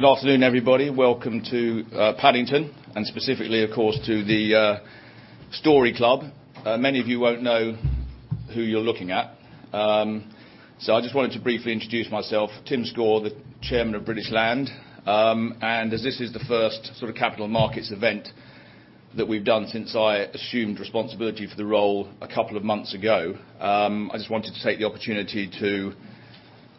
Good afternoon, everybody. Welcome to Paddington, and specifically, of course, to the Storey Club. Many of you won't know who you're looking at, so I just wanted to briefly introduce myself, Tim Score, the Chairman of British Land. As this is the first capital markets event that we've done since I assumed responsibility for the role a couple of months ago, I just wanted to take the opportunity to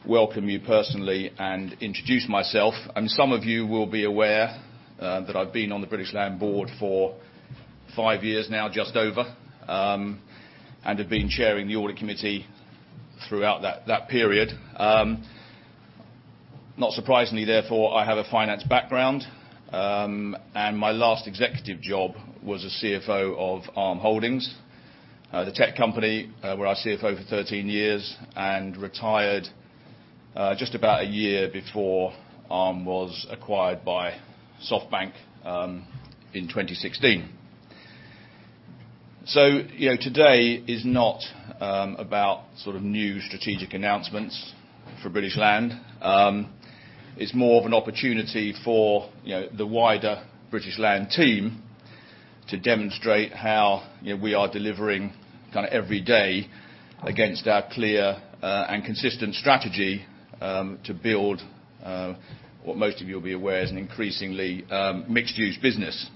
welcome you personally and introduce myself. Some of you will be aware that I've been on the British Land board for five years now, just over, and have been chairing the audit committee throughout that period. Not surprisingly, therefore, I have a finance background. My last executive job was a CFO of ARM Holdings, the tech company where I was CFO for 13 years, and retired just about a year before ARM was acquired by SoftBank in 2016. Today is not about new strategic announcements for British Land. It's more of an opportunity for the wider British Land team to demonstrate how we are delivering every day against our clear and consistent strategy, to build what most of you will be aware is an increasingly mixed-use business.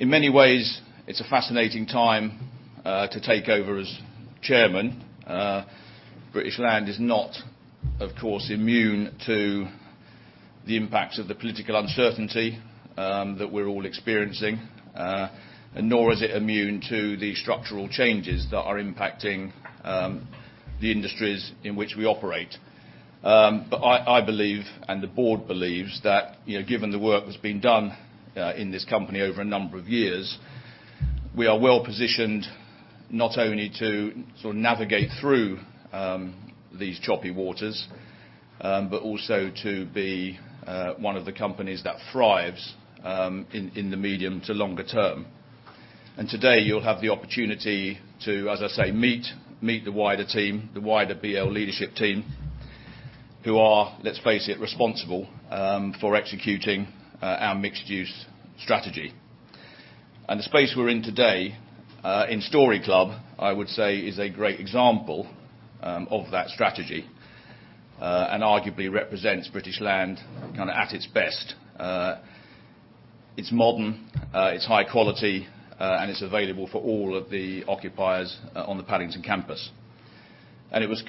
In many ways, it's a fascinating time to take over as chairman. British Land is not, of course, immune to the impacts of the political uncertainty that we're all experiencing. Nor is it immune to the structural changes that are impacting the industries in which we operate. I believe, and the board believes, that given the work that's been done in this company over a number of years, we are well positioned not only to navigate through these choppy waters, but also to be one of the companies that thrives in the medium to longer term. Today, you'll have the opportunity to, as I say, meet the wider team, the wider BL leadership team, who are, let's face it, responsible for executing our mixed-use strategy. The space we're in today, in Storey Club, I would say is a great example of that strategy, and arguably represents British Land at its best. It's modern, it's high quality, and it's available for all of the occupiers on the Paddington campus. It was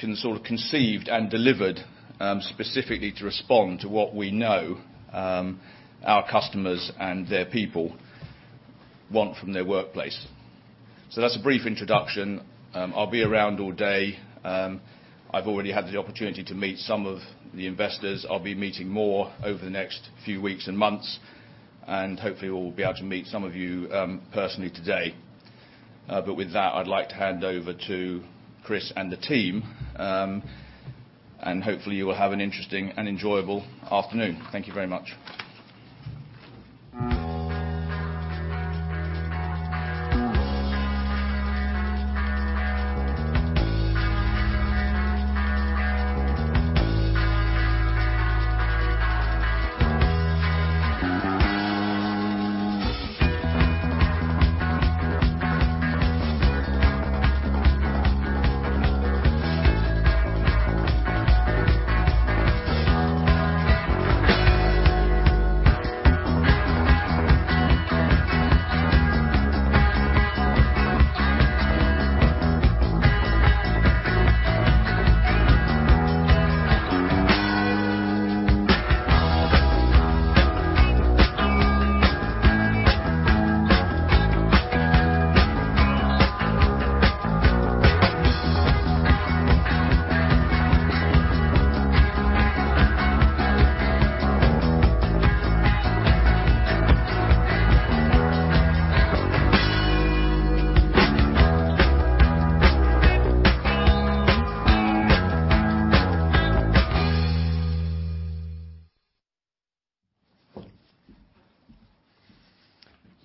conceived and delivered specifically to respond to what we know our customers and their people want from their workplace. That's a brief introduction. I'll be around all day. I've already had the opportunity to meet some of the investors. I'll be meeting more over the next few weeks and months, and hopefully will be able to meet some of you personally today. With that, I'd like to hand over to Chris and the team, and hopefully you will have an interesting and enjoyable afternoon. Thank you very much.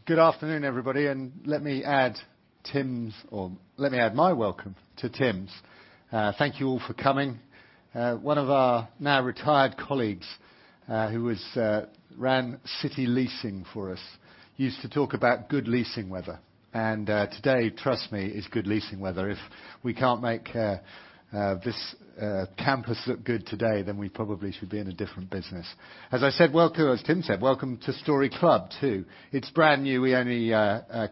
Good afternoon, everybody. Let me add Tim's, or let me add my welcome to Tim's. Thank you all for coming. One of our now retired colleagues, who ran City Leasing for us, used to talk about good leasing weather. Today, trust me, is good leasing weather. If we can't make this campus look good today, we probably should be in a different business. As I said, welcome. As Tim said, welcome to Storey Club, too. It's brand new. We only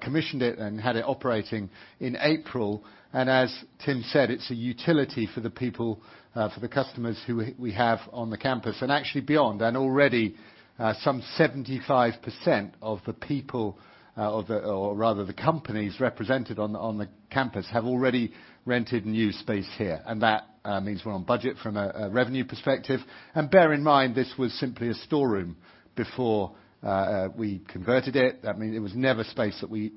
commissioned it and had it operating in April. As Tim said, it's a utility for the people, for the customers who we have on the campus, and actually beyond. Already, some 75% of the people, or rather the companies represented on the campus, have already rented new space here, and that means we're on budget from a revenue perspective. Bear in mind, this was simply a storeroom before we converted it. It was never space that we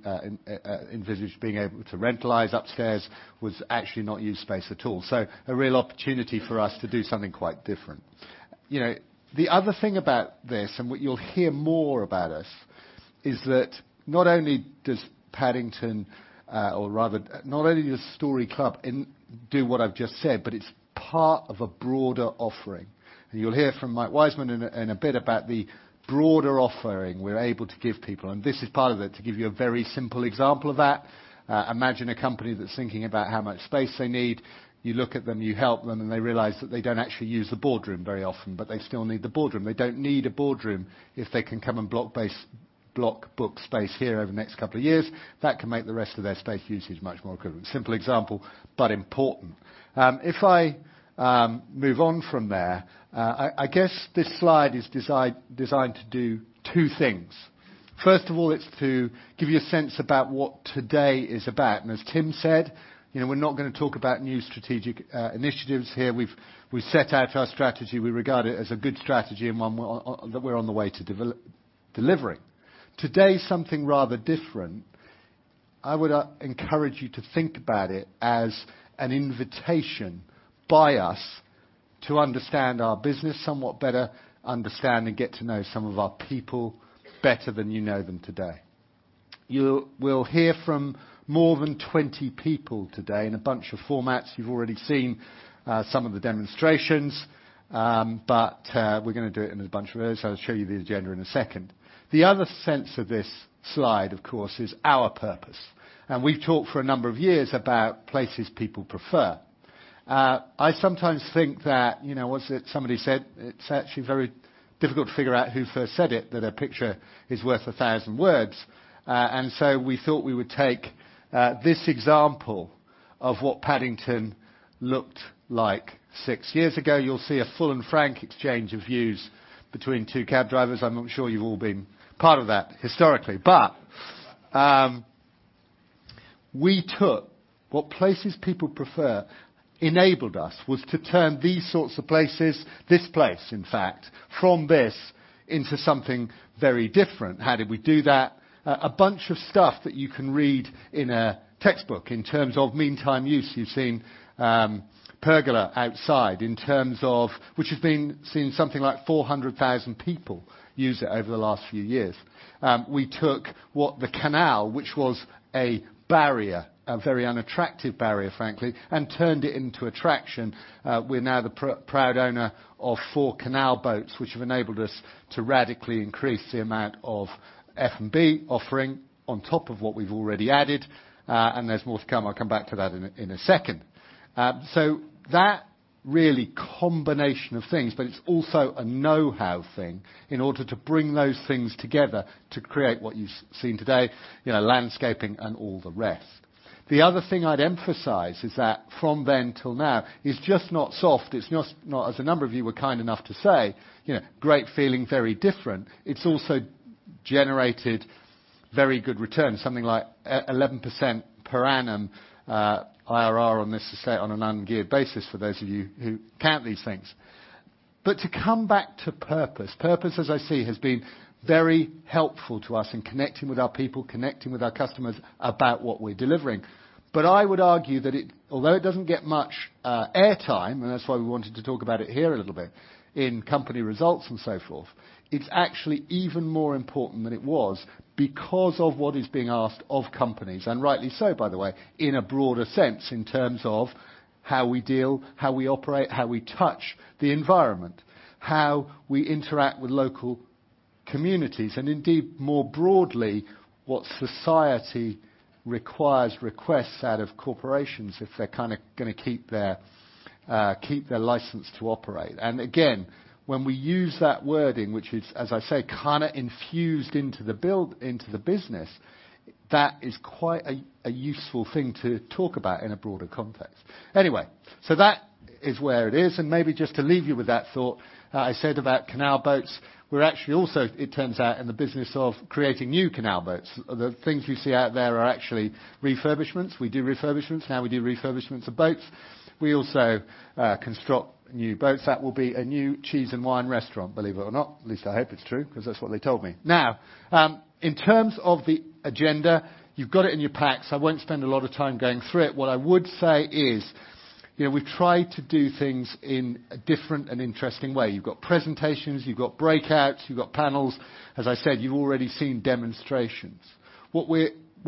envisaged being able to rentalize upstairs, was actually not used space at all. A real opportunity for us to do something quite different. The other thing about this, and what you'll hear more about us, is that not only does Paddington, or rather, not only does Storey Club do what I've just said, but it's part of a broader offering. You'll hear from Mike Wiseman in a bit about the broader offering we're able to give people, and this is part of it. To give you a very simple example of that, imagine a company that's thinking about how much space they need. You look at them, you help them, and they realize that they don't actually use the boardroom very often, but they still need the boardroom. They don't need a boardroom if they can come and block book space here over the next couple of years. That can make the rest of their space usage much more equivalent. Simple example, but important. If I move on from there, I guess this slide is designed to do two things. First of all, it's to give you a sense about what today is about. As Tim said, we're not going to talk about new strategic initiatives here. We've set out our strategy. We regard it as a good strategy and one that we're on the way to delivering. Today is something rather different. I would encourage you to think about it as an invitation by us to understand our business somewhat better, understand and get to know some of our people better than you know them today. You will hear from more than 20 people today in a bunch of formats. You've already seen some of the demonstrations. We're going to do it in a bunch of ways. I'll show you the agenda in a second. The other sense of this slide, of course, is our purpose. We've talked for a number of years about places people prefer. I sometimes think that, what is it somebody said? It's actually very difficult to figure out who first said it, that a picture is worth a thousand words. We thought we would take this example of what Paddington looked like six years ago. You'll see a full and frank exchange of views between two cab drivers. I'm not sure you've all been part of that historically. What places people prefer enabled us was to turn these sorts of places, this place, in fact, from this into something very different. How did we do that? A bunch of stuff that you can read in a textbook in terms of meantime use. You've seen Pergola outside, which has seen something like 400,000 people use it over the last few years. We took what the canal, which was a barrier, a very unattractive barrier, frankly, and turned it into attraction. We're now the proud owner of four canal boats, which have enabled us to radically increase the amount of F&B offering on top of what we've already added. There's more to come, I'll come back to that in a second. That really combination of things, it's also a know-how thing in order to bring those things together to create what you've seen today, landscaping and all the rest. The other thing I'd emphasize is that from then till now, it's just not soft. It's not, as a number of you were kind enough to say, great feeling, very different. It's also generated very good returns, something like 11% per annum IRR on this, as I say, on an ungeared basis for those of you who count these things. To come back to purpose. Purpose, as I see, has been very helpful to us in connecting with our people, connecting with our customers about what we're delivering. I would argue that although it doesn't get much air time, and that's why we wanted to talk about it here a little bit, in company results and so forth, it's actually even more important than it was because of what is being asked of companies, and rightly so, by the way, in a broader sense, in terms of how we deal, how we operate, how we touch the environment, how we interact with local communities, and indeed, more broadly, what society requires, requests out of corporations if they're going to keep their license to operate. Again, when we use that wording, which is, as I say, kind of infused into the business, that is quite a useful thing to talk about in a broader context. That is where it is, and maybe just to leave you with that thought, I said about canal boats. We're actually also, it turns out, in the business of creating new canal boats. The things you see out there are actually refurbishments. We do refurbishments now. We do refurbishments of boats. We also construct new boats. That will be a new cheese and wine restaurant, believe it or not. At least I hope it's true, because that's what they told me. Now, in terms of the agenda, you've got it in your packs. I won't spend a lot of time going through it. What I would say is, we've tried to do things in a different and interesting way. You've got presentations, you've got breakouts, you've got panels. As I said, you've already seen demonstrations. What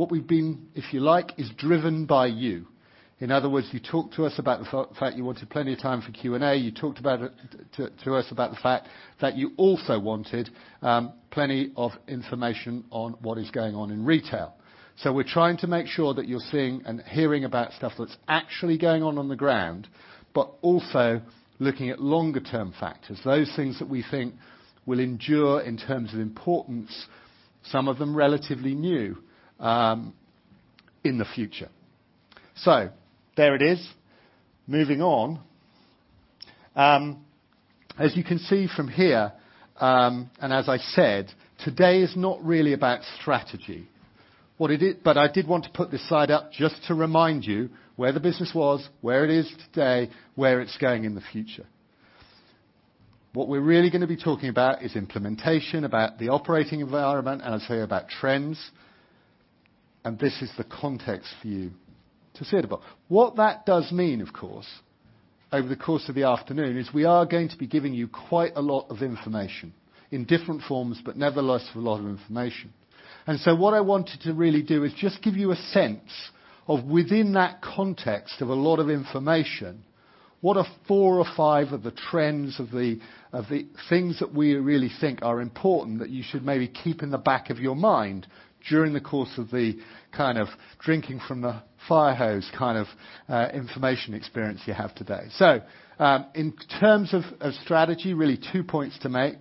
we've been, if you like, is driven by you. In other words, you talk to us about the fact you wanted plenty of time for Q&A. You talked to us about the fact that you also wanted plenty of information on what is going on in retail. We're trying to make sure that you're seeing and hearing about stuff that's actually going on on the ground, but also looking at longer-term factors. Those things that we think will endure in terms of importance, some of them relatively new, in the future. There it is. Moving on. As you can see from here, as I said, today is not really about strategy. I did want to put this slide up just to remind you where the business was, where it is today, where it's going in the future. What we're really going to be talking about is implementation, about the operating environment, and I say about trends. This is the context for you to see it about. What that does mean, over the course of the afternoon is we are going to be giving you quite a lot of information in different forms, but nevertheless, a lot of information. What I wanted to really do is just give you a sense of within that context of a lot of information, what are four or five of the trends of the things that we really think are important that you should maybe keep in the back of your mind during the course of the kind of drinking from the fire hose kind of information experience you have today. In terms of strategy, really two points to make.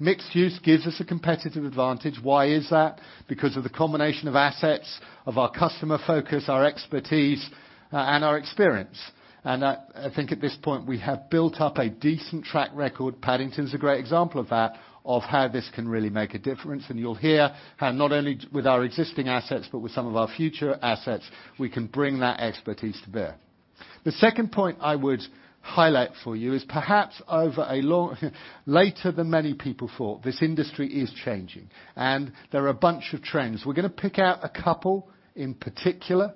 mixed-use gives us a competitive advantage. Why is that? Because of the combination of assets, of our customer focus, our expertise, and our experience. I think at this point we have built up a decent track record. Paddington's a great example of that, of how this can really make a difference. You'll hear how not only with our existing assets, but with some of our future assets, we can bring that expertise to bear. The second point I would highlight for you is perhaps later than many people thought, this industry is changing and there are a bunch of trends. We're going to pick out a couple in particular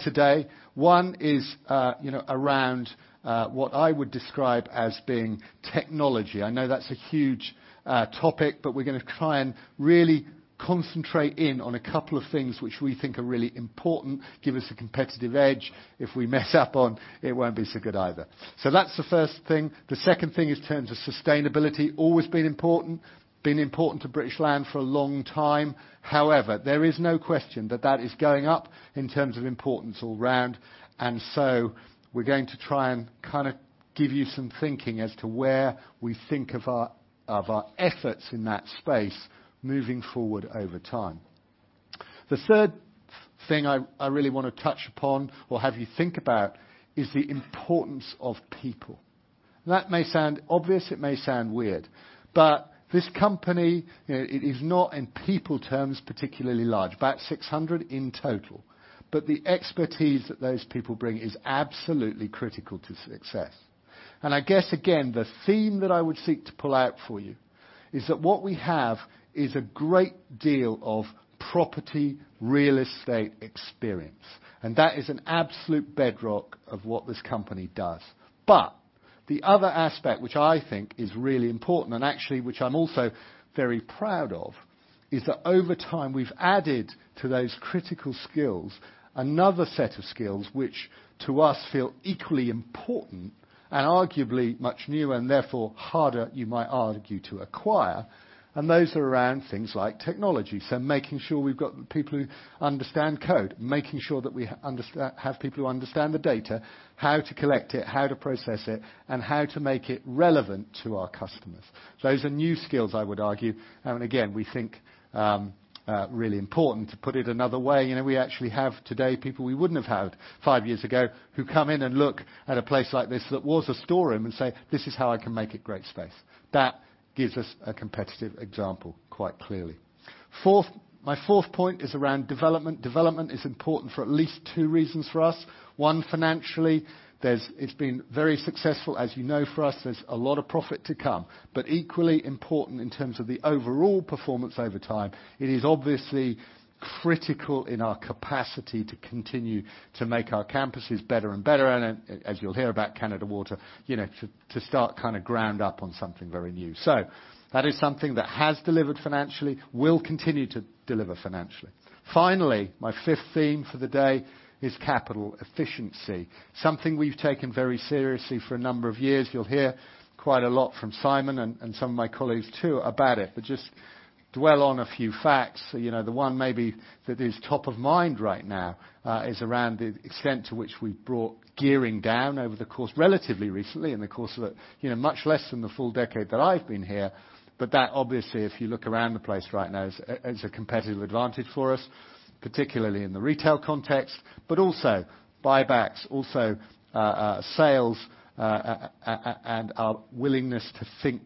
today. One is around what I would describe as being technology. I know that's a huge topic, but we're going to try and really concentrate in on a couple of things which we think are really important, give us a competitive edge. If we mess up on, it won't be so good either. That's the first thing. The second thing is in terms of sustainability, always been important, been important to British Land for a long time. There is no question that that is going up in terms of importance all round. We're going to try and kind of give you some thinking as to where we think of our efforts in that space moving forward over time. The third thing I really want to touch upon or have you think about is the importance of people. That may sound obvious, it may sound weird, but this company, it is not in people terms particularly large, about 600 in total, but the expertise that those people bring is absolutely critical to success. I guess again, the theme that I would seek to pull out for you is that what we have is a great deal of property real estate experience, and that is an absolute bedrock of what this company does. The other aspect which I think is really important, and actually which I'm also very proud of, is that over time we've added to those critical skills another set of skills which to us feel equally important and arguably much newer and therefore harder, you might argue, to acquire, and those are around things like technology. Making sure we've got people who understand code, making sure that we have people who understand the data, how to collect it, how to process it, and how to make it relevant to our customers. Those are new skills I would argue, and again, we think, really important. To put it another way, we actually have today people we wouldn't have had five years ago who come in and look at a place like this that was a storeroom and say, "This is how I can make a great space." That gives us a competitive example quite clearly. My fourth point is around development. Development is important for at least two reasons for us. One, financially, it's been very successful. As you know, for us, there's a lot of profit to come, but equally important in terms of the overall performance over time, it is obviously critical in our capacity to continue to make our campuses better and better. As you'll hear about Canada Water, to start ground up on something very new. That is something that has delivered financially, will continue to deliver financially. Finally, my fifth theme for the day is capital efficiency. Something we've taken very seriously for a number of years. You'll hear quite a lot from Simon and some of my colleagues too about it. Just dwell on a few facts. The one maybe that is top of mind right now, is around the extent to which we've brought gearing down over the course, relatively recently, in the course of much less than the full decade that I've been here, that obviously, if you look around the place right now, is a competitive advantage for us, particularly in the retail context, but also buybacks, also sales, and our willingness to think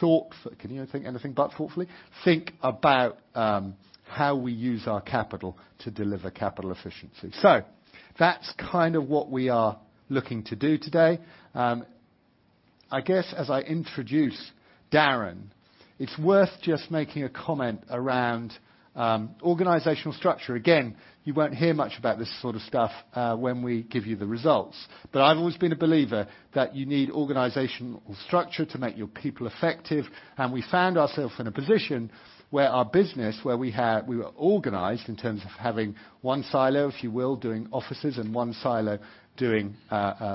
thoughtfully. Can you think anything but thoughtfully? Think about how we use our capital to deliver capital efficiency. That's kind of what we are looking to do today. I guess as I introduce Darren, it's worth just making a comment around organizational structure. You won't hear much about this sort of stuff when we give you the results, but I've always been a believer that you need organizational structure to make your people effective. We found ourselves in a position where our business, where we were organized in terms of having one silo, if you will, doing offices and one silo doing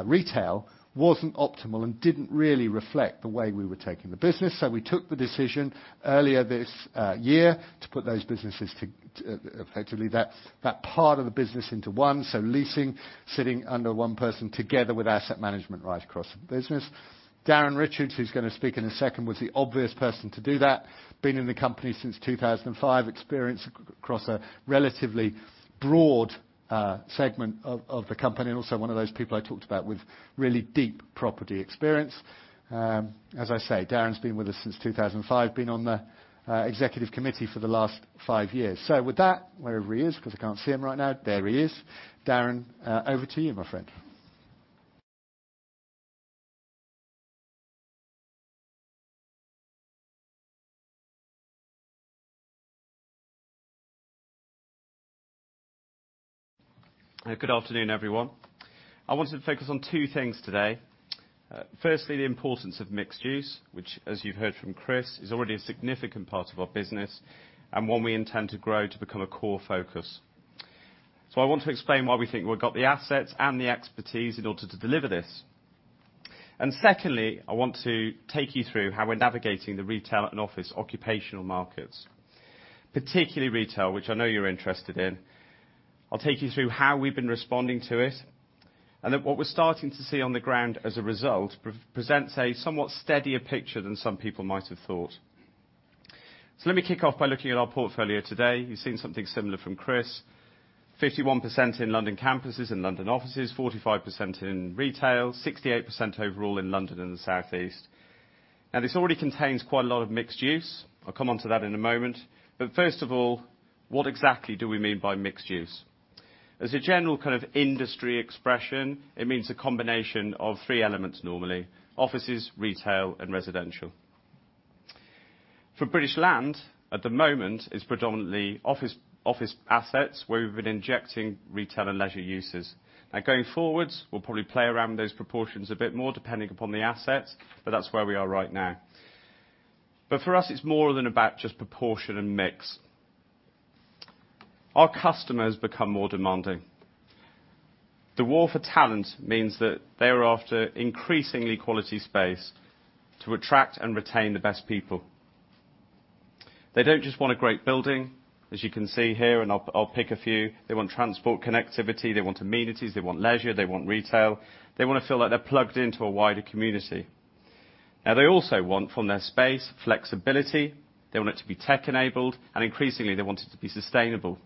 retail, wasn't optimal and didn't really reflect the way we were taking the business. We took the decision earlier this year to put those businesses to effectively that part of the business into one. Leasing sitting under one person together with asset management right across the business. Darren Richards, who's going to speak in a second, was the obvious person to do that. He has been in the company since 2005. Experience across a relatively broad segment of the company and also one of those people I talked about with really deep property experience. As I say, Darren's been with us since 2005, been on the executive committee for the last five years. With that, wherever he is, because I can't see him right now. There he is. Darren, over to you, my friend. Good afternoon, everyone. I wanted to focus on two things today. Firstly, the importance of mixed-use, which as you've heard from Chris, is already a significant part of our business and one we intend to grow to become a core focus. I want to explain why we think we've got the assets and the expertise in order to deliver this. Secondly, I want to take you through how we're navigating the retail and office occupational markets. Particularly retail, which I know you're interested in. I'll take you through how we've been responding to it, and that what we're starting to see on the ground as a result, presents a somewhat steadier picture than some people might have thought. Let me kick off by looking at our portfolio today. You've seen something similar from Chris, 51% in London campuses and London offices, 45% in retail, 68% overall in London and the Southeast. This already contains quite a lot of mixed-use. I'll come onto that in a moment. First of all, what exactly do we mean by mixed-use? As a general kind of industry expression, it means a combination of three elements normally, offices, retail, and residential. For British Land, at the moment, it's predominantly office assets where we've been injecting retail and leisure uses. Going forwards, we'll probably play around with those proportions a bit more depending upon the assets, that's where we are right now. For us, it's more than about just proportion and mix. Our customers become more demanding. The war for talent means that they're after increasingly quality space to attract and retain the best people. They don't just want a great building, as you can see here, and I'll pick a few. They want transport connectivity, they want amenities, they want leisure, they want retail. They want to feel like they're plugged into a wider community. They also want from their space, flexibility. They want it to be tech enabled and increasingly they want it to be sustainable.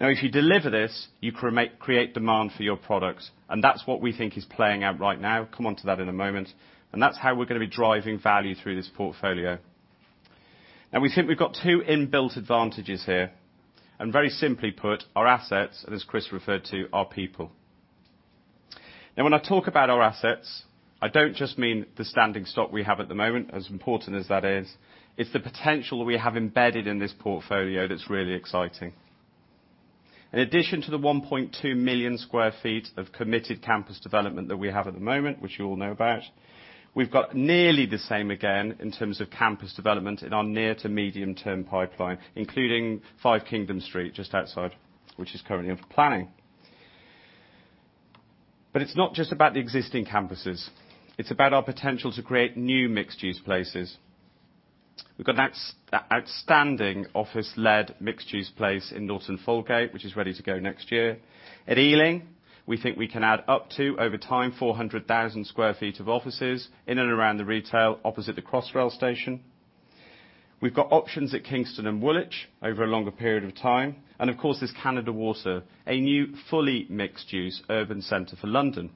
If you deliver this, you create demand for your product, and that's what we think is playing out right now. Come onto that in a moment. That's how we're going to be driving value through this portfolio. We think we've got two inbuilt advantages here, and very simply put, our assets and as Chris referred to, our people. When I talk about our assets, I don't just mean the standing stock we have at the moment, as important as that is. It's the potential that we have embedded in this portfolio that's really exciting. In addition to the 1.2 million sq ft of committed campus development that we have at the moment, which you all know about, we've got nearly the same again in terms of campus development in our near to medium term pipeline, including 5 Kingdom Street, just outside, which is currently in for planning. It's not just about the existing campuses. It's about our potential to create new mixed-use places. We've got that outstanding office-led mixed-use place in Norton Folgate, which is ready to go next year. At Ealing, we think we can add up to, over time, 400,000 sq ft of offices in and around the retail opposite the Crossrail station. We've got options at Kingston and Woolwich over a longer period of time. Of course, there's Canada Water, a new fully mixed-use urban center for London.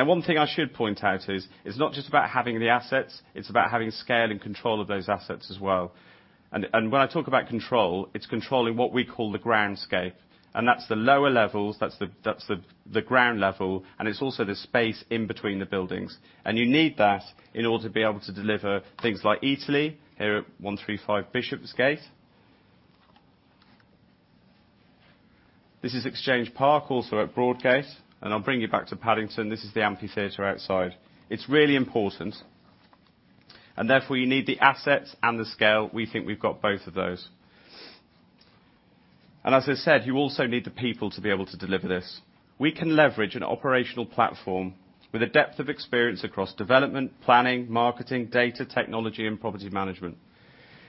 Now, one thing I should point out is, it's not just about having the assets, it's about having scale and control of those assets as well. When I talk about control, it's controlling what we call the ground scape, that's the lower levels, that's the ground level, and it's also the space in between the buildings. You need that in order to be able to deliver things like Eataly, here at 135 Bishopsgate. This is Exchange Park, also at Broadgate. I'll bring you back to Paddington. This is the amphitheater outside. It's really important, therefore you need the assets and the scale. We think we've got both of those. As I said, you also need the people to be able to deliver this. We can leverage an operational platform with a depth of experience across development, planning, marketing, data technology, and property management.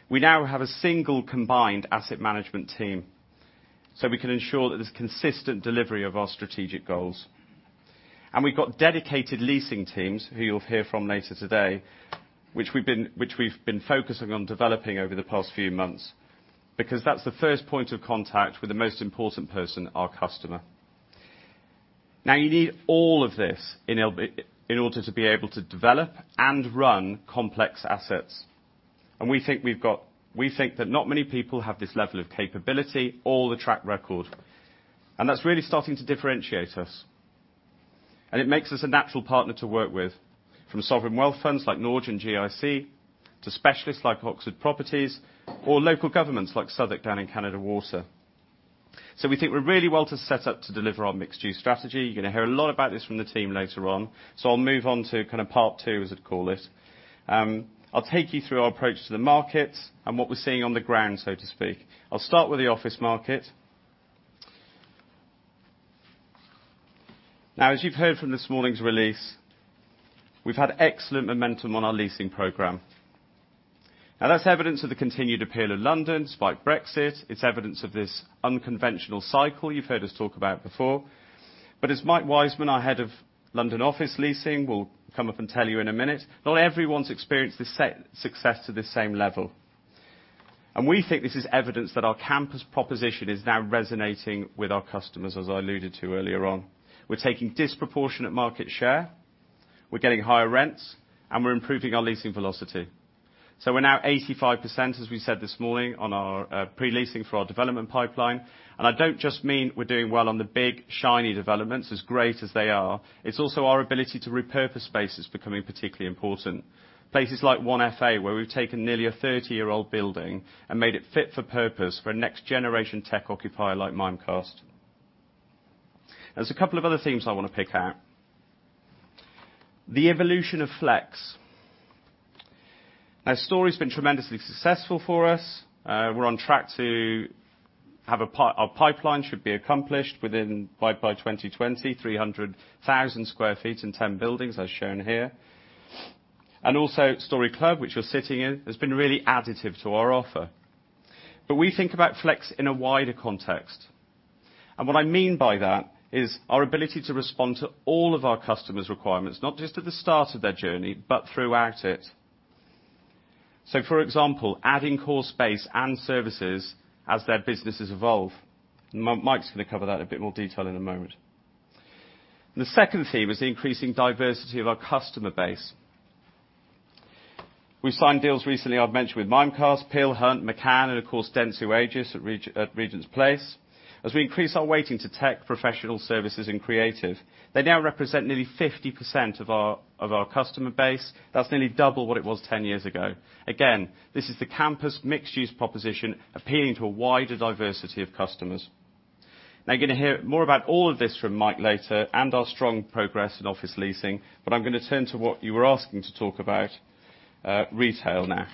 We now have a single combined asset management team. We can ensure that there's consistent delivery of our strategic goals. We've got dedicated leasing teams who you'll hear from later today, which we've been focusing on developing over the past few months, because that's the first point of contact with the most important person, our customer. You need all of this in order to be able to develop and run complex assets. We think that not many people have this level of capability or the track record, and that's really starting to differentiate us. It makes us a natural partner to work with, from sovereign wealth funds like Norge and GIC, to specialists like Oxford Properties or local governments like Southwark down in Canada Water. We think we're really well to set up to deliver our mixed-use strategy. You're going to hear a lot about this from the team later on. I'll move on to kind of part two, as I'd call it. I'll take you through our approach to the market and what we're seeing on the ground, so to speak. I'll start with the office market. As you've heard from this morning's release, we've had excellent momentum on our leasing program. That's evidence of the continued appeal of London, despite Brexit. It's evidence of this unconventional cycle you've heard us talk about before. As Mike Wiseman, our head of London office leasing, will come up and tell you in a minute, not everyone's experienced the success to the same level. We think this is evidence that our campus proposition is now resonating with our customers, as I alluded to earlier on. We're taking disproportionate market share, we're getting higher rents, and we're improving our leasing velocity. We're now 85%, as we said this morning, on our pre-leasing for our development pipeline. I don't just mean we're doing well on the big, shiny developments as great as they are. It's also our ability to repurpose space is becoming particularly important. Places like 1FA, where we've taken nearly a 30-year-old building and made it fit for purpose for a next generation tech occupier like Mimecast. There's a couple of other themes I want to pick out. The evolution of flex. Now, Storey's been tremendously successful for us. We're on track to have a pipeline should be accomplished by 2020, 300,000 sq ft in 10 buildings, as shown here. Storey Club, which you're sitting in, has been really additive to our offer. We think about flex in a wider context. What I mean by that is our ability to respond to all of our customers' requirements, not just at the start of their journey, but throughout it. For example, adding core space and services as their businesses evolve. Mike's going to cover that in a bit more detail in a moment. The second theme is the increasing diversity of our customer base. We've signed deals recently, I've mentioned, with Mimecast, Peel Hunt, McCann, and of course Dentsu Aegis at Regent's Place. As we increase our weighting to tech professional services and creative, they now represent nearly 50% of our customer base. That's nearly double what it was 10 years ago. Again, this is the campus mixed-use proposition appealing to a wider diversity of customers. You're going to hear more about all of this from Mike later and our strong progress in office leasing, but I'm going to turn to what you were asking to talk about, retail now.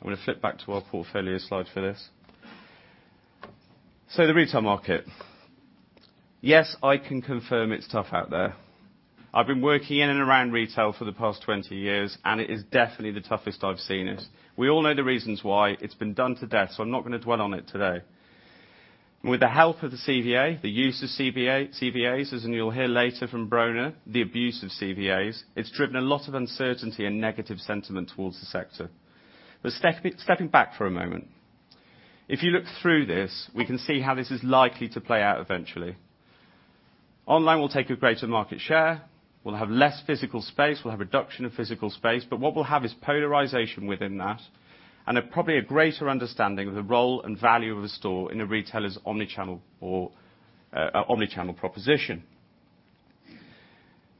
I'm going to flip back to our portfolio slide for this. The retail market, yes, I can confirm it's tough out there. I've been working in and around retail for the past 20 years, and it is definitely the toughest I've seen it. We all know the reasons why. It's been done to death, so I'm not going to dwell on it today. With the help of the CVA, the use of CVAs, as you'll hear later from Brona, the abuse of CVAs, it's driven a lot of uncertainty and negative sentiment towards the sector. Stepping back for a moment, if you look through this, we can see how this is likely to play out eventually. Online will take a greater market share, we'll have less physical space, we'll have reduction of physical space, but what we'll have is polarization within that and probably a greater understanding of the role and value of a store in a retailer's omni-channel proposition.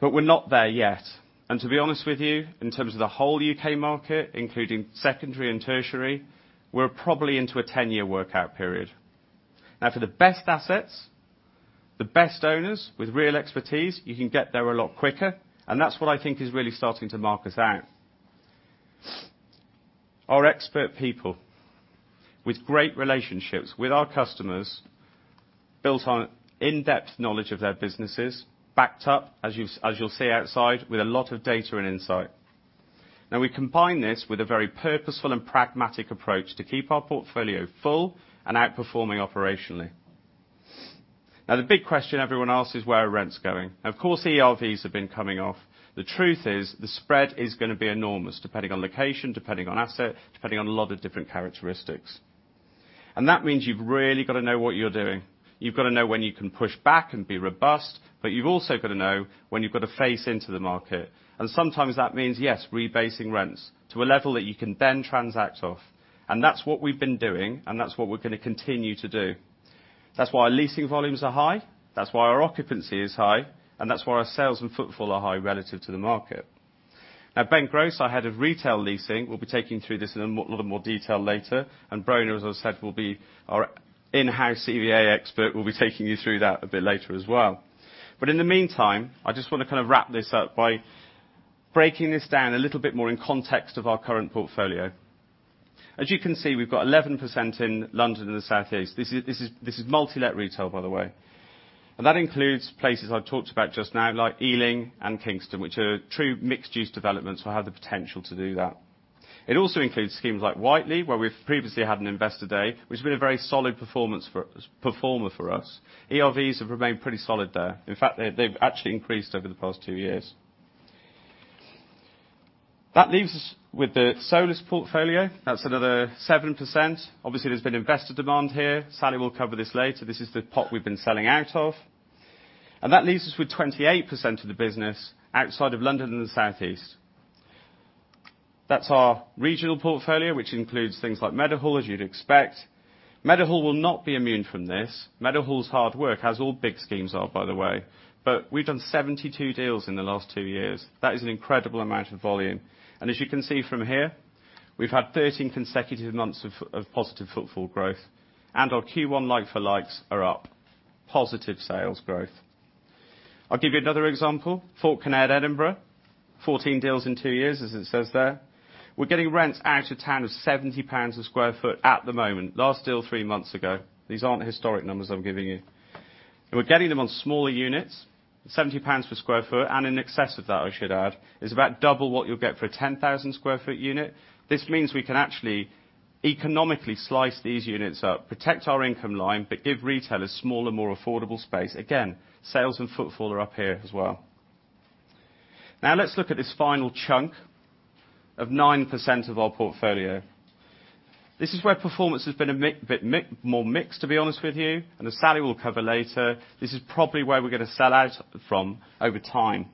We're not there yet. To be honest with you, in terms of the whole U.K. market, including secondary and tertiary, we're probably into a 10-year workout period. For the best assets, the best owners with real expertise, you can get there a lot quicker, and that's what I think is really starting to mark us out. Our expert people with great relationships with our customers, built on in-depth knowledge of their businesses, backed up, as you'll see outside, with a lot of data and insight. We combine this with a very purposeful and pragmatic approach to keep our portfolio full and outperforming operationally. The big question everyone asks is where are rents going? Of course, ERVs have been coming off. The truth is, the spread is going to be enormous, depending on location, depending on asset, depending on a lot of different characteristics. That means you've really got to know what you're doing. You've got to know when you can push back and be robust, but you've also got to know when you've got to face into the market. Sometimes that means, yes, rebasing rents to a level that you can then transact off. That's what we've been doing, and that's what we're going to continue to do. That's why our leasing volumes are high, that's why our occupancy is high, and that's why our sales and footfall are high relative to the market. Ben Grose, our head of retail leasing, will be taking you through this in a lot more detail later, and Brona, as I said, will be our in-house CVA expert, will be taking you through that a bit later as well. In the meantime, I just want to wrap this up by breaking this down a little bit more in context of our current portfolio. As you can see, we've got 11% in London and the Southeast. This is multi-let retail, by the way. That includes places I've talked about just now, like Ealing and Kingston, which are true mixed-use developments, so have the potential to do that. It also includes schemes like Whiteley, where we've previously had an investor day, which has been a very solid performer for us. ERVs have remained pretty solid there. In fact, they've actually increased over the past two years. That leaves us with the solus portfolio. That's another 7%. Obviously, there's been investor demand here. Sally will cover this later. This is the pot we've been selling out of. That leaves us with 28% of the business outside of London and the Southeast. That's our regional portfolio, which includes things like Meadowhall, as you'd expect. Meadowhall will not be immune from this. Meadowhall's hard work, as all big schemes are, by the way. We've done 72 deals in the last two years. That is an incredible amount of volume. As you can see from here, we've had 13 consecutive months of positive footfall growth, and our Q1 like for likes are up. Positive sales growth. I'll give you another example. Falkirk and Edinburgh, 14 deals in two years, as it says there. We're getting rents out of town of 70 pounds a sq ft at the moment. Last deal three months ago. These aren't historic numbers I'm giving you. We're getting them on smaller units, 70 pounds per sq ft, and in excess of that, I should add, is about double what you'll get for a 10,000 sq ft unit. This means we can actually economically slice these units up, protect our income line, but give retailers smaller, more affordable space. Again, sales and footfall are up here as well. Let's look at this final chunk of 9% of our portfolio. This is where performance has been a bit more mixed, to be honest with you. As Sally will cover later, this is probably where we're going to sell out from over time.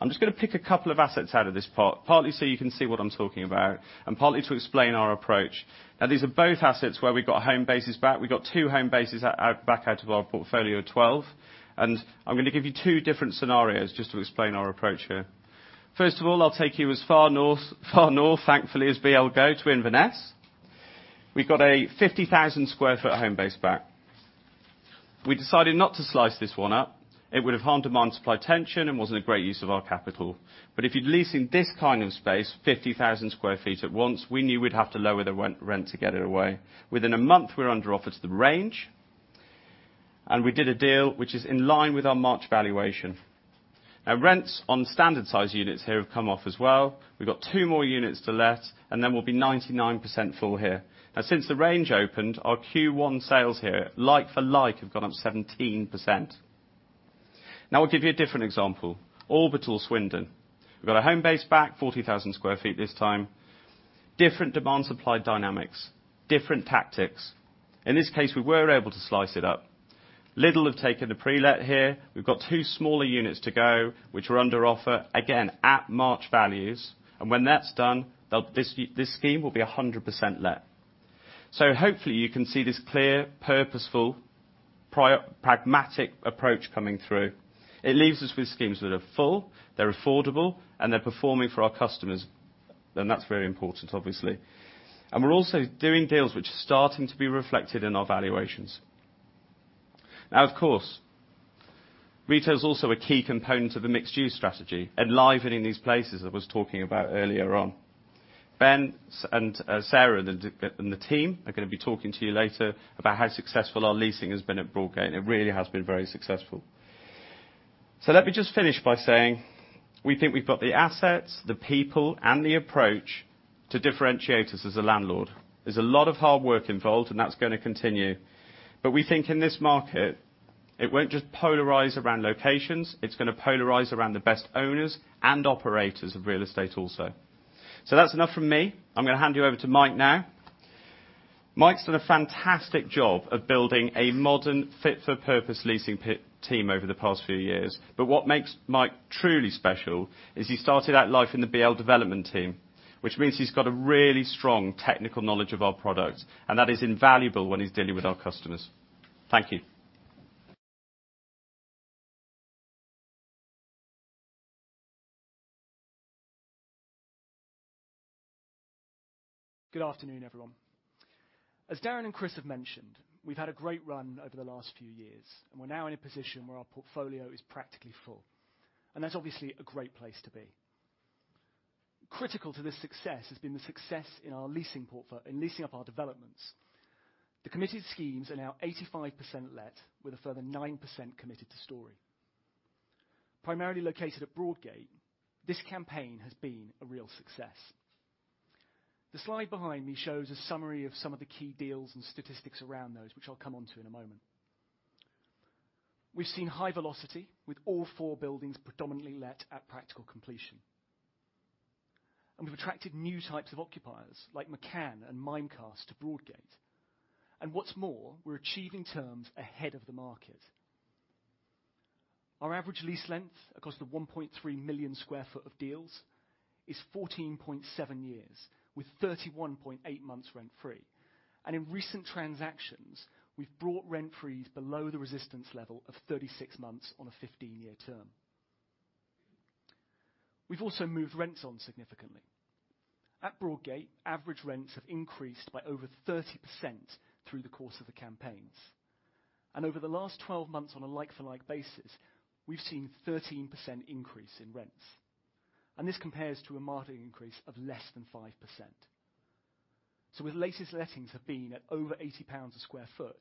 I'm just going to pick a couple of assets out of this pot, partly so you can see what I'm talking about, and partly to explain our approach. These are both assets where we got Homebase bases back. We got two Homebase bases back out of our portfolio of 12. I'm going to give you two different scenarios just to explain our approach here. First of all, I'll take you as far north, thankfully, as we able to go to Inverness. We got a 50,000 sq ft Homebase base back. We decided not to slice this one up. It would have harmed demand supply tension and wasn't a great use of our capital. If you're leasing this kind of space, 50,000 sq ft at once, we knew we'd have to lower the rent to get it away. Within a month, we're under offer to The Range, and we did a deal which is in line with our March valuation. Rents on standard size units here have come off as well. We've got two more units to let, and then we'll be 99% full here. Since The Range opened, our Q1 sales here, like for like, have gone up 17%. I'll give you a different example. Orbital Swindon. We've got a Homebase back 40,000 sq ft this time. Different demand supply dynamics, different tactics. In this case, we were able to slice it up. Lidl have taken a pre-let here. We've got two smaller units to go, which are under offer, again, at March values. When that's done, this scheme will be 100% let. Hopefully you can see this clear, purposeful, pragmatic approach coming through. It leaves us with schemes that are full, they're affordable, and they're performing for our customers. That's very important, obviously. We're also doing deals which are starting to be reflected in our valuations. Now, of course, retail is also a key component of the mixed-use strategy, enlivening these places I was talking about earlier on. Ben and Sarah and the team are going to be talking to you later about how successful our leasing has been at Broadgate. It really has been very successful. Let me just finish by saying, we think we've got the assets, the people, and the approach to differentiate us as a landlord. There's a lot of hard work involved, and that's going to continue. We think in this market, it won't just polarize around locations, it's going to polarize around the best owners and operators of real estate also. That's enough from me. I'm going to hand you over to Mike now. Mike's done a fantastic job of building a modern fit for purpose leasing team over the past few years. What makes Mike truly special is he started out life in the BL development team, which means he's got a really strong technical knowledge of our product, and that is invaluable when he's dealing with our customers. Thank you. Good afternoon, everyone. As Darren and Chris have mentioned, we've had a great run over the last few years, and we're now in a position where our portfolio is practically full, and that's obviously a great place to be. Critical to this success has been the success in leasing up our developments. The committed schemes are now 85% let, with a further 9% committed to Storey. Primarily located at Broadgate, this campaign has been a real success. The slide behind me shows a summary of some of the key deals and statistics around those, which I'll come onto in a moment. We've seen high velocity with all four buildings predominantly let at practical completion. We've attracted new types of occupiers, like McCann and Mimecast to Broadgate. What's more, we're achieving terms ahead of the market. Our average lease length, across the 1.3 million sq ft of deals, is 14.7 years, with 31.8 months rent-free. In recent transactions, we've brought rent-free below the resistance level of 36 months on a 15-year term. We've also moved rents on significantly. At Broadgate, average rents have increased by over 30% through the course of the campaigns. Over the last 12 months on a like for like basis, we've seen 13% increase in rents. This compares to a market increase of less than 5%. The latest lettings have been at over 80 pounds a sq ft,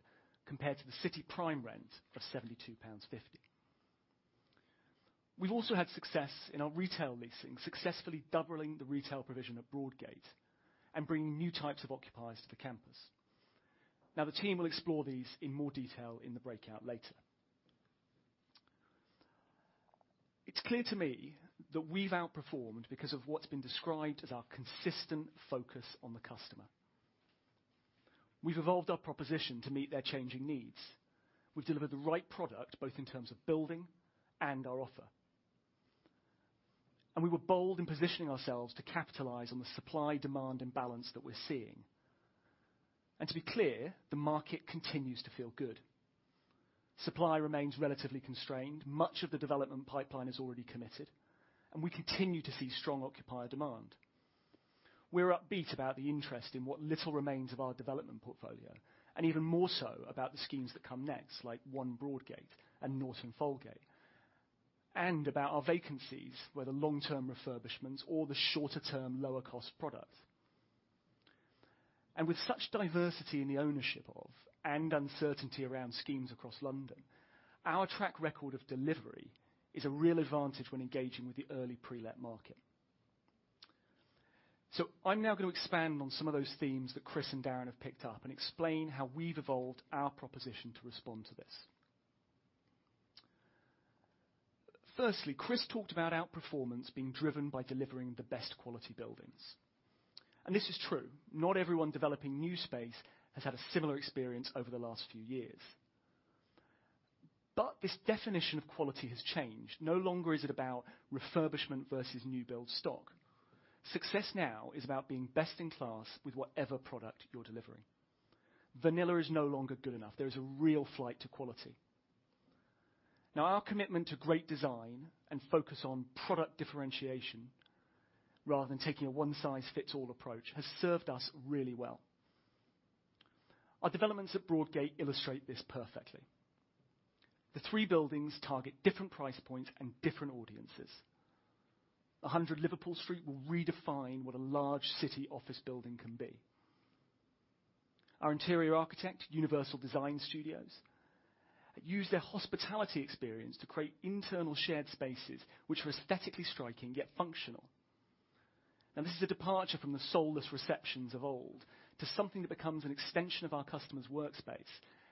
compared to the city prime rent of 72.50 pounds. We've also had success in our retail leasing, successfully doubling the retail provision at Broadgate and bringing new types of occupiers to the campus. Now, the team will explore these in more detail in the breakout later. It's clear to me that we've outperformed because of what's been described as our consistent focus on the customer. We've evolved our proposition to meet their changing needs. We've delivered the right product, both in terms of building and our offer. We were bold in positioning ourselves to capitalize on the supply-demand imbalance that we're seeing. To be clear, the market continues to feel good. Supply remains relatively constrained. Much of the development pipeline is already committed, and we continue to see strong occupier demand. We're upbeat about the interest in what little remains of our development portfolio, and even more so about the schemes that come next, like One Broadgate and Norton Folgate, and about our vacancies, where the long-term refurbishments or the shorter-term, lower-cost product. With such diversity in the ownership of and uncertainty around schemes across London, our track record of delivery is a real advantage when engaging with the early pre-let market. I'm now going to expand on some of those themes that Chris and Darren have picked up and explain how we've evolved our proposition to respond to this. Firstly, Chris talked about outperformance being driven by delivering the best quality buildings. This is true. Not everyone developing new space has had a similar experience over the last few years. This definition of quality has changed. No longer is it about refurbishment versus new build stock. Success now is about being best in class with whatever product you're delivering. Vanilla is no longer good enough. There is a real flight to quality. Our commitment to great design and focus on product differentiation, rather than taking a one-size-fits-all approach, has served us really well. Our developments at Broadgate illustrate this perfectly. The three buildings target different price points and different audiences. 100 Liverpool Street will redefine what a large city office building can be. Our interior architect, Universal Design Studio, use their hospitality experience to create internal shared spaces which are aesthetically striking, yet functional. This is a departure from the soulless receptions of old to something that becomes an extension of our customers' workspace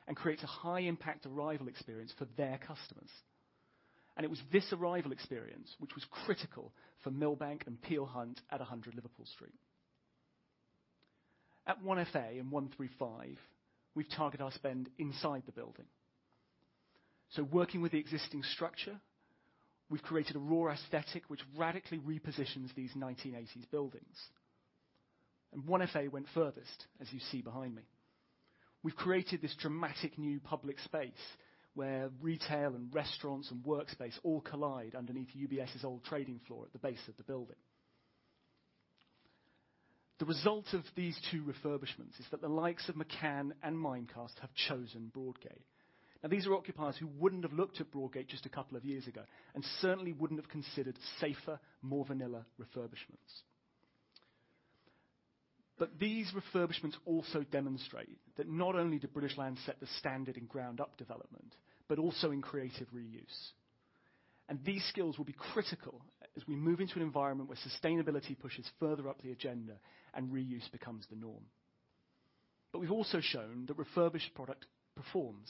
and creates a high-impact arrival experience for their customers. It was this arrival experience which was critical for Milbank and Peel Hunt at 100 Liverpool Street. At 1FA and 135, we target our spend inside the building. Working with the existing structure, we've created a raw aesthetic which radically repositions these 1980s buildings. 1FA went furthest, as you see behind me. We've created this dramatic new public space where retail and restaurants and workspace all collide underneath UBS's old trading floor at the base of the building. The result of these two refurbishments is that the likes of McCann and Mimecast have chosen Broadgate. These are occupiers who wouldn't have looked at Broadgate just a couple of years ago and certainly wouldn't have considered safer, more vanilla refurbishments. These refurbishments also demonstrate that not only do British Land set the standard in ground-up development, but also in creative reuse. These skills will be critical as we move into an environment where sustainability pushes further up the agenda and reuse becomes the norm. We've also shown that refurbished product performs.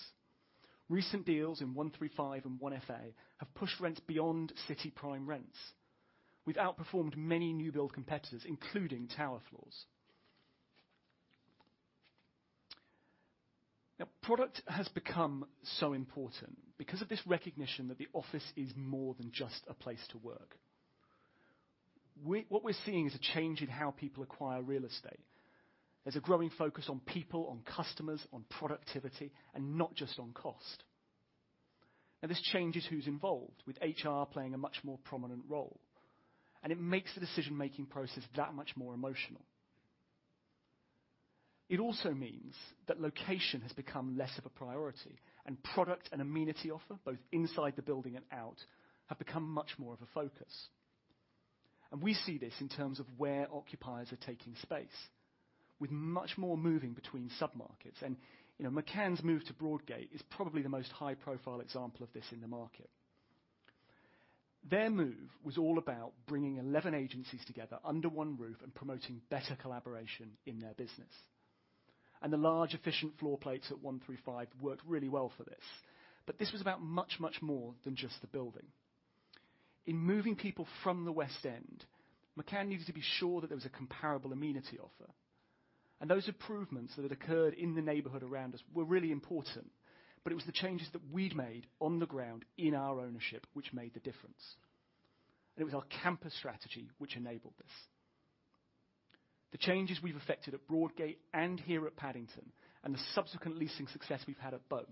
Recent deals in 135 and 1FA have pushed rents beyond city prime rents. We've outperformed many new-build competitors, including tower floors. Product has become so important because of this recognition that the office is more than just a place to work. What we're seeing is a change in how people acquire real estate. There's a growing focus on people, on customers, on productivity, and not just on cost. This changes who's involved, with HR playing a much more prominent role, and it makes the decision-making process that much more emotional. It also means that location has become less of a priority and product and amenity offer, both inside the building and out, have become much more of a focus. We see this in terms of where occupiers are taking space, with much more moving between submarkets. McCann's move to Broadgate is probably the most high-profile example of this in the market. Their move was all about bringing 11 agencies together under one roof and promoting better collaboration in their business. The large efficient floor plates at 135 worked really well for this. This was about much, much more than just the building. In moving people from the West End, McCann needed to be sure that there was a comparable amenity offer. Those improvements that had occurred in the neighborhood around us were really important, but it was the changes that we'd made on the ground in our ownership which made the difference. It was our campus strategy which enabled this. The changes we've effected at Broadgate and here at Paddington and the subsequent leasing success we've had at both,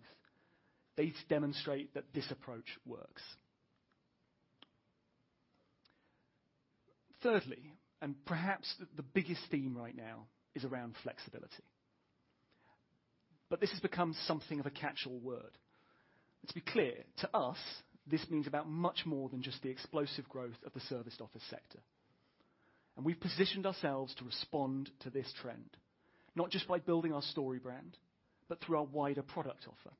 they demonstrate that this approach works. Thirdly, perhaps the biggest theme right now is around flexibility. This has become something of a catch-all word. Let's be clear. To us, this means about much more than just the explosive growth of the serviced office sector. We've positioned ourselves to respond to this trend, not just by building our Storey brand, but through our wider product offer.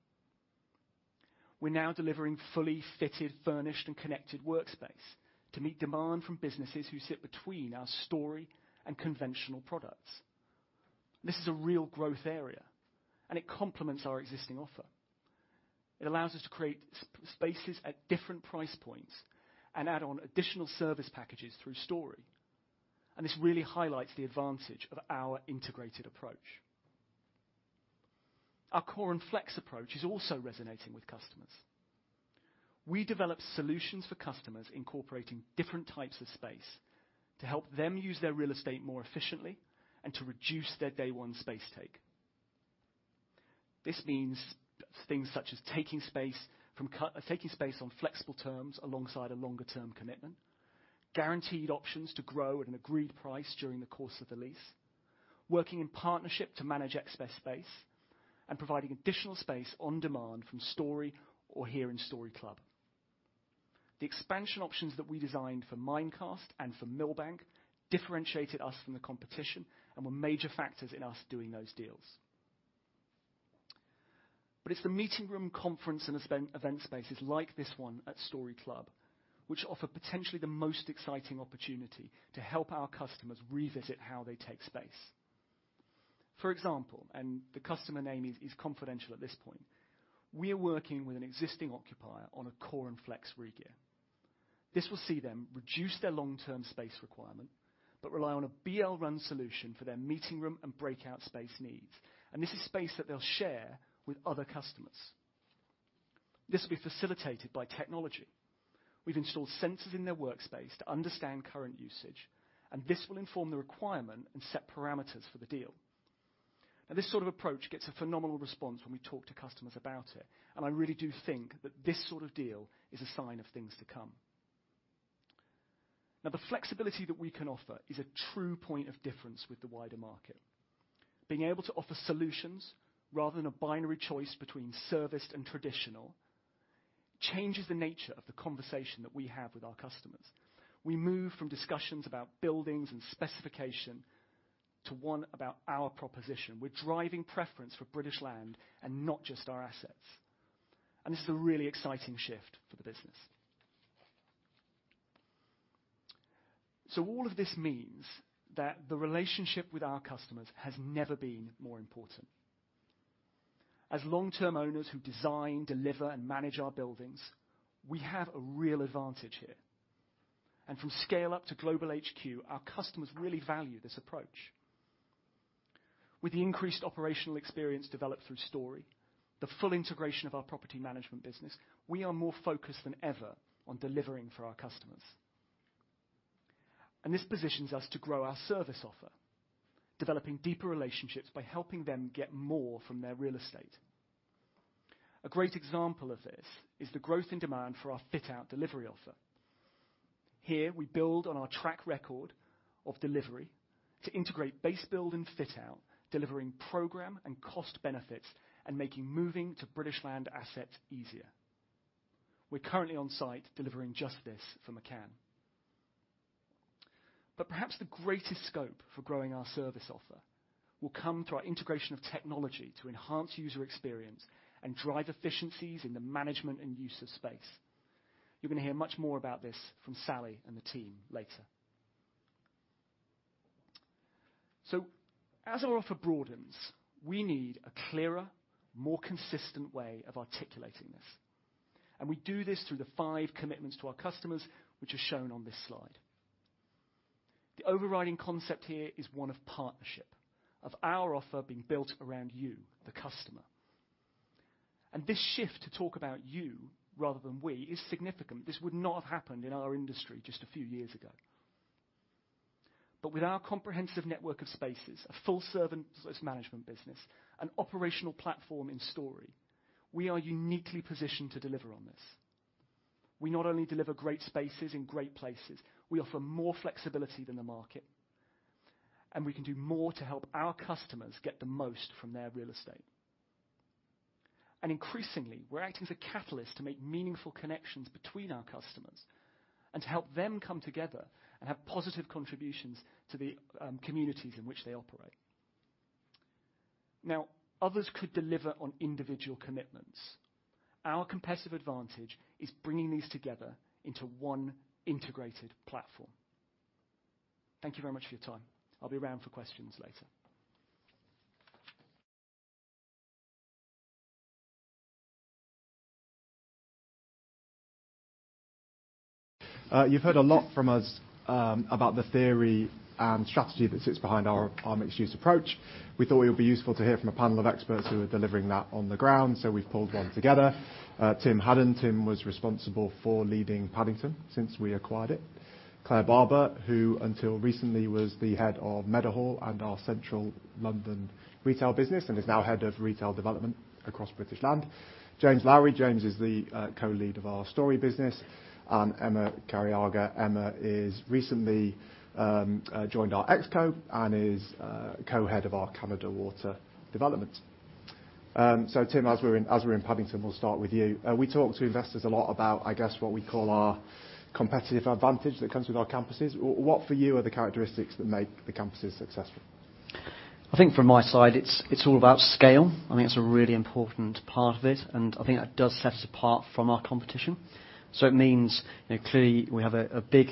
We're now delivering fully fitted, furnished, and connected workspace to meet demand from businesses who sit between our Storey and conventional products. This is a real growth area, and it complements our existing offer. It allows us to create spaces at different price points and add on additional service packages through Storey. This really highlights the advantage of our integrated approach. Our core and flex approach is also resonating with customers. We develop solutions for customers incorporating different types of space to help them use their real estate more efficiently and to reduce their day one space take. This means things such as taking space on flexible terms alongside a longer-term commitment, guaranteed options to grow at an agreed price during the course of the lease, working in partnership to manage excess space, and providing additional space on demand from Storey or here in Storey Club. The expansion options that we designed for Mimecast and for Milbank differentiated us from the competition and were major factors in us doing those deals. It's the meeting room conference and event spaces like this one at Storey Club, which offer potentially the most exciting opportunity to help our customers revisit how they take space. For example, the customer name is confidential at this point, we are working with an existing occupier on a core and flex regear. This will see them reduce their long-term space requirement but rely on a BL-run solution for their meeting room and breakout space needs. This is space that they'll share with other customers. This will be facilitated by technology. We've installed sensors in their workspace to understand current usage, and this will inform the requirement and set parameters for the deal. This sort of approach gets a phenomenal response when we talk to customers about it, I really do think that this sort of deal is a sign of things to come. The flexibility that we can offer is a true point of difference with the wider market. Being able to offer solutions rather than a binary choice between serviced and traditional changes the nature of the conversation that we have with our customers. We move from discussions about buildings and specification to one about our proposition. We're driving preference for British Land and not just our assets. This is a really exciting shift for the business. All of this means that the relationship with our customers has never been more important. As long-term owners who design, deliver, and manage our buildings, we have a real advantage here. From scale-up to global HQ, our customers really value this approach. With the increased operational experience developed through Storey, the full integration of our property management business, we are more focused than ever on delivering for our customers. This positions us to grow our service offer, developing deeper relationships by helping them get more from their real estate. A great example of this is the growth and demand for our fit-out delivery offer. Here, we build on our track record of delivery to integrate base build and fit out, delivering program and cost benefits and making moving to British Land assets easier. We're currently on site delivering just this for McCann. Perhaps the greatest scope for growing our service offer will come through our integration of technology to enhance user experience and drive efficiencies in the management and use of space. You're going to hear much more about this from Sally and the team later. As our offer broadens, we need a clearer, more consistent way of articulating this. We do this through the five commitments to our customers, which are shown on this slide. The overriding concept here is one of partnership, of our offer being built around you, the customer. This shift to talk about you rather than we is significant. This would not have happened in our industry just a few years ago. With our comprehensive network of spaces, a full serviced management business, an operational platform in Storey, we are uniquely positioned to deliver on this. We not only deliver great spaces in great places, we offer more flexibility than the market, and we can do more to help our customers get the most from their real estate. Increasingly, we're acting as a catalyst to make meaningful connections between our customers and to help them come together and have positive contributions to the communities in which they operate. Others could deliver on individual commitments. Our competitive advantage is bringing these together into one integrated platform. Thank you very much for your time. I'll be around for questions later. You've heard a lot from us about the theory and strategy that sits behind our mixed-use approach. We thought it would be useful to hear from a panel of experts who are delivering that on the ground, so we've pulled one together. Tim Haddon. Tim was responsible for leading Paddington since we acquired it. Claire Barber, who until recently was the head of Meadowhall and our Central London retail business and is now head of retail development across British Land. James Lowery. James is the co-lead of our Storey business. Emma Cariaga. Emma has recently joined our exco and is co-head of our Canada Water development. Tim, as we're in Paddington, we'll start with you. We talk to investors a lot about, I guess, what we call our competitive advantage that comes with our campuses. What, for you, are the characteristics that make the campuses successful? I think from my side, it's all about scale. I think it's a really important part of it. I think that does set us apart from our competition. It means clearly we have a big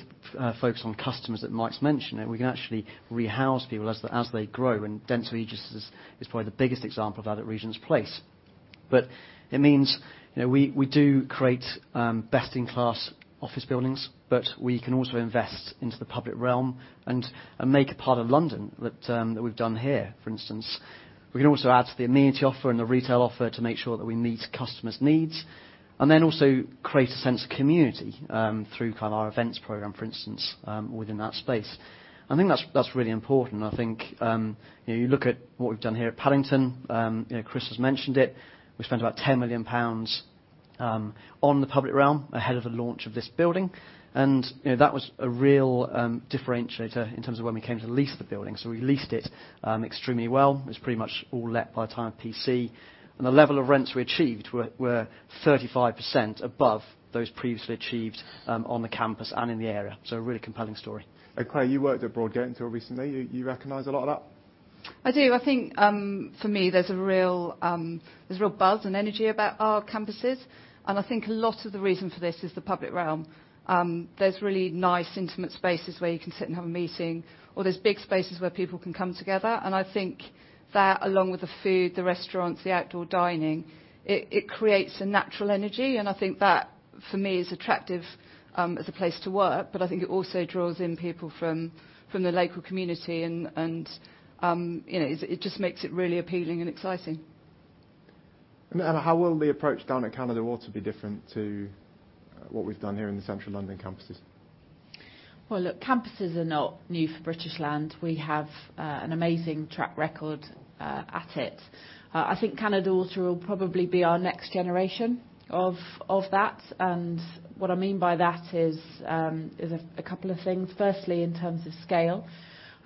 focus on customers that Mike's mentioned. We can actually rehouse people as they grow. Dentsu Aegis is probably the biggest example of that at Regent's Place. It means we do create best-in-class office buildings, but we can also invest into the public realm and make a part of London, that we've done here, for instance. We can also add to the amenity offer and the retail offer to make sure that we meet customers' needs. Also create a sense of community through our events program, for instance, within that space. I think that's really important. I think you look at what we've done here at Paddington, Chris has mentioned it. We spent about 10 million pounds on the public realm ahead of the launch of this building. That was a real differentiator in terms of when we came to lease the building. We leased it extremely well. It was pretty much all let by the time of PC. The level of rents we achieved were 35% above those previously achieved on the campus and in the area. A really compelling story. Claire, you worked at Broadgate until recently. You recognize a lot of that? I do. I think for me, there's a real buzz and energy about our campuses. I think a lot of the reason for this is the public realm. There's really nice intimate spaces where you can sit and have a meeting, or there's big spaces where people can come together. I think that along with the food, the restaurants, the outdoor dining, it creates a natural energy. I think that, for me, is attractive as a place to work. I think it also draws in people from the local community and it just makes it really appealing and exciting. How will the approach down at Canada Water be different to what we've done here in the Central London campuses? Well, look, campuses are not new for British Land. We have an amazing track record at it. I think Canada Water will probably be our next generation of that. What I mean by that is a couple of things. Firstly, in terms of scale,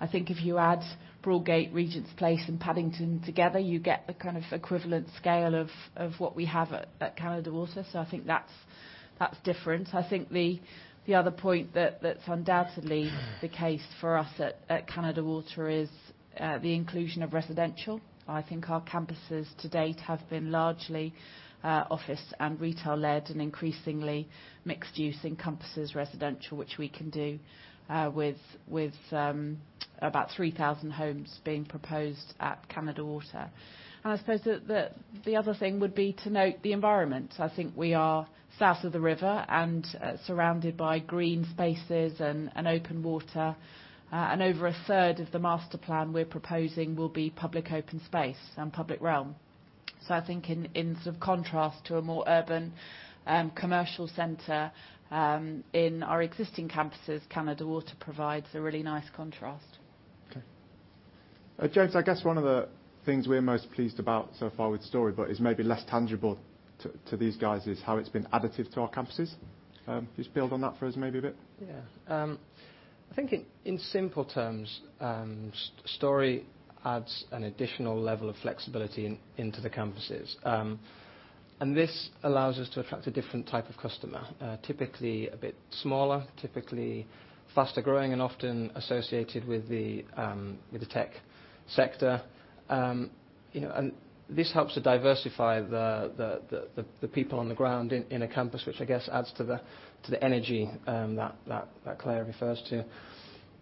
I think if you add Broadgate, Regent's Place, and Paddington together, you get the kind of equivalent scale of what we have at Canada Water. I think that's different. I think the other point that's undoubtedly the case for us at Canada Water is the inclusion of residential. I think our campuses to date have been largely office and retail led and increasingly mixed-use encompasses residential, which we can do with about 3,000 homes being proposed at Canada Water. I suppose the other thing would be to note the environment. I think we are south of the river and surrounded by green spaces and open water. Over a third of the master plan we're proposing will be public open space and public realm. I think in sort of contrast to a more urban commercial center in our existing campuses, Canada Water provides a really nice contrast. Okay. James, I guess one of the things we're most pleased about so far with Storey, but is maybe less tangible to these guys, is how it's been additive to our campuses. Just build on that for us maybe a bit. Yeah. I think in simple terms, Storey adds an additional level of flexibility into the campuses. This allows us to attract a different type of customer. Typically a bit smaller, typically faster growing, and often associated with the tech sector. This helps to diversify the people on the ground in a campus, which I guess adds to the energy that Claire refers to.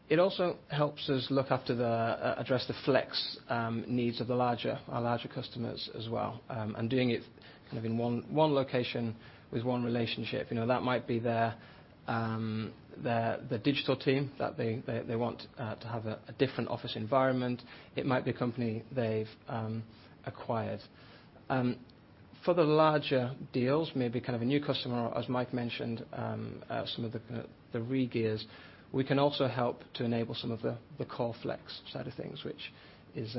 It also helps us address the flex needs of our larger customers as well. Doing it kind of in one location with one relationship. That might be their digital team that they want to have a different office environment. It might be a company they've acquired. For the larger deals, maybe kind of a new customer, as Mike mentioned, some of the re-gears. We can also help to enable some of the core flex side of things, which is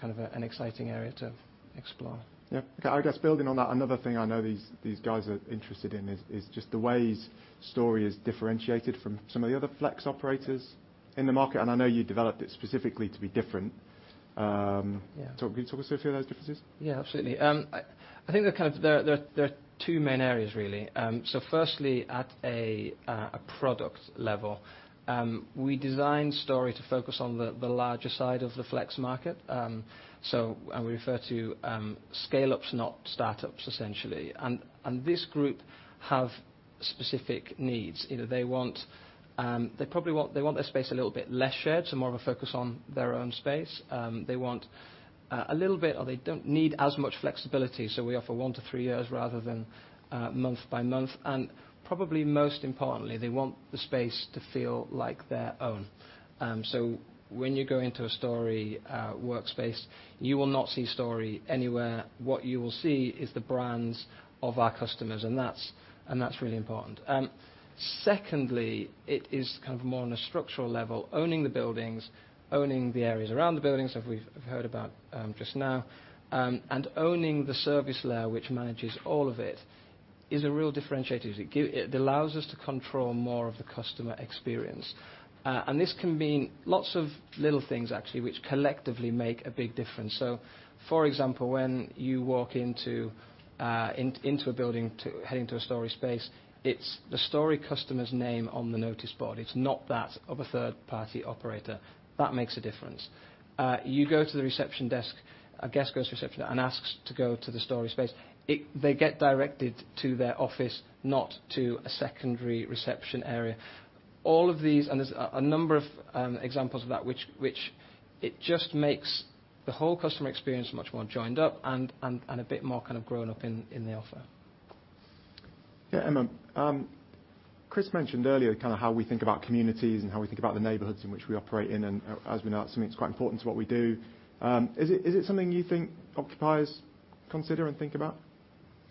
kind of an exciting area to explore. Yeah. Okay. I guess building on that, another thing I know these guys are interested in is just the ways Storey has differentiated from some of the other flex operators in the market, and I know you developed it specifically to be different. Yeah. Can you talk us through a few of those differences? Yeah, absolutely. I think there are two main areas really. Firstly, at a product level. We designed Storey to focus on the larger side of the flex market. We refer to scale-ups, not startups essentially. This group have specific needs. They want their space a little bit less shared, so more of a focus on their own space. They want a little bit, or they don't need as much flexibility, so we offer one to three years rather than month by month. Probably most importantly, they want the space to feel like their own. When you go into a Storey workspace, you will not see Storey anywhere. What you will see is the brands of our customers, and that's really important. Secondly, it is kind of more on a structural level, owning the buildings, owning the areas around the buildings as we've heard about just now, and owning the service layer, which manages all of it, is a real differentiator. It allows us to control more of the customer experience. This can mean lots of little things actually, which collectively make a big difference. For example, when you walk into a building heading to a Storey space, it's the Storey customer's name on the notice board. It's not that of a third-party operator. That makes a difference. You go to the reception desk, a guest goes to reception and asks to go to the Storey space. They get directed to their office, not to a secondary reception area. All of these, and there's a number of examples of that which it just makes the whole customer experience much more joined up and a bit more kind of grown up in the offer. Yeah. Emma, Chris mentioned earlier kind of how we think about communities and how we think about the neighborhoods in which we operate in, and as we know, it's something that's quite important to what we do. Is it something you think occupiers consider and think about?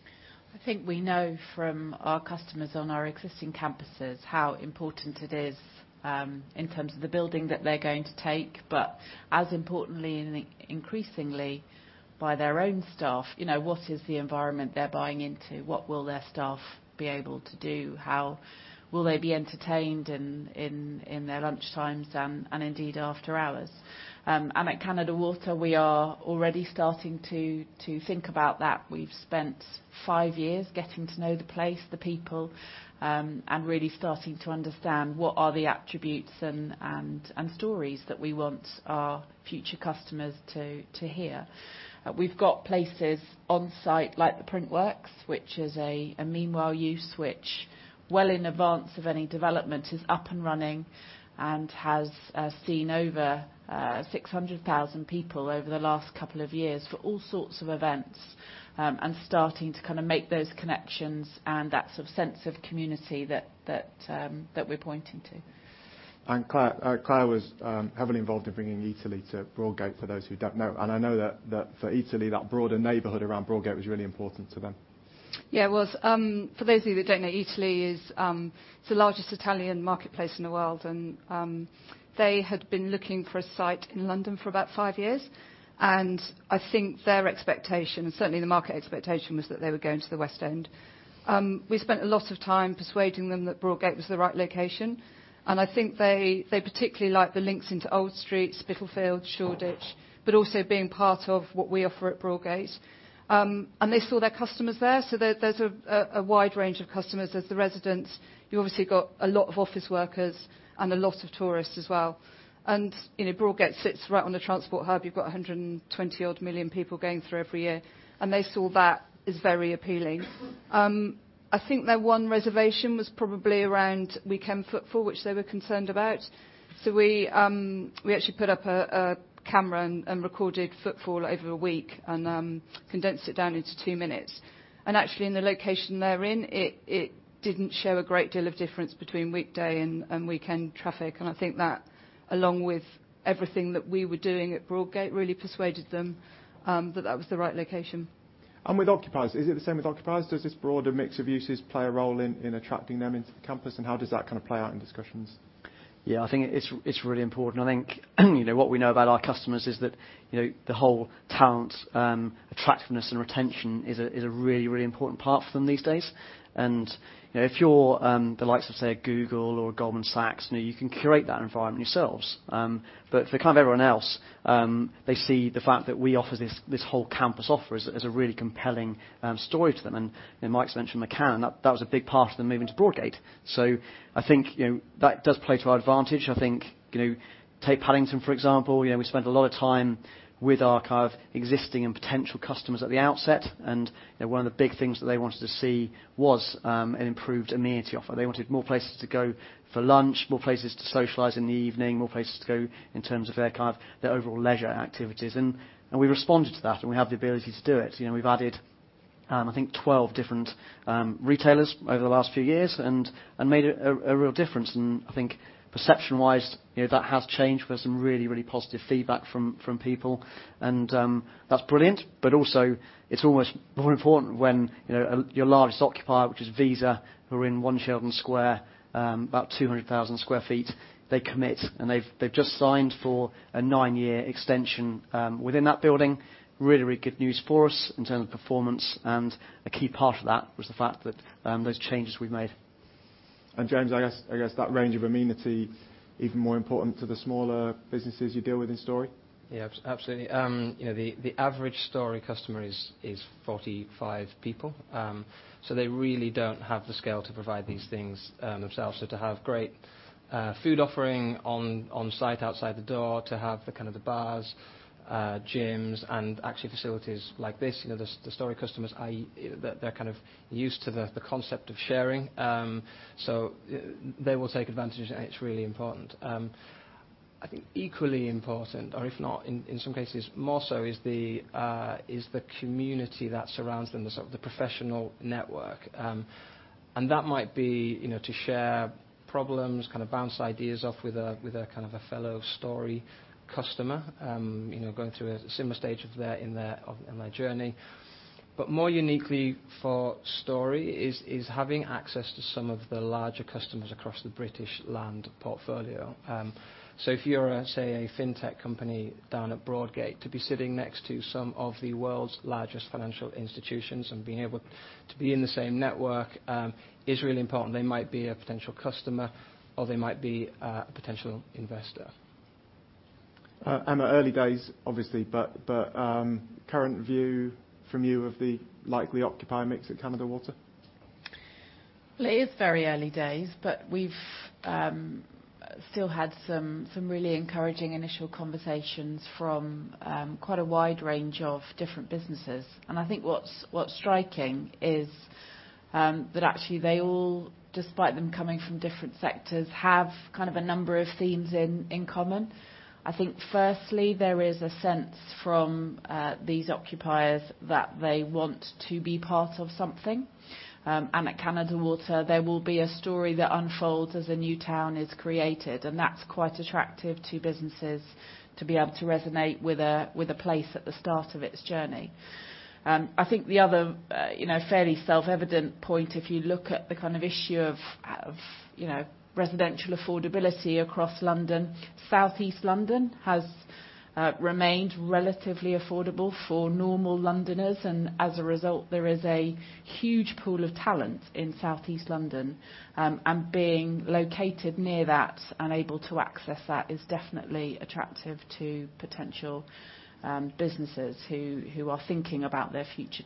I think we know from our customers on our existing campuses how important it is, in terms of the building that they're going to take. As importantly and increasingly by their own staff, what is the environment they're buying into? What will their staff be able to do? How will they be entertained in their lunchtimes and indeed after hours? At Canada Water, we are already starting to think about that. We've spent five years getting to know the place, the people, and really starting to understand what are the attributes and stories that we want our future customers to hear. We've got places on site like The Print Works, which is a meanwhile use which well in advance of any development is up and running, and has seen over 600,000 people over the last couple of years for all sorts of events. Starting to kind of make those connections and that sort of sense of community that we're pointing to. Claire was heavily involved in bringing Eataly to Broadgate, for those who don't know. I know that for Eataly, that broader neighborhood around Broadgate was really important to them. Yeah, it was. For those of you that don't know, Eataly is the largest Italian marketplace in the world. They had been looking for a site in London for about five years. I think their expectation, certainly the market expectation, was that they were going to the West End. We spent a lot of time persuading them that Broadgate was the right location. I think they particularly liked the links into Old Street, Spitalfields, Shoreditch, but also being part of what we offer at Broadgate. They saw their customers there. There's a wide range of customers. There's the residents, you obviously got a lot of office workers and a lot of tourists as well. Broadgate sits right on the transport hub. You've got 120-odd million people going through every year. They saw that as very appealing. I think their one reservation was probably around weekend footfall, which they were concerned about. We actually put up a camera and recorded footfall over a week and condensed it down into two minutes. Actually, in the location they're in, it didn't show a great deal of difference between weekday and weekend traffic. I think that, along with everything that we were doing at Broadgate, really persuaded them that that was the right location. With occupiers, is it the same with occupiers? Does this broader mix of uses play a role in attracting them into the campus? How does that kind of play out in discussions? Yeah, I think it's really important. I think what we know about our customers is that the whole talent attractiveness and retention is a really, really important part for them these days. If you're the likes of, say, a Google or a Goldman Sachs, you can curate that environment yourselves. For kind of everyone else, they see the fact that we offer this whole campus offer as a really compelling story to them. Mike's mentioned McCann. That was a big part of them moving to Broadgate. I think, that does play to our advantage. I think take Paddington, for example. We spent a lot of time with our kind of existing and potential customers at the outset. One of the big things that they wanted to see was an improved amenity offer. They wanted more places to go for lunch, more places to socialize in the evening, more places to go in terms of their kind of their overall leisure activities. We responded to that, and we have the ability to do it. We've added, I think, 12 different retailers over the last few years and made a real difference. I think perception-wise, that has changed. We had some really, really positive feedback from people. That's brilliant, but also it's almost more important when your largest occupier, which is Visa, who are in One Sheldon Square about 200,000 square feet, they commit, and they've just signed for a nine-year extension within that building. Really, really good news for us in terms of performance. A key part of that was the fact that those changes we've made. James, I guess that range of amenity even more important to the smaller businesses you deal with in Storey? Yeah, absolutely. The average Storey customer is 45 people. They really don't have the scale to provide these things themselves. To have great food offering on site outside the door, to have the kind of the bars, gyms and actually facilities like this. The Storey customers, they're kind of used to the concept of sharing. They will take advantage, and it's really important. I think equally important or if not in some cases more so, is the community that surrounds them, the sort of the professional network. That might be to share problems, kind of bounce ideas off with a kind of a fellow Storey customer going through a similar stage in their journey. More uniquely for Storey is having access to some of the larger customers across the British Land portfolio. If you're, say, a fintech company down at Broadgate, to be sitting next to some of the world's largest financial institutions and being able to be in the same network is really important. They might be a potential customer, or they might be a potential investor. Emma, early days obviously, but current view from you of the likely occupier mix at Canada Water? It is very early days, but we've still had some really encouraging initial conversations from quite a wide range of different businesses. I think what's striking is that actually they all, despite them coming from different sectors, have kind of a number of themes in common. I think firstly, there is a sense from these occupiers that they want to be part of something. At Canada Water, there will be a story that unfolds as a new town is created, and that's quite attractive to businesses to be able to resonate with a place at the start of its journey. I think the other fairly self-evident point, if you look at the kind of issue of residential affordability across London, Southeast London has remained relatively affordable for normal Londoners, and as a result, there is a huge pool of talent in Southeast London. Being located near that and able to access that is definitely attractive to potential businesses who are thinking about their future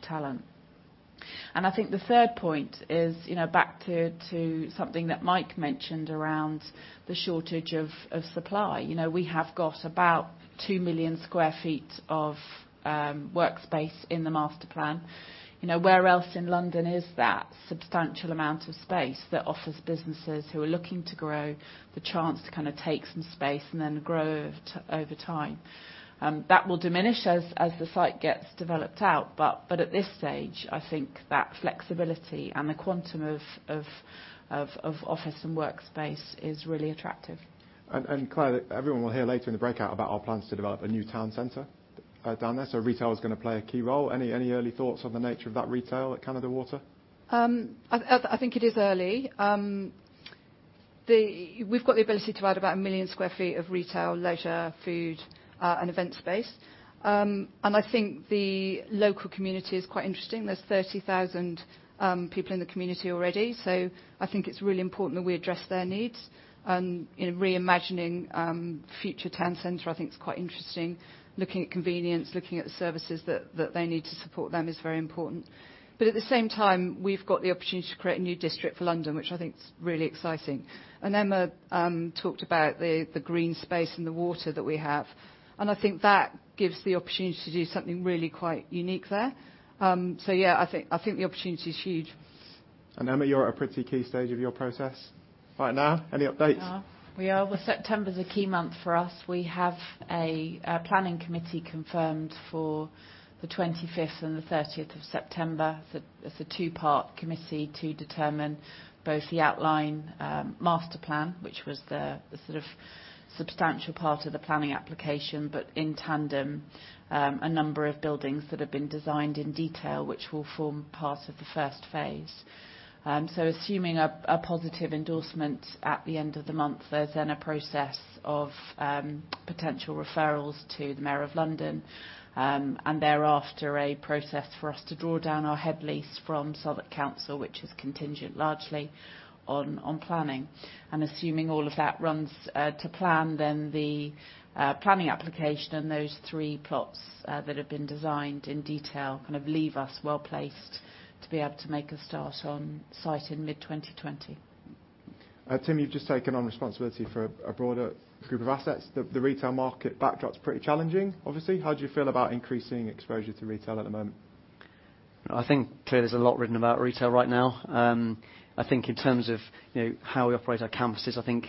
talent. I think the third point is back to something that Mike mentioned around the shortage of supply. We have got about 2 million square feet of workspace in the master plan. Where else in London is that substantial amount of space that offers businesses who are looking to grow the chance to kind of take some space and then grow over time? That will diminish as the site gets developed out. At this stage, I think that flexibility and the quantum of office and workspace is really attractive. Claire, everyone will hear later in the breakout about our plans to develop a new town center down there. Retail is going to play a key role. Any early thoughts on the nature of that retail at Canada Water? I think it is early. We've got the ability to add about 1 million sq ft of retail, leisure, food, and event space. I think the local community is quite interesting. There's 30,000 people in the community already. I think it's really important that we address their needs in reimagining future town center, I think is quite interesting. Looking at convenience, looking at the services that they need to support them is very important. At the same time, we've got the opportunity to create a new district for London, which I think is really exciting. Emma talked about the green space and the water that we have. I think that gives the opportunity to do something really quite unique there. Yeah, I think the opportunity is huge. Emma, you're at a pretty key stage of your process right now. Any updates? We are. Well, September's a key month for us. We have a planning committee confirmed for the 25th and the 30th of September. It's a two-part committee to determine both the outline master plan, which was the sort of substantial part of the planning application, but in tandem, a number of buildings that have been designed in detail, which will form part of the first phase. Assuming a positive endorsement at the end of the month, there's then a process of potential referrals to the mayor of London, and thereafter, a process for us to draw down our head lease from Southwark Council, which is contingent largely on planning. Assuming all of that runs to plan, the planning application and those three plots that have been designed in detail leave us well-placed to be able to make a start on site in mid-2020. Tim, you've just taken on responsibility for a broader group of assets. The retail market backdrop's pretty challenging, obviously. How do you feel about increasing exposure to retail at the moment? I think clearly there's a lot written about retail right now. I think in terms of how we operate our campuses, I think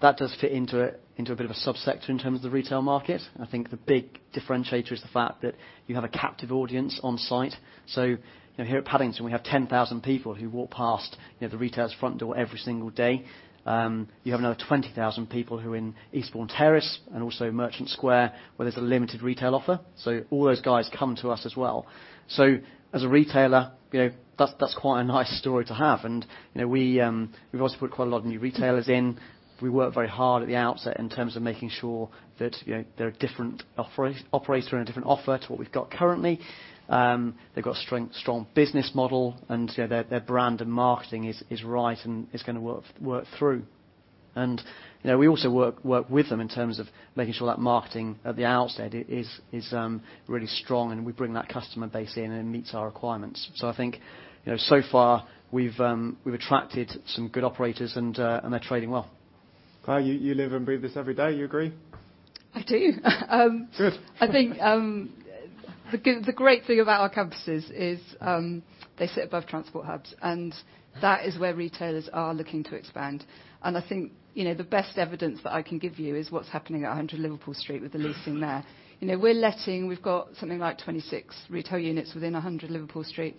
that does fit into a bit of a sub-sector in terms of the retail market. I think the big differentiator is the fact that you have a captive audience on site. Here at Paddington, we have 10,000 people who walk past the retailer's front door every single day. You have another 20,000 people who are in Eastbourne Terrace and also Merchant Square, where there's a limited retail offer. All those guys come to us as well. As a retailer, that's quite a nice story to have, and we've obviously put quite a lot of new retailers in. We worked very hard at the outset in terms of making sure that they're a different operator and a different offer to what we've got currently. They've got a strong business model, and their brand and marketing is right and is going to work through. We also work with them in terms of making sure that marketing at the outset is really strong, and we bring that customer base in, and it meets our requirements. I think, so far we've attracted some good operators, and they're trading well. Claire, you live and breathe this every day. You agree? I do. Good. I think, the great thing about our campuses is they sit above transport hubs. That is where retailers are looking to expand. I think the best evidence that I can give you is what's happening at 100 Liverpool Street with the leasing there. We've got something like 26 retail units within 100 Liverpool Street.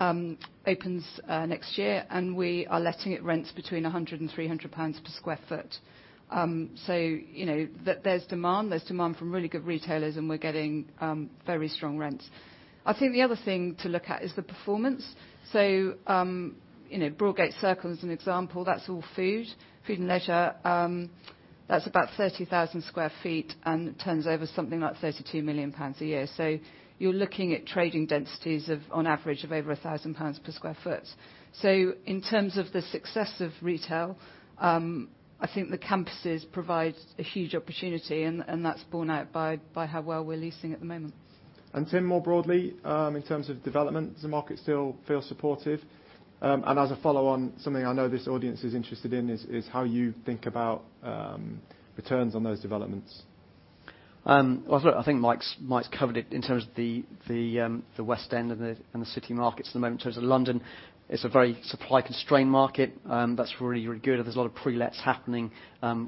Opens next year. We are letting it rents between 100 and 300 pounds per sq ft. There's demand from really good retailers. We're getting very strong rents. I think the other thing to look at is the performance. Broadgate Circle, as an example, that's all food and leisure. That's about 30,000 sq ft. Turns over something like 32 million pounds a year. You're looking at trading densities of, on average, of over 1,000 pounds per sq ft. In terms of the success of retail, I think the campuses provide a huge opportunity, and that's borne out by how well we're leasing at the moment. Tim, more broadly, in terms of development, does the market still feel supportive? As a follow-on, something I know this audience is interested in is how you think about returns on those developments. Mike's covered it in terms of the West End and the City markets at the moment. In terms of London, it's a very supply-constrained market. That's really good, and there's a lot of pre-lets happening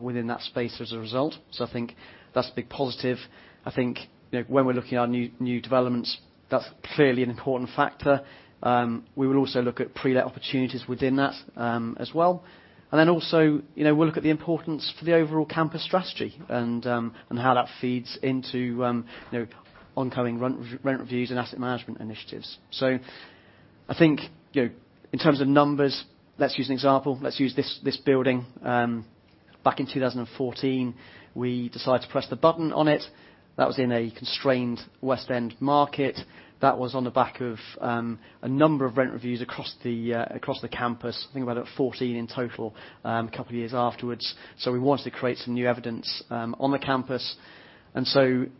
within that space as a result. That's a big positive. When we're looking at our new developments, that's clearly an important factor. We will also look at pre-let opportunities within that as well. We'll look at the importance for the overall campus strategy and how that feeds into ongoing rent reviews and asset management initiatives. In terms of numbers, let's use an example. Let's use this building. Back in 2014, we decided to press the button on it. That was in a constrained West End market. That was on the back of a number of rent reviews across the campus, I think about 14 in total, a couple of years afterwards.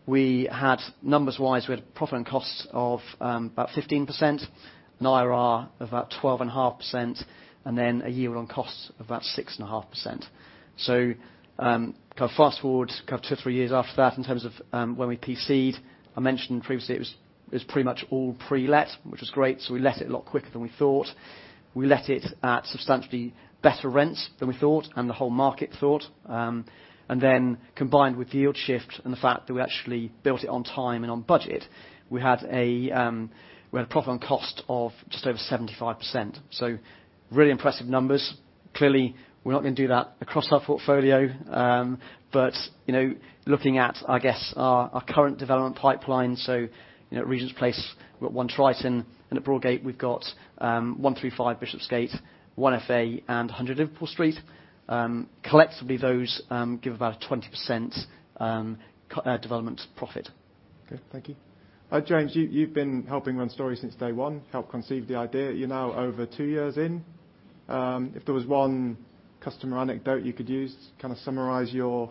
We had, numbers-wise, we had profit and costs of about 15%, an IRR of about 12.5%, and then a year on costs of about 6.5%. Fast-forward two, three years after that, in terms of when we PC'd, I mentioned previously it was pretty much all pre-let, which was great. We let it a lot quicker than we thought. We let it at substantially better rents than we thought and the whole market thought. Combined with yield shift and the fact that we actually built it on time and on budget, we had a profit on cost of just over 75%. Really impressive numbers. Clearly, we're not going to do that across our portfolio. Looking at, I guess, our current development pipeline, Regent's Place, we've got One Triton. At Broadgate, we've got 1-5 Bishopsgate, 1FA and 100 Liverpool Street. Collectively, those give about a 20% development profit. Okay. Thank you. James, you've been helping run Storey since day one, helped conceive the idea. You're now over two years in. If there was one customer anecdote you could use to kind of summarize your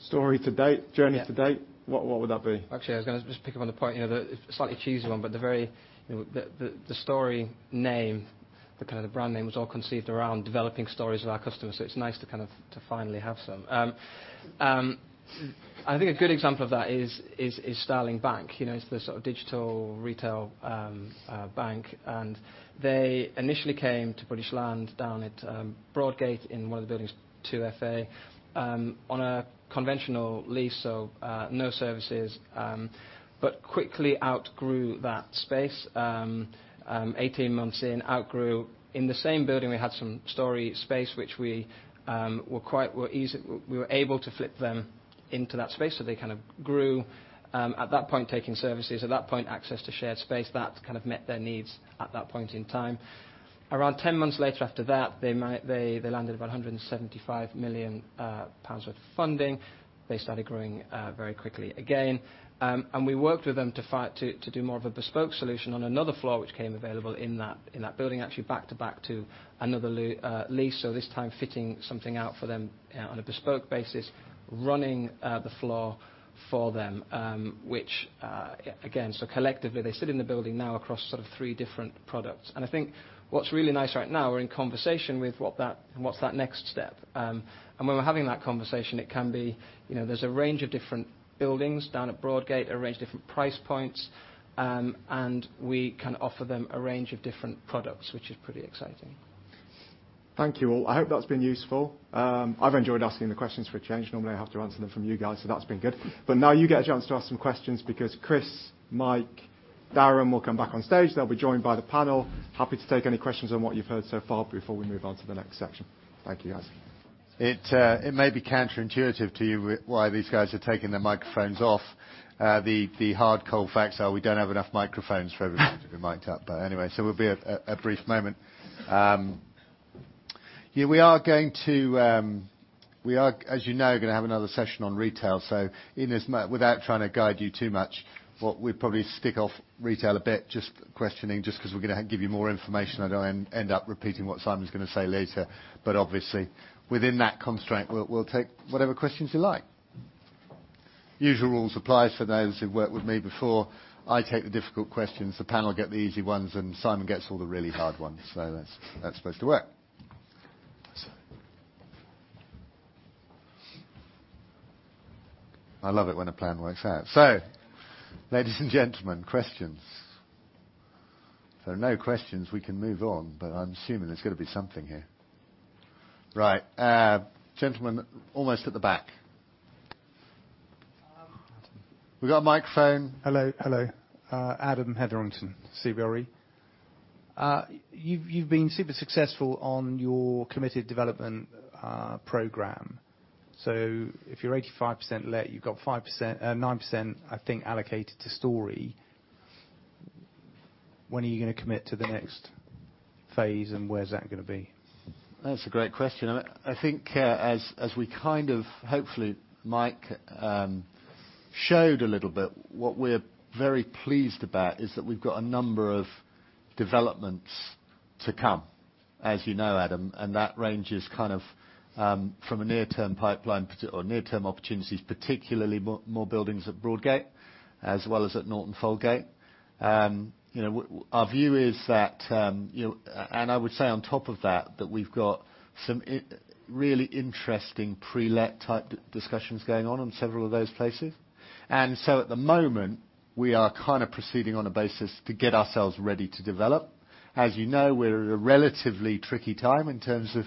Storey to date, journey to date? Yeah what would that be? Actually, I was going to just pick up on the point, a slightly cheesy one, but the Storey name, the brand name, was all conceived around developing stories with our customers, so it's nice to kind of, to finally have some. I think a good example of that is Starling Bank. It's the sort of digital retail bank, and they initially came to British Land down at Broadgate in one of the buildings, 2FA, on a conventional lease, so no services. Quickly outgrew that space. 18 months in, outgrew. In the same building, we had some Storey space, which we were able to flip them into that space, so they kind of grew, at that point, taking services, at that point, access to shared space that met their needs at that point in time. Around 10 months later after that, they landed about 175 million pounds worth of funding. They started growing very quickly again. We worked with them to do more of a bespoke solution on another floor which came available in that building, actually back to back to another lease. This time fitting something out for them on a bespoke basis, running the floor for them. Collectively, they sit in the building now across sort of three different products. I think what's really nice right now, we're in conversation with what's that next step. When we're having that conversation, it can be, there's a range of different buildings down at Broadgate, a range of different price points, and we can offer them a range of different products, which is pretty exciting. Thank you all. I hope that's been useful. I've enjoyed asking the questions for a change. Normally, I have to answer them from you guys, so that's been good. Now you get a chance to ask some questions because Chris, Mike, Darren will come back on stage. They'll be joined by the panel. Happy to take any questions on what you've heard so far before we move on to the next section. Thank you, guys. It may be counterintuitive to you why these guys are taking their microphones off. The hard, cold facts are we don't have enough microphones for everyone to be mic'd up. We'll be a brief moment. We are, as you know, going to have another session on retail. Without trying to guide you too much, what we'll probably stick off retail a bit, just questioning because we're going to give you more information. I don't want to end up repeating what Simon's going to say later. Obviously, within that constraint, we'll take whatever questions you like. Usual rules apply for those who've worked with me before. I take the difficult questions, the panel get the easy ones, and Simon gets all the really hard ones. That's supposed to work. I love it when a plan works out. Ladies and gentlemen, questions. If there are no questions, we can move on, but I'm assuming there's got to be something here. Right. Gentleman almost at the back. We got a microphone. Hello. Adam Hetherington, CBRE. You've been super successful on your committed development program. If you're 85% let, you've got 9%, I think, allocated to Storey. When are you going to commit to the next phase, and where's that going to be? That's a great question. I think as we kind of, hopefully, Mike showed a little bit, what we're very pleased about is that we've got a number of developments to come, as you know, Adam, that ranges from a near-term pipeline or near-term opportunities, particularly more buildings at Broadgate, as well as at Norton Folgate. Our view is that, I would say on top of that we've got some really interesting pre-let type discussions going on in several of those places. At the moment, we are kind of proceeding on a basis to get ourselves ready to develop. As you know, we're at a relatively tricky time in terms of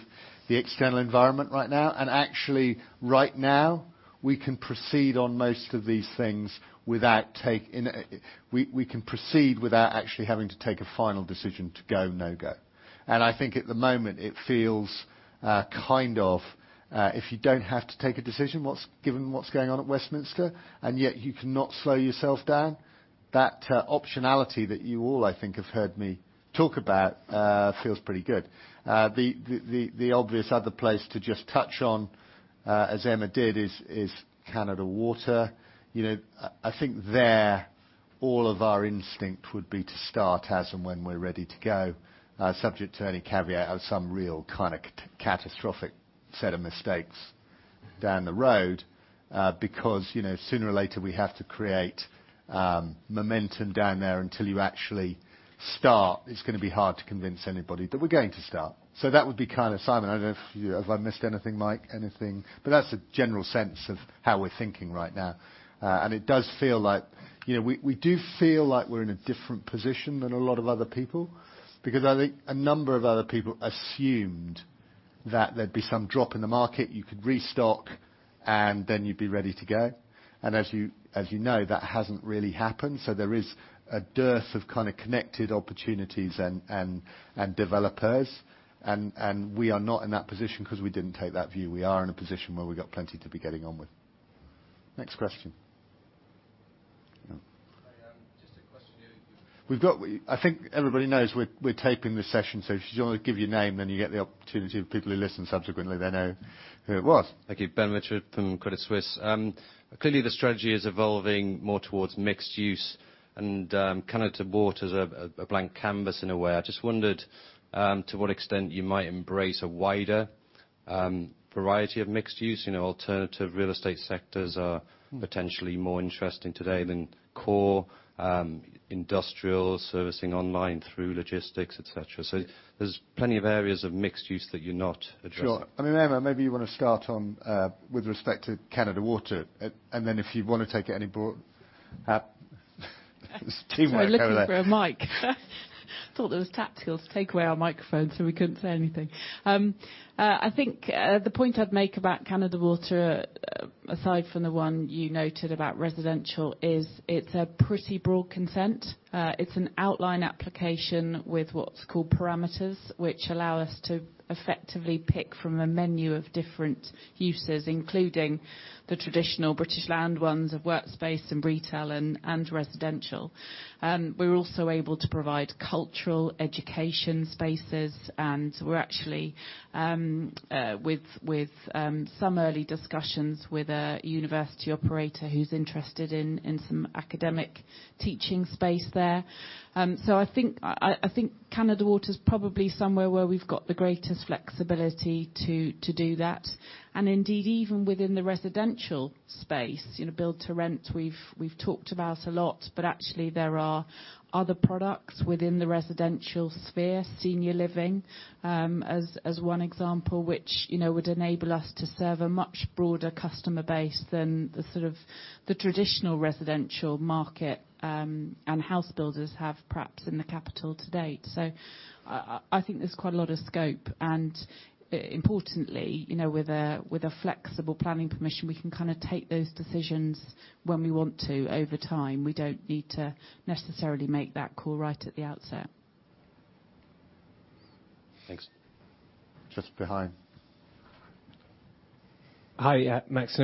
the external environment right now. Actually, right now, we can proceed on most of these things without actually having to take a final decision to go, no go. I think at the moment it feels kind of, if you don't have to take a decision, given what's going on at Westminster, and yet you cannot slow yourself down, that optionality that you all, I think, have heard me talk about feels pretty good. The obvious other place to just touch on, as Emma did, is Canada Water. I think there, all of our instinct would be to start as and when we're ready to go, subject to any caveat of some real kind of catastrophic set of mistakes down the road, because sooner or later we have to create momentum down there. Until you actually start, it's going to be hard to convince anybody that we're going to start. That would be kind of, Simon, I don't know if I missed anything, Mike, anything? That's a general sense of how we're thinking right now. It does feel like we're in a different position than a lot of other people, because I think a number of other people assumed that there'd be some drop in the market, you could restock, and then you'd be ready to go. As you know, that hasn't really happened. There is a dearth of connected opportunities and developers, and we are not in that position because we didn't take that view. We are in a position where we've got plenty to be getting on with. Next question. Hi. I think everybody knows we're taping this session, so if you want to give your name, then you get the opportunity of people who listen subsequently then know who it was. Thank you. Ben Richford from Credit Suisse. Clearly the strategy is evolving more towards mixed use and Canada Water's a blank canvas in a way. I just wondered to what extent you might embrace a wider variety of mixed use, alternative real estate sectors are potentially more interesting today than core industrial servicing online through logistics, et cetera. There's plenty of areas of mixed use that you're not addressing. Sure. Emma, maybe you want to start on with respect to Canada Water, then if you want to take it any broad. There's teamwork over there. I was looking for a mic. Thought there was tactics to take away our microphone so we couldn't say anything. The point I'd make about Canada Water, aside from the one you noted about residential, is it's a pretty broad consent. It's an outline application with what's called parameters, which allow us to effectively pick from a menu of different uses, including the traditional British Land ones of workspace and retail and residential. We're also able to provide cultural education spaces, and we're actually with some early discussions with a university operator who's interested in some academic teaching space there. I think Canada Water's probably somewhere where we've got the greatest flexibility to do that. Indeed, even within the residential space, build-to-rent, we've talked about a lot, but actually there are other products within the residential sphere, senior living, as one example, which would enable us to serve a much broader customer base than the traditional residential market, and house builders have perhaps in the capital to date. I think there's quite a lot of scope, and importantly, with a flexible planning permission, we can take those decisions when we want to over time. We don't need to necessarily make that call right at the outset. Thanks. Just behind. Hi, yeah. Max,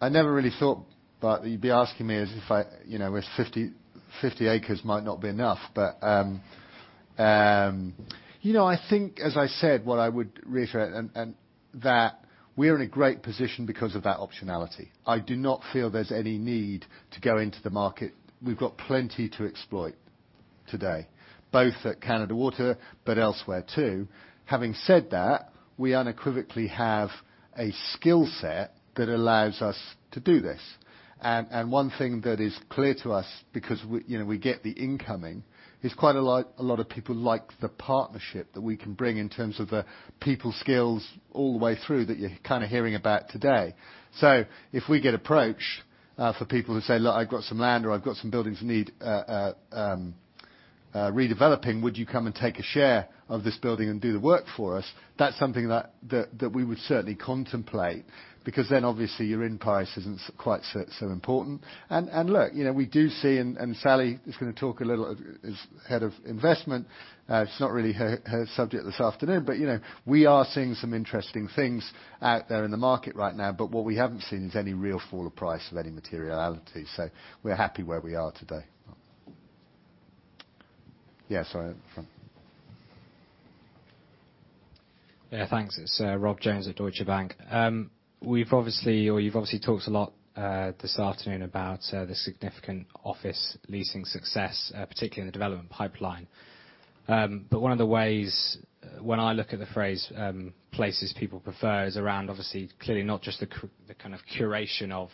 I never really thought, Bart, that you'd be asking me as if 50 acres might not be enough. I think, as I said, what I would reiterate, that we're in a great position because of that optionality. I do not feel there's any need to go into the market. We've got plenty to exploit today, both at Canada Water, but elsewhere too. Having said that, we unequivocally have a skill set that allows us to do this. One thing that is clear to us, because we get the incoming, is quite a lot of people like the partnership that we can bring in terms of the people skills all the way through that you're hearing about today. If we get approach, for people who say, "Look, I've got some land," or, "I've got some buildings that need redeveloping, would you come and take a share of this building and do the work for us? That's something that we would certainly contemplate, because then obviously your in price isn't quite so important. Look, we do see, and Sally is going to talk a little, as head of investment. It's not really her subject this afternoon. We are seeing some interesting things out there in the market right now. What we haven't seen is any real fall of price of any materiality. We're happy where we are today. Yeah, sorry. Front. Yeah. Thanks. It's Rob Jones at Deutsche Bank. You've obviously talked a lot this afternoon about the significant office leasing success, particularly in the development pipeline. One of the ways when I look at the phrase, Places People Prefer, is around obviously, clearly not just the kind of curation of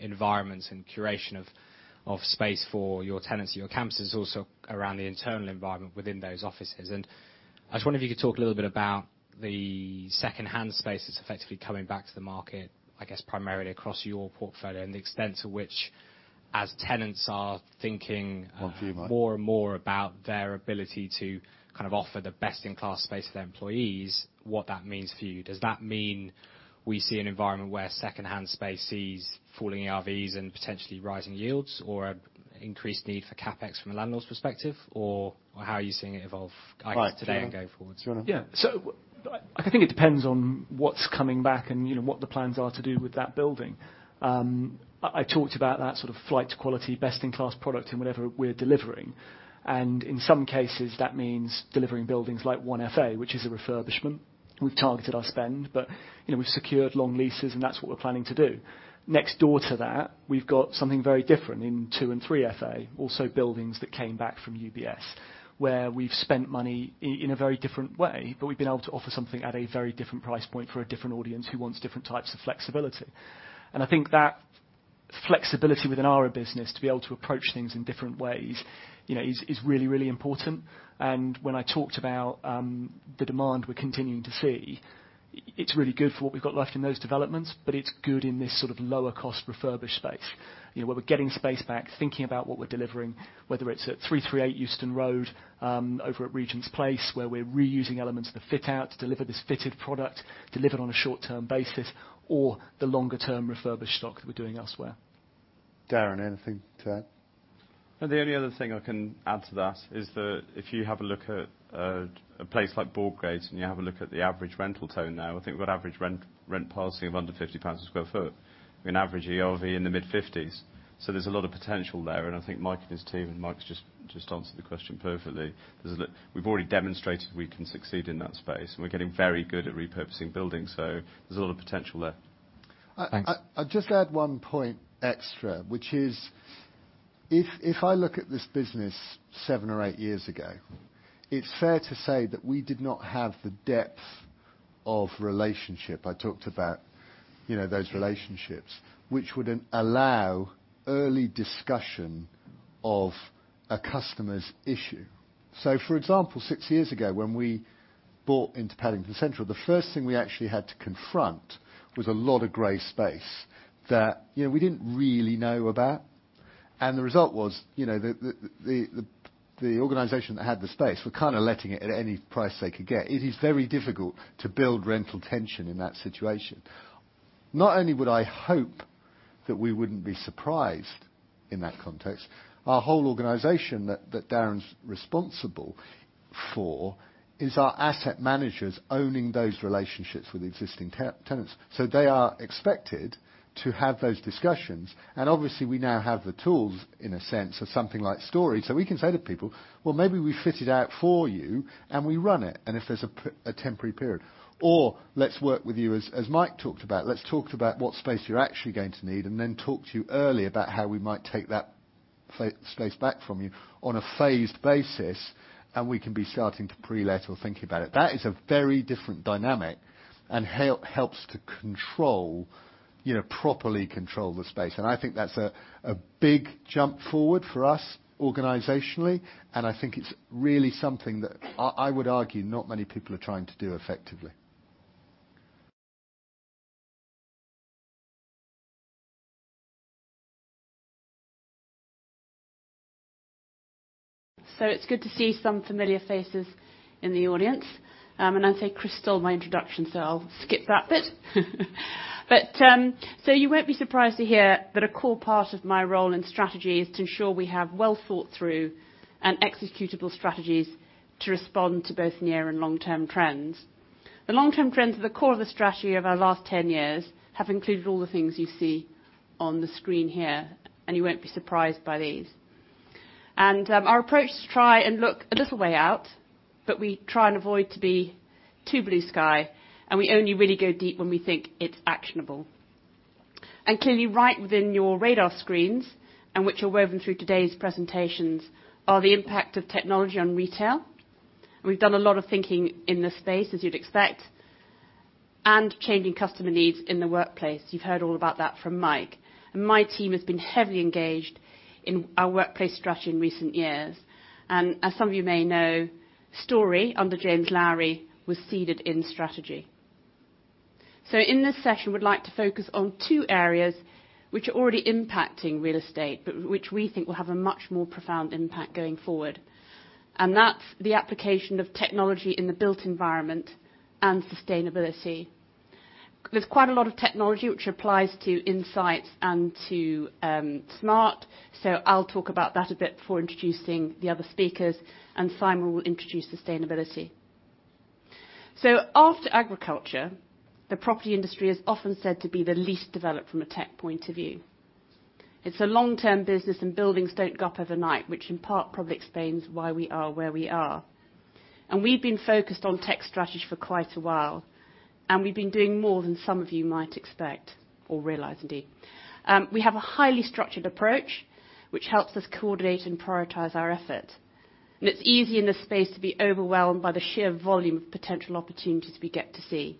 environments and curation of space for your tenancy on campuses, also around the internal environment within those offices. I just wonder if you could talk a little bit about the secondhand space that's effectively coming back to the market, I guess primarily across your portfolio and the extent to which, as tenants are thinking. Go for it, Mike. more and more about their ability to kind of offer the best-in-class space to their employees, what that means for you. Does that mean we see an environment where secondhand space sees falling ERVs and potentially rising yields? Or increased need for CapEx from a landlord's perspective? Or how are you seeing it evolve, I guess, today and go forwards? Do you want to? I think it depends on what's coming back and what the plans are to do with that building. I talked about that sort of flight quality, best-in-class product in whatever we're delivering. In some cases, that means delivering buildings like 1FA, which is a refurbishment. We've targeted our spend, but we've secured long leases, and that's what we're planning to do. Next door to that, we've got something very different in 2 and 3FA, also buildings that came back from UBS, where we've spent money in a very different way, but we've been able to offer something at a very different price point for a different audience who wants different types of flexibility. I think that flexibility within our business to be able to approach things in different ways is really, really important. When I talked about the demand we're continuing to see, it's really good for what we've got left in those developments, but it's good in this sort of lower cost refurbished space. Where we're getting space back, thinking about what we're delivering, whether it's at 338 Euston Road, over at Regent's Place where we're reusing elements of the fit out to deliver this fitted product, deliver it on a short-term basis, or the longer term refurbished stock that we're doing elsewhere. Darren, anything to add? The only other thing I can add to that is that if you have a look at a place like Broadgate and you have a look at the average rental tone now, I think we've got average rent passing of under 50 pounds a sq ft, with an average ERV in the mid fifties. There's a lot of potential there, and I think Mike and his team, and Mike's just answered the question perfectly. We've already demonstrated we can succeed in that space, and we're getting very good at repurposing buildings. There's a lot of potential there. Thanks. I'll just add one point extra, which is, if I look at this business seven or eight years ago, it is fair to say that we did not have the depth of relationship. I talked about those relationships, which wouldn't allow early discussion of a customer's issue. For example, six years ago when we bought into Paddington Central, the first thing we actually had to confront was a lot of gray space that we didn't really know about. The result was the organization that had the space were kind of letting it at any price they could get. It is very difficult to build rental tension in that situation. Not only would I hope that we wouldn't be surprised in that context, our whole organization that Darren's responsible for is our asset managers owning those relationships with existing tenants. They are expected to have those discussions, and obviously we now have the tools, in a sense of something like Storey. We can say to people, "Well, maybe we fit it out for you and we run it, and if there's a temporary period" Or, "Let's work with you," as Mike talked about. "Let's talk about what space you're actually going to need, and then talk to you early about how we might take that space back from you on a phased basis, and we can be starting to pre-let or think about it." That is a very different dynamic and helps to properly control the space. I think that's a big jump forward for us organizationally, and I think it's really something that I would argue not many people are trying to do effectively. It's good to see some familiar faces in the audience. Crystal my introduction, so I'll skip that bit. You won't be surprised to hear that a core part of my role in strategy is to ensure we have well thought through and executable strategies to respond to both near and long-term trends. The long-term trends are the core of the strategy of our last 10 years, have included all the things you see on the screen here, and you won't be surprised by these. Our approach is to try and look a little way out, but we try and avoid to be too blue sky, and we only really go deep when we think it's actionable. Clearly right within your radar screens and which are woven through today's presentations are the impact of technology on retail. We've done a lot of thinking in this space, as you'd expect, and changing customer needs in the workplace. You've heard all about that from Mike. My team has been heavily engaged in our workplace strategy in recent years. As some of you may know, Storey under James Lowery, was seeded in strategy. In this session, we'd like to focus on two areas which are already impacting real estate, but which we think will have a much more profound impact going forward. That's the application of technology in the built environment and sustainability. There's quite a lot of technology which applies to insights and to Smart. I'll talk about that a bit before introducing the other speakers, and Simon will introduce sustainability. After agriculture, the property industry is often said to be the least developed from a tech point of view. It's a long-term business, and buildings don't go up overnight, which in part probably explains why we are where we are. We've been focused on tech strategy for quite a while, and we've been doing more than some of you might expect or realize indeed. We have a highly structured approach, which helps us coordinate and prioritize our effort. It's easy in this space to be overwhelmed by the sheer volume of potential opportunities we get to see.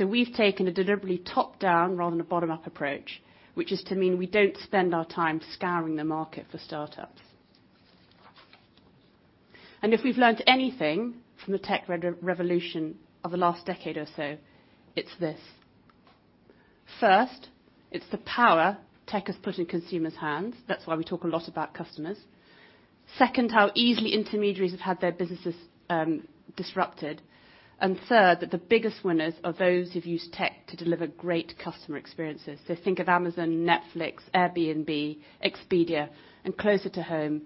We've taken a deliberately top-down rather than a bottom-up approach, which is to mean we don't spend our time scouring the market for startups. If we've learned anything from the tech revolution of the last decade or so, it's this. First, it's the power tech has put in consumers' hands. That's why we talk a lot about customers. How easily intermediaries have had their businesses disrupted. Third, that the biggest winners are those who've used tech to deliver great customer experiences. Think of Amazon, Netflix, Airbnb, Expedia, and closer to home,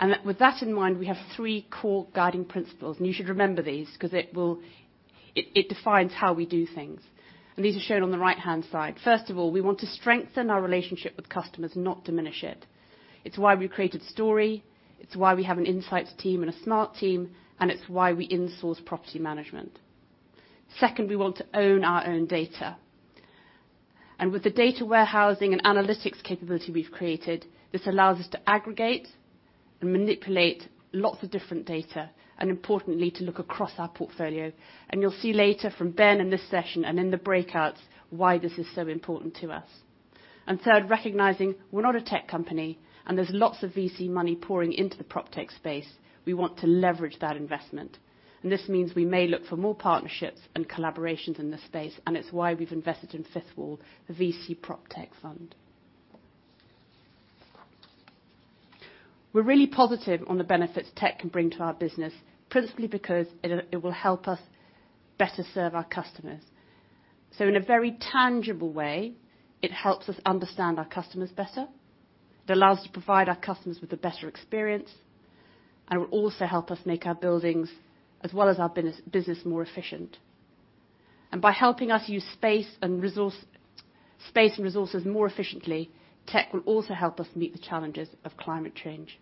Rightmove. With that in mind, we have three core guiding principles, and you should remember these because it defines how we do things. These are shown on the right-hand side. First of all, we want to strengthen our relationship with customers, not diminish it. It's why we created Storey, it's why we have an insights team and a Smart team, and it's why we insource property management. We want to own our own data. With the data warehousing and analytics capability we've created, this allows us to aggregate and manipulate lots of different data, and importantly, to look across our portfolio. You'll see later from Ben in this session and in the breakouts why this is so important to us. Third, recognizing we're not a tech company and there's lots of VC money pouring into the PropTech space, we want to leverage that investment. This means we may look for more partnerships and collaborations in this space, and it's why we've invested in Fifth Wall, the VC PropTech fund. We're really positive on the benefits tech can bring to our business, principally because it will help us better serve our customers. In a very tangible way, it helps us understand our customers better, it allows to provide our customers with a better experience, and will also help us make our buildings as well as our business more efficient. By helping us use space and resources more efficiently, Tech will also help us meet the challenges of climate change.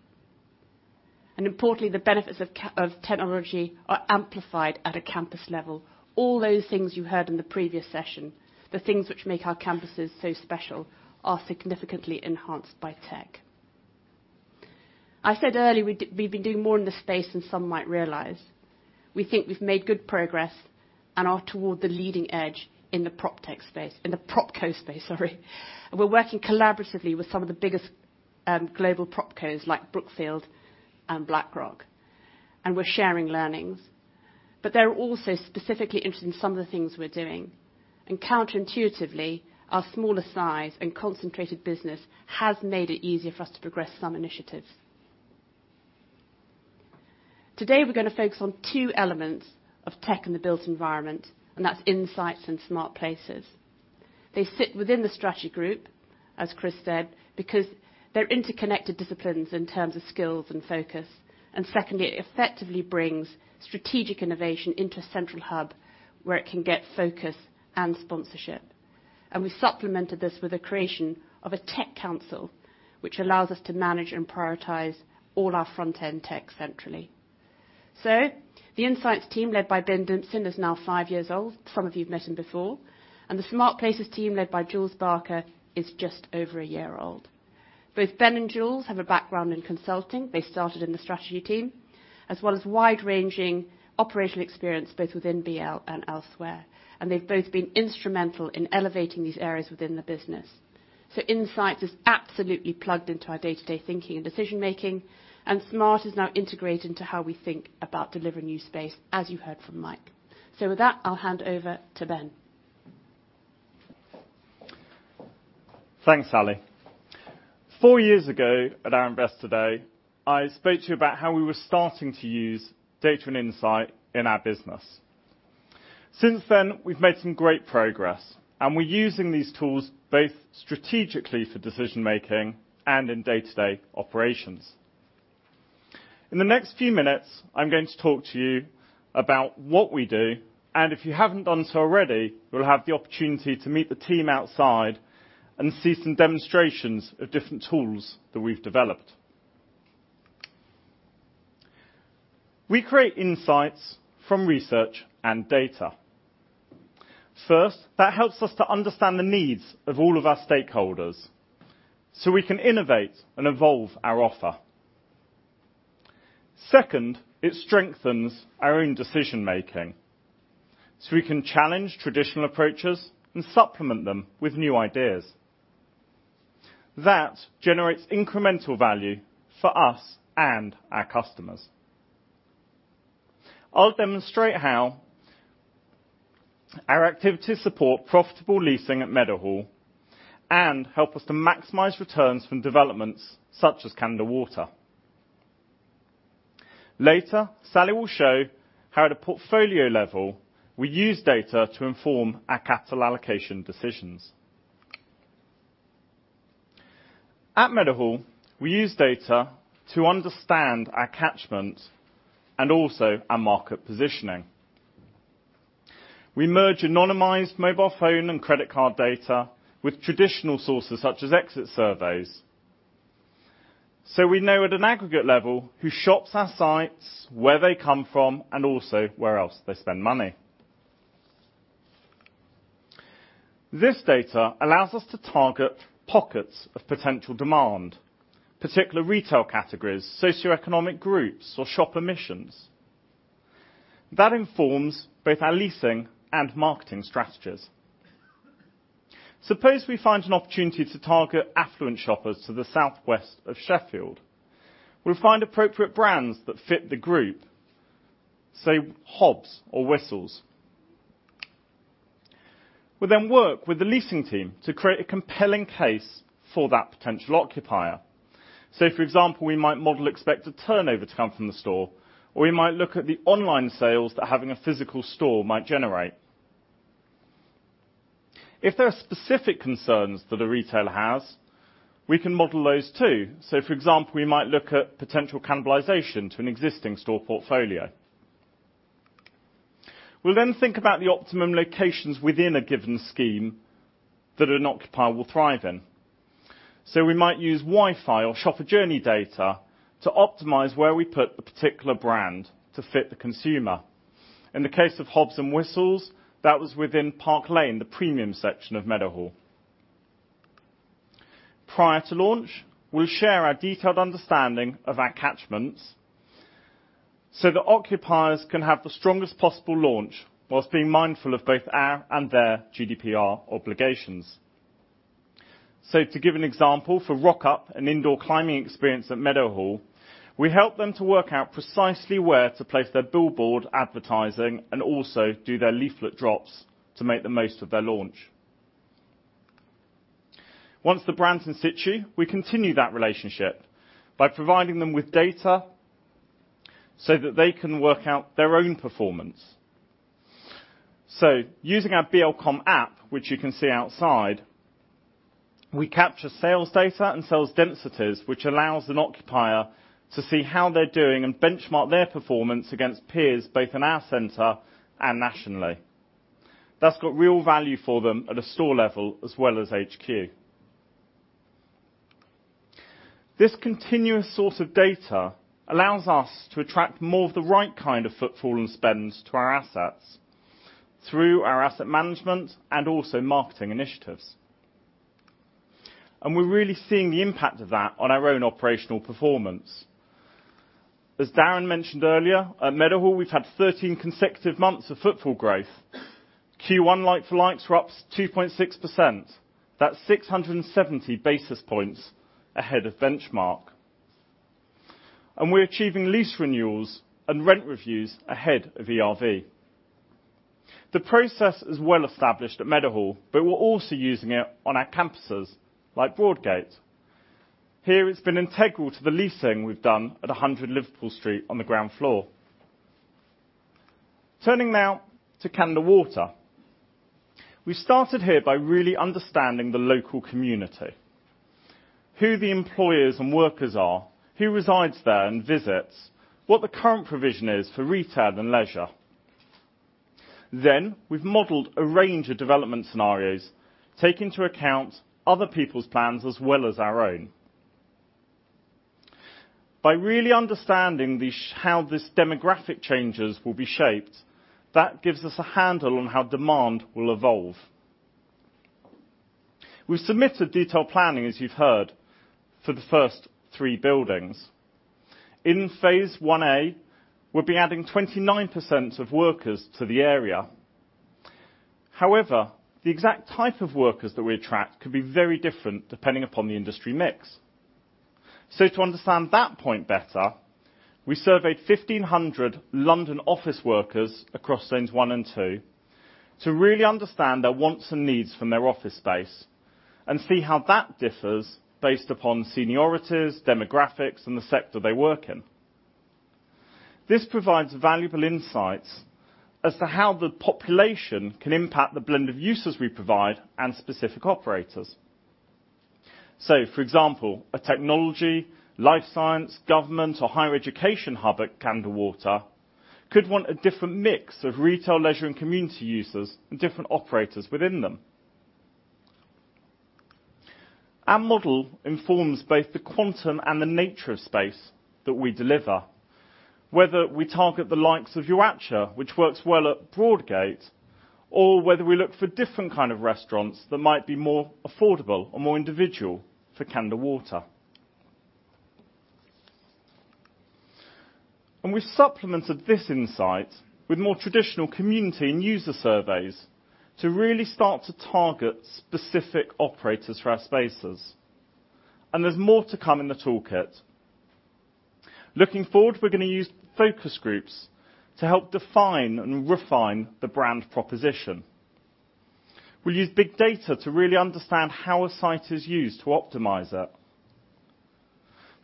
Importantly, the benefits of technology are amplified at a campus level. All those things you heard in the previous session, the things which make our campuses so special are significantly enhanced by tech. I said earlier, we've been doing more in this space than some might realize. We think we've made good progress and are toward the leading edge in the PropCo space, sorry. We're working collaboratively with some of the biggest global PropCos like Brookfield and BlackRock, and we're sharing learnings. They're also specifically interested in some of the things we're doing. Counterintuitively, our smaller size and concentrated business has made it easier for us to progress some initiatives. Today, we're going to focus on two elements of tech in the built environment, and that's insights and Smart Places. They sit within the strategy group, as Chris said, because they're interconnected disciplines in terms of skills and focus. Secondly, it effectively brings strategic innovation into a central hub where it can get focus and sponsorship. We supplemented this with the creation of a tech council, which allows us to manage and prioritize all our front-end tech centrally. The insights team, led by Ben Dimson, is now five years old. Some of you've met him before. The Smart Places team, led by Jules Barker, is just over a year old. Both Ben and Jules have a background in consulting. They started in the strategy team, as well as wide-ranging operational experience, both within BL and elsewhere. They've both been instrumental in elevating these areas within the business. Insights is absolutely plugged into our day-to-day thinking and decision-making, and Smart is now integrated into how we think about delivering new space, as you heard from Mike. With that, I'll hand over to Ben. Thanks, Sally. Four years ago at our Investor Day, I spoke to you about how we were starting to use data and insight in our business. Since then, we've made some great progress, and we're using these tools both strategically for decision-making and in day-to-day operations. In the next few minutes, I'm going to talk to you about what we do, and if you haven't done so already, you'll have the opportunity to meet the team outside and see some demonstrations of different tools that we've developed. We create insights from research and data. First, that helps us to understand the needs of all of our stakeholders so we can innovate and evolve our offer. Second, it strengthens our own decision-making so we can challenge traditional approaches and supplement them with new ideas. That generates incremental value for us and our customers. I'll demonstrate how our activities support profitable leasing at Meadowhall and help us to maximize returns from developments such as Canada Water. Later, Sally will show how, at a portfolio level, we use data to inform our capital allocation decisions. At Meadowhall, we use data to understand our catchment and also our market positioning. We merge anonymized mobile phone and credit card data with traditional sources such as exit surveys. We know at an aggregate level who shops our sites, where they come from, and also where else they spend money. This data allows us to target pockets of potential demand, particular retail categories, socioeconomic groups, or shopper missions. That informs both our leasing and marketing strategies. Suppose we find an opportunity to target affluent shoppers to the southwest of Sheffield. We'll find appropriate brands that fit the group, say, Hobbs or Whistles. We'll work with the leasing team to create a compelling case for that potential occupier. For example, we might model expected turnover to come from the store, or we might look at the online sales that having a physical store might generate. If there are specific concerns that a retailer has, we can model those, too. For example, we might look at potential cannibalization to an existing store portfolio. We'll think about the optimum locations within a given scheme that an occupier will thrive in. We might use Wi-Fi or shopper journey data to optimize where we put the particular brand to fit the consumer. In the case of Hobbs and Whistles, that was within Park Lane, the premium section of Meadowhall. Prior to launch, we'll share our detailed understanding of our catchments so that occupiers can have the strongest possible launch whilst being mindful of both our and their GDPR obligations. To give an example, for Rock Up, an indoor climbing experience at Meadowhall, we help them to work out precisely where to place their billboard advertising and also do their leaflet drops to make the most of their launch. Once the brand's in situ, we continue that relationship by providing them with data so that they can work out their own performance. Using our BL:comm app, which you can see outside, we capture sales data and sales densities, which allows an occupier to see how they're doing and benchmark their performance against peers, both in our center and nationally. That's got real value for them at a store level as well as HQ. This continuous source of data allows us to attract more of the right kind of footfall and spends to our assets through our asset management and also marketing initiatives. We're really seeing the impact of that on our own operational performance. As Darren mentioned earlier, at Meadowhall, we've had 13 consecutive months of footfall growth. Q1 like for likes were up 2.6%. That's 670 basis points ahead of benchmark. We're achieving lease renewals and rent reviews ahead of ERV. The process is well established at Meadowhall, but we're also using it on our campuses like Broadgate. Here, it's been integral to the leasing we've done at 100 Liverpool Street on the ground floor. Turning now to Canada Water. We started here by really understanding the local community, who the employers and workers are, who resides there and visits, what the current provision is for retail and leisure. We've modeled a range of development scenarios, take into account other people's plans as well as our own. By really understanding how these demographic changes will be shaped, that gives us a handle on how demand will evolve. We've submitted detailed planning, as you've heard, for the first three buildings. In phase 1A, we'll be adding 29% of workers to the area. The exact type of workers that we attract could be very different depending upon the industry mix. To understand that point better, we surveyed 1,500 London office workers across zones 1 and 2 to really understand their wants and needs from their office space and see how that differs based upon seniorities, demographics, and the sector they work in. This provides valuable insights as to how the population can impact the blend of users we provide and specific operators. For example, a technology, life science, government, or higher education hub at Canada Water could want a different mix of retail, leisure, and community users and different operators within them. Our model informs both the quantum and the nature of space that we deliver, whether we target the likes of Yauatcha, which works well at Broadgate, or whether we look for different kind of restaurants that might be more affordable or more individual for Canada Water. We supplemented this insight with more traditional community and user surveys to really start to target specific operators for our spaces. There's more to come in the toolkit. Looking forward, we're going to use focus groups to help define and refine the brand proposition. We'll use big data to really understand how a site is used to optimize it.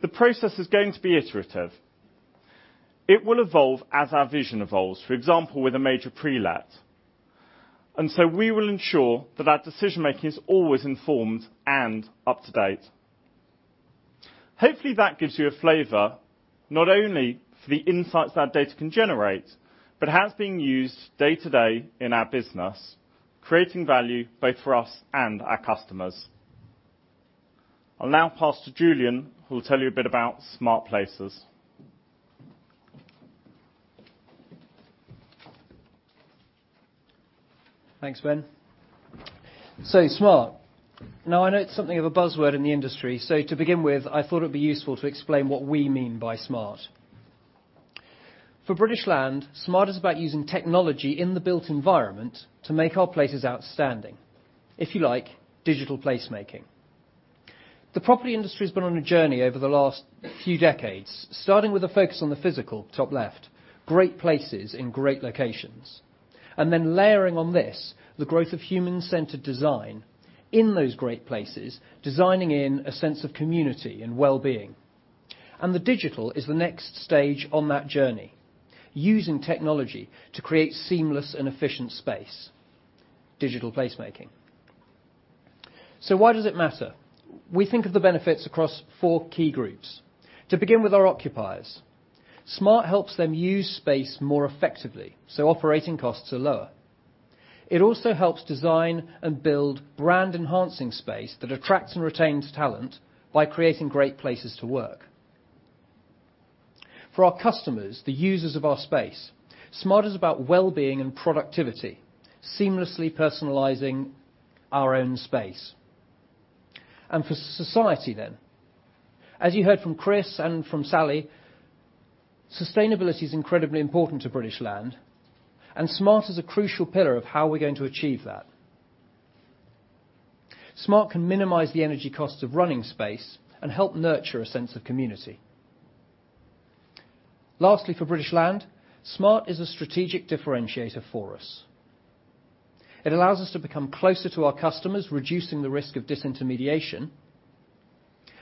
The process is going to be iterative. It will evolve as our vision evolves, for example, with a major prelet. We will ensure that our decision-making is always informed and up to date. Hopefully, that gives you a flavor, not only for the insights that data can generate, but how it's being used day to day in our business, creating value both for us and our customers. I'll now pass to Julian, who will tell you a bit about Smart Places. Thanks, Ben. Smart. I know it's something of a buzzword in the industry, to begin with, I thought it'd be useful to explain what we mean by smart. For British Land, smart is about using technology in the built environment to make our places outstanding. If you like, digital placemaking. The property industry has been on a journey over the last few decades, starting with a focus on the physical, top left, great places in great locations. Layering on this, the growth of human-centered design in those great places, designing in a sense of community and wellbeing. The digital is the next stage on that journey, using technology to create seamless and efficient space, digital placemaking. Why does it matter? We think of the benefits across four key groups. To begin with our occupiers. Smart helps them use space more effectively, so operating costs are lower. It also helps design and build brand-enhancing space that attracts and retains talent by creating great places to work. For our customers, the users of our space, Smart is about wellbeing and productivity, seamlessly personalizing our own space. For society. As you heard from Chris and from Sally, sustainability is incredibly important to British Land, and Smart is a crucial pillar of how we're going to achieve that. Smart can minimize the energy costs of running space and help nurture a sense of community. Lastly, for British Land, Smart is a strategic differentiator for us. It allows us to become closer to our customers, reducing the risk of disintermediation,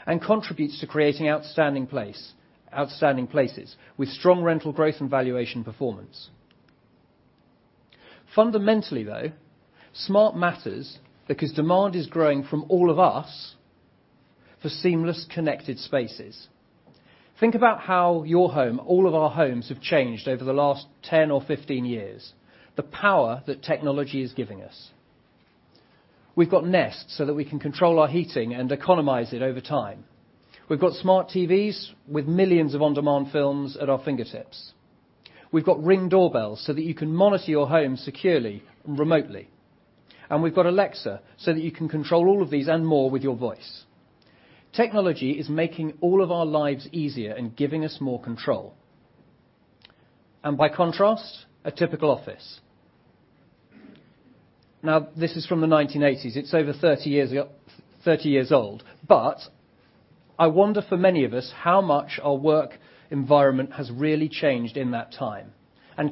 and contributes to creating outstanding places with strong rental growth and valuation performance. Fundamentally, though, smart matters because demand is growing from all of us for seamless connected spaces. Think about how your home, all of our homes, have changed over the last 10 or 15 years. The power that technology is giving us. We've got Nest so that we can control our heating and economize it over time. We've got smart TVs with millions of on-demand films at our fingertips. We've got Ring doorbells so that you can monitor your home securely and remotely. We've got Alexa so that you can control all of these and more with your voice. Technology is making all of our lives easier and giving us more control. By contrast, a typical office. Now, this is from the 1980s. It's over 30 years old. I wonder for many of us, how much our work environment has really changed in that time.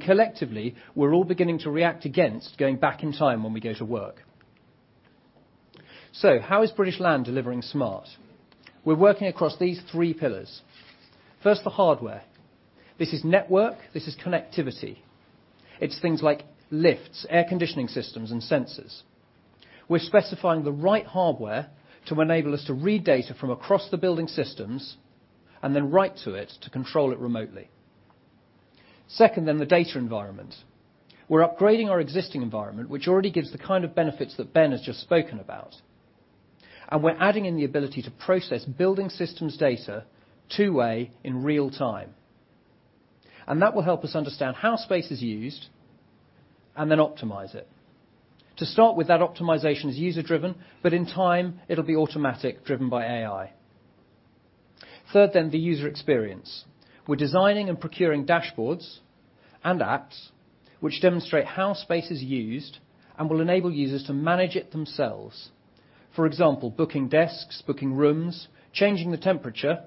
Collectively, we're all beginning to react against going back in time when we go to work. How is British Land delivering smart? We're working across these three pillars. First, the hardware. This is network, this is connectivity. It's things like lifts, air conditioning systems, and sensors. We're specifying the right hardware to enable us to read data from across the building systems and then write to it to control it remotely. Second, the data environment. We're upgrading our existing environment, which already gives the kind of benefits that Ben has just spoken about. We're adding in the ability to process building systems data two-way in real time. That will help us understand how space is used and then optimize it. To start with, that optimization is user-driven, but in time, it'll be automatic, driven by AI. Third, the user experience. We're designing and procuring dashboards and apps which demonstrate how space is used and will enable users to manage it themselves. For example, booking desks, booking rooms, changing the temperature,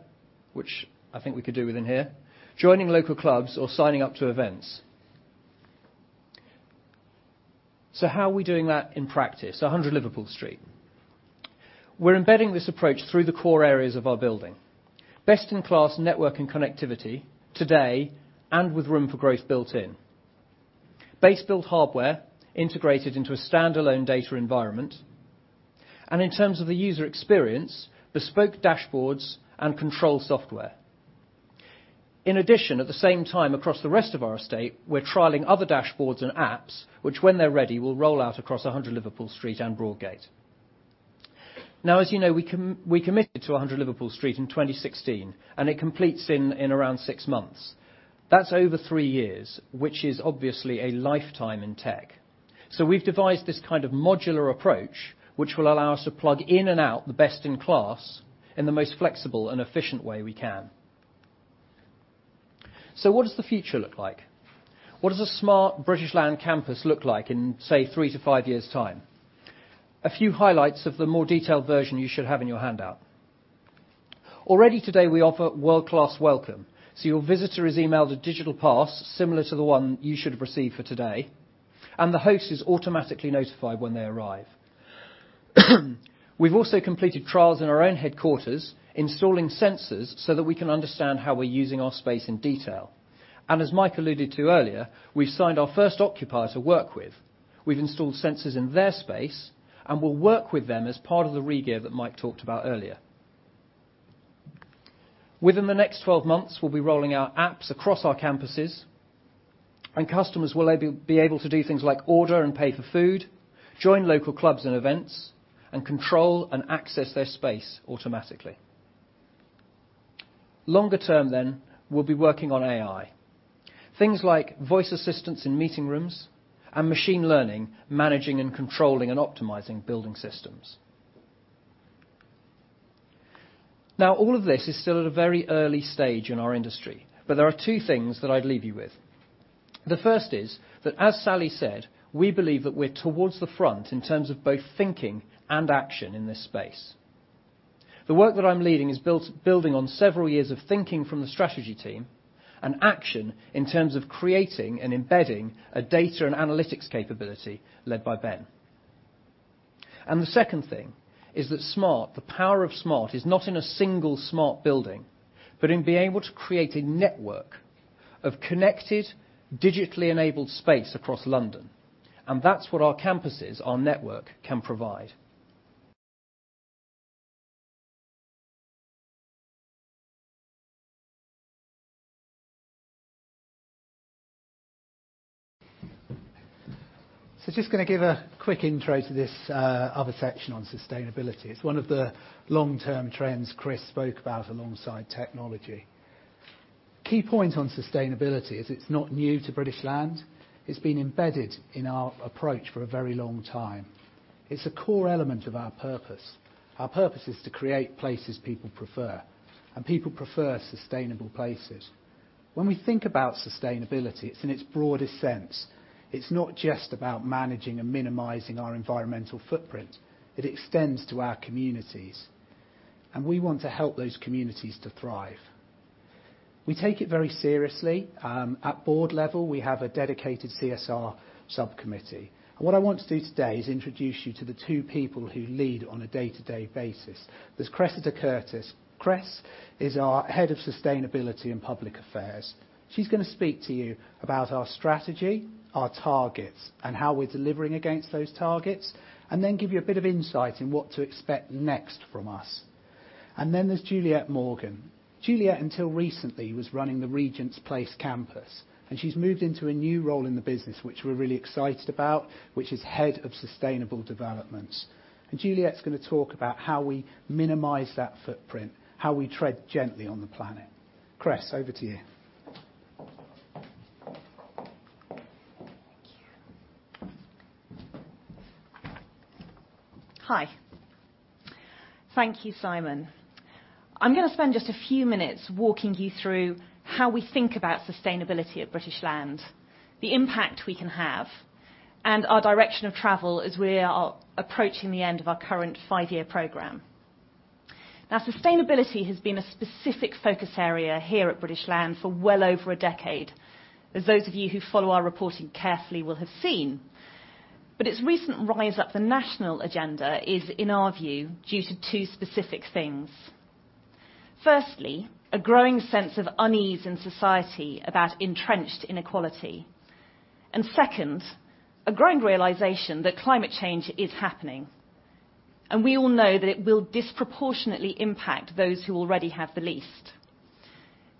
which I think we could do within here, joining local clubs or signing up to events. How are we doing that in practice? 100 Liverpool Street. We're embedding this approach through the core areas of our building. Best-in-class network and connectivity today and with room for growth built in. Base build hardware integrated into a standalone data environment. In terms of the user experience, bespoke dashboards and control software. In addition, at the same time across the rest of our estate, we're trialing other dashboards and apps, which when they're ready, will roll out across 100 Liverpool Street and Broadgate. As you know, we committed to 100 Liverpool Street in 2016, and it completes in around six months. That's over three years, which is obviously a lifetime in tech. We've devised this kind of modular approach, which will allow us to plug in and out the best in class in the most flexible and efficient way we can. What does the future look like? What does a smart British Land campus look like in, say, three to five years' time? A few highlights of the more detailed version you should have in your handout. Already today, we offer world-class welcome. Your visitor is emailed a digital pass similar to the one you should have received for today, and the host is automatically notified when they arrive. We've also completed trials in our own headquarters, installing sensors so that we can understand how we're using our space in detail. As Mike alluded to earlier, we've signed our first occupier to work with. We've installed sensors in their space and will work with them as part of the re-gear that Mike talked about earlier. Within the next 12 months, we'll be rolling out apps across our campuses and customers will be able to do things like order and pay for food, join local clubs and events, and control and access their space automatically. Longer term, we'll be working on AI, things like voice assistance in meeting rooms and machine learning, managing and controlling and optimizing building systems. All of this is still at a very early stage in our industry, but there are two things that I'd leave you with. The first is that, as Sally said, we believe that we're towards the front in terms of both thinking and action in this space. The work that I'm leading is building on several years of thinking from the strategy team and action in terms of creating and embedding a data and analytics capability led by Ben. The second thing is that smart, the power of smart is not in a single smart building, but in being able to create a network of connected, digitally enabled space across London. That's what our campuses, our network, can provide. Just going to give a quick intro to this other section on sustainability. It's one of the long-term trends Chris spoke about alongside technology. Key point on sustainability is it's not new to British Land. It's been embedded in our approach for a very long time. It's a core element of our purpose. Our purpose is to create places people prefer, and people prefer sustainable places. When we think about sustainability, it's in its broadest sense. It's not just about managing and minimizing our environmental footprint. It extends to our communities, and we want to help those communities to thrive. We take it very seriously. At board level, we have a dedicated CSR subcommittee. What I want to do today is introduce you to the two people who lead on a day-to-day basis. There's Cressida Curtis. Cress is our Head of Sustainability and Public Affairs. She's going to speak to you about our strategy, our targets, and how we're delivering against those targets, and then give you a bit of insight in what to expect next from us. Then there's Juliette Morgan. Juliette, until recently, was running the Regent's Place campus. She's moved into a new role in the business, which we're really excited about, which is Head of Sustainable Developments. Juliette's going to talk about how we minimize that footprint, how we tread gently on the planet. Cress, over to you. Thank you. Hi. Thank you, Simon. I'm going to spend just a few minutes walking you through how we think about sustainability at British Land, the impact we can have, and our direction of travel as we are approaching the end of our current five-year program. Sustainability has been a specific focus area here at British Land for well over a decade, as those of you who follow our reporting carefully will have seen. Its recent rise up the national agenda is, in our view, due to two specific things. Firstly, a growing sense of unease in society about entrenched inequality. Second, a growing realization that climate change is happening, and we all know that it will disproportionately impact those who already have the least.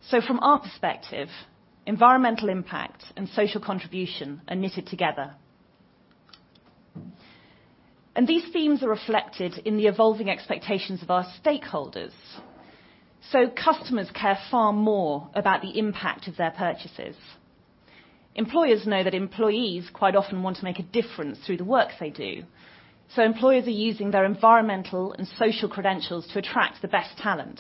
From our perspective, environmental impact and social contribution are knitted together. These themes are reflected in the evolving expectations of our stakeholders. Customers care far more about the impact of their purchases. Employers know that employees quite often want to make a difference through the work they do. Employers are using their environmental and social credentials to attract the best talent.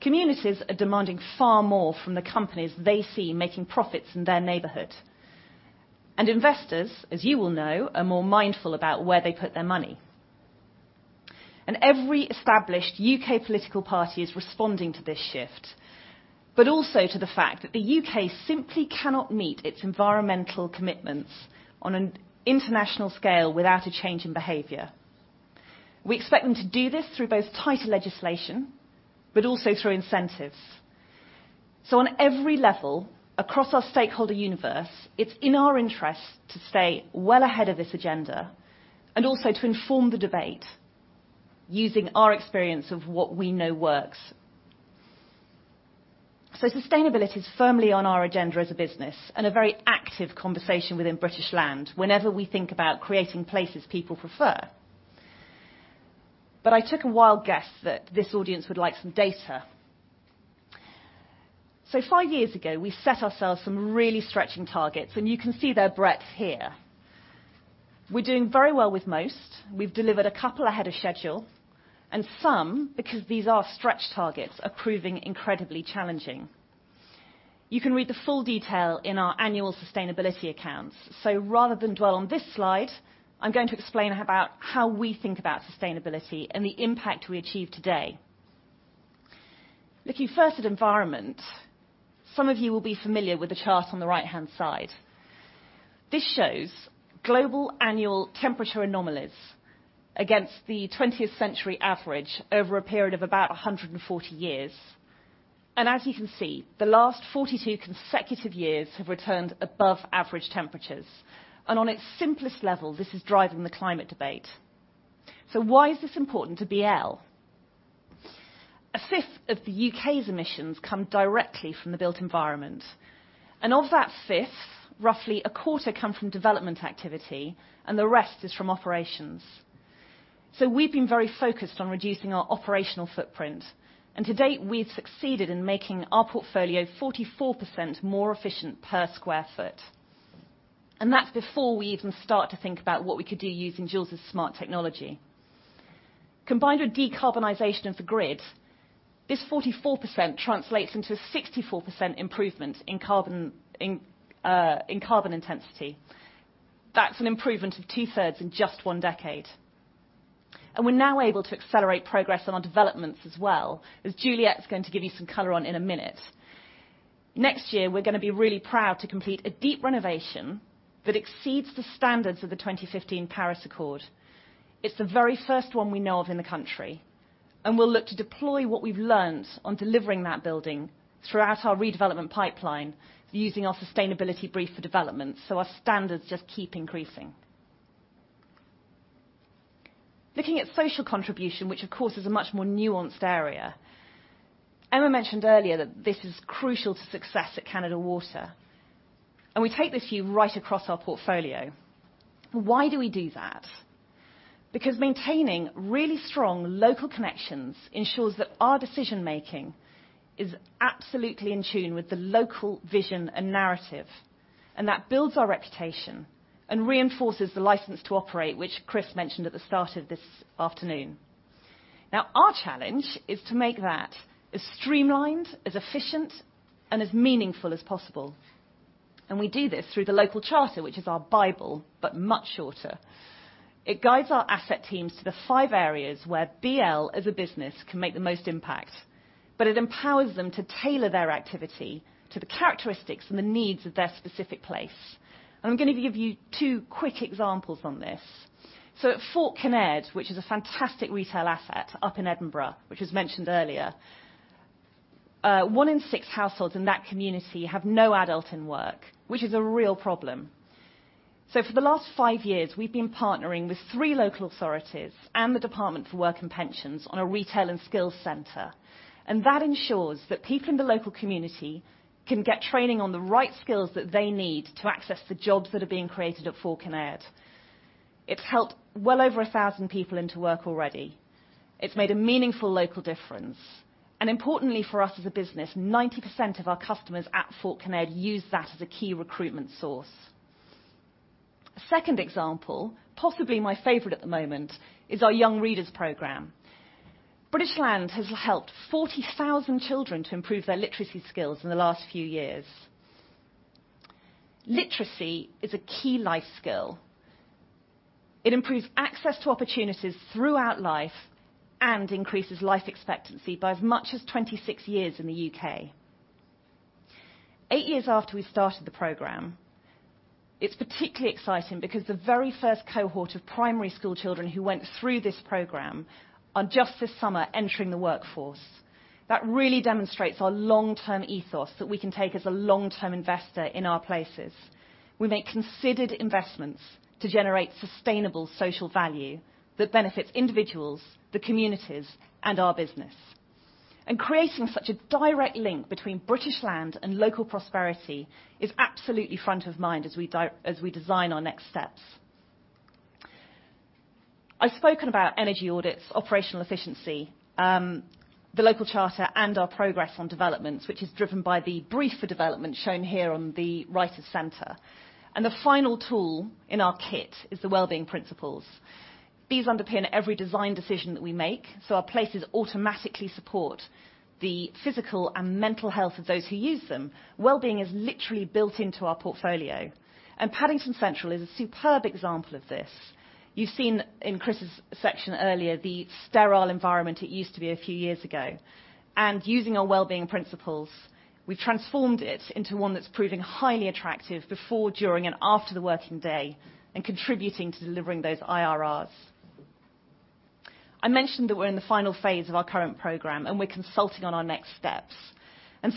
Communities are demanding far more from the companies they see making profits in their neighborhood. Investors, as you will know, are more mindful about where they put their money. Every established U.K. political party is responding to this shift, but also to the fact that the U.K. simply cannot meet its environmental commitments on an international scale without a change in behavior. We expect them to do this through both tighter legislation, but also through incentives. On every level, across our stakeholder universe, it's in our interest to stay well ahead of this agenda and also to inform the debate using our experience of what we know works. Sustainability is firmly on our agenda as a business and a very active conversation within British Land whenever we think about creating places people prefer. I took a wild guess that this audience would like some data. 5 years ago, we set ourselves some really stretching targets, and you can see their breadth here. We're doing very well with most. We've delivered a couple ahead of schedule, and some, because these are stretch targets, are proving incredibly challenging. You can read the full detail in our annual sustainability accounts. Rather than dwell on this slide, I'm going to explain about how we think about sustainability and the impact we achieve today. Looking first at environment, some of you will be familiar with the chart on the right-hand side. This shows global annual temperature anomalies against the 20th century average over a period of about 140 years. As you can see, the last 42 consecutive years have returned above average temperatures. On its simplest level, this is driving the climate debate. Why is this important to BL? A fifth of the U.K.'s emissions come directly from the built environment. Of that fifth, roughly a quarter come from development activity and the rest is from operations. We've been very focused on reducing our operational footprint, and to date, we've succeeded in making our portfolio 44% more efficient per square foot. That's before we even start to think about what we could do using Jules' smart technology. Combined with decarbonization of the grid, this 44% translates into a 64% improvement in carbon intensity. That's an improvement of two-thirds in just one decade. We're now able to accelerate progress on our developments as well, as Juliette is going to give you some color on in a minute. Next year, we're going to be really proud to complete a deep renovation that exceeds the standards of the 2015 Paris Agreement. It's the very first one we know of in the country, and we'll look to deploy what we've learned on delivering that building throughout our redevelopment pipeline using our sustainability brief for development. Our standards just keep increasing. Looking at social contribution, which of course is a much more nuanced area. Emma mentioned earlier that this is crucial to success at Canada Water, and we take this view right across our portfolio. Why do we do that? Maintaining really strong local connections ensures that our decision-making is absolutely in tune with the local vision and narrative, and that builds our reputation and reinforces the license to operate, which Chris mentioned at the start of this afternoon. Our challenge is to make that as streamlined, as efficient, and as meaningful as possible. We do this through the local charter, which is our bible, but much shorter. It guides our asset teams to the five areas where BL as a business can make the most impact, but it empowers them to tailor their activity to the characteristics and the needs of their specific place. I'm going to give you two quick examples on this. At Fort Kinnaird, which is a fantastic retail asset up in Edinburgh, which was mentioned earlier, 1 in 6 households in that community have no adult in work, which is a real problem. For the last five years, we've been partnering with three local authorities and the Department for Work and Pensions on a retail and skills center. That ensures that people in the local community can get training on the right skills that they need to access the jobs that are being created at Fort Kinnaird. It's helped well over 1,000 people into work already. It's made a meaningful local difference. Importantly for us as a business, 90% of our customers at Fort Kinnaird use that as a key recruitment source. A second example, possibly my favorite at the moment, is our Young Readers Programme. British Land has helped 40,000 children to improve their literacy skills in the last few years. Literacy is a key life skill. It improves access to opportunities throughout life and increases life expectancy by as much as 26 years in the U.K. eight years after we started the Programme, it's particularly exciting because the very first cohort of primary school children who went through this Programme are just this summer entering the workforce. That really demonstrates our long-term ethos that we can take as a long-term investor in our places. We make considered investments to generate sustainable social value that benefits individuals, the communities, and our business. Creating such a direct link between British Land and local prosperity is absolutely front of mind as we design our next steps. I've spoken about energy audits, operational efficiency, the local charter, and our progress on developments, which is driven by the brief for development shown here on the right of center. The final tool in our kit is the wellbeing principles. These underpin every design decision that we make, so our places automatically support the physical and mental health of those who use them. Wellbeing is literally built into our portfolio. Paddington Central is a superb example of this. You've seen in Chris's section earlier the sterile environment it used to be a few years ago. Using our wellbeing principles, we've transformed it into one that's proving highly attractive before, during, and after the working day and contributing to delivering those IRRs. I mentioned that we're in the final phase of our current program, we're consulting on our next steps,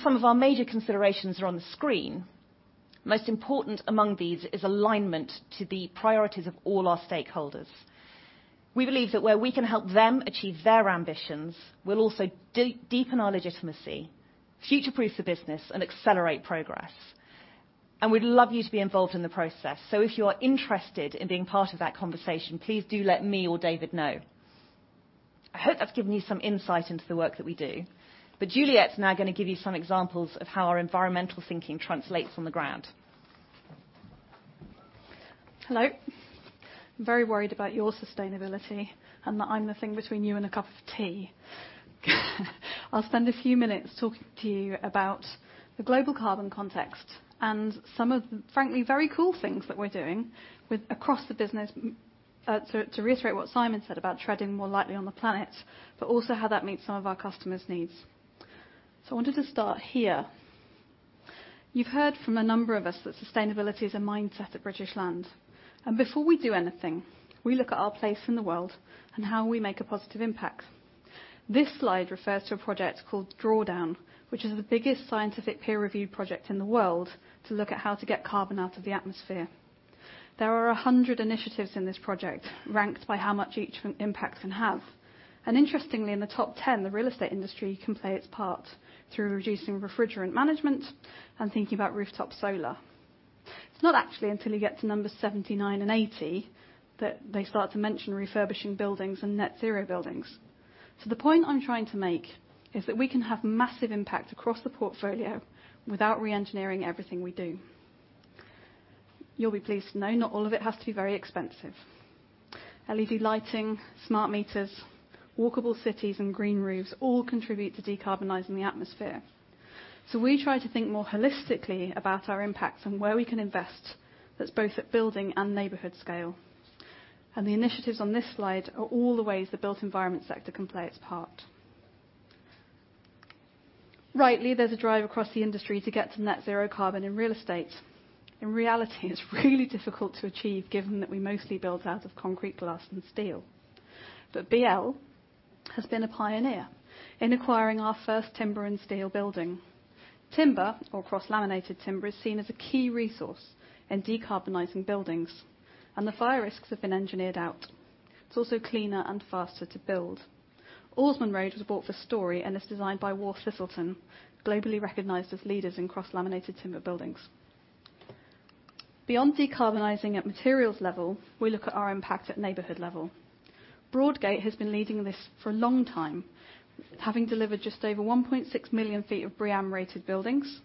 some of our major considerations are on the screen. Most important among these is alignment to the priorities of all our stakeholders. We believe that where we can help them achieve their ambitions will also deepen our legitimacy, future-proof the business, accelerate progress, we'd love you to be involved in the process. If you are interested in being part of that conversation, please do let me or David know. I hope that's given you some insight into the work that we do. Juliette's now going to give you some examples of how our environmental thinking translates on the ground. Hello. I'm very worried about your sustainability and that I'm the thing between you and a cup of tea. I'll spend a few minutes talking to you about the global carbon context and some of the, frankly, very cool things that we're doing across the business, to reiterate what Simon said about treading more lightly on the planet, but also how that meets some of our customers' needs. I wanted to start here. Before we do anything, we look at our place in the world and how we make a positive impact. This slide refers to a project called Project Drawdown, which is the biggest scientific peer-reviewed project in the world to look at how to get carbon out of the atmosphere. There are 100 initiatives in this project, ranked by how much each impact can have. Interestingly, in the top 10, the real estate industry can play its part through reducing refrigerant management and thinking about rooftop solar. It's not actually until you get to numbers 79 and 80 that they start to mention refurbishing buildings and net zero buildings. The point I'm trying to make is that we can have massive impact across the portfolio without re-engineering everything we do. You'll be pleased to know not all of it has to be very expensive. LED lighting, smart meters, walkable cities, and green roofs all contribute to decarbonizing the atmosphere. We try to think more holistically about our impact and where we can invest that's both at building and neighborhood scale. The initiatives on this slide are all the ways the built environment sector can play its part. Rightly, there's a drive across the industry to get to net zero carbon in real estate. In reality, it's really difficult to achieve given that we mostly build out of concrete, glass, and steel. BL has been a pioneer in acquiring our first timber and steel building. Timber or cross-laminated timber is seen as a key resource in decarbonizing buildings, and the fire risks have been engineered out. It's also cleaner and faster to build. Orsman Road was bought for Storey and is designed by Waugh Thistleton, globally recognized as leaders in cross-laminated timber buildings. Beyond decarbonizing at materials level, we look at our impact at neighborhood level. Broadgate has been leading this for a long time, having delivered just over 1.6 million sq ft of BREEAM-rated buildings.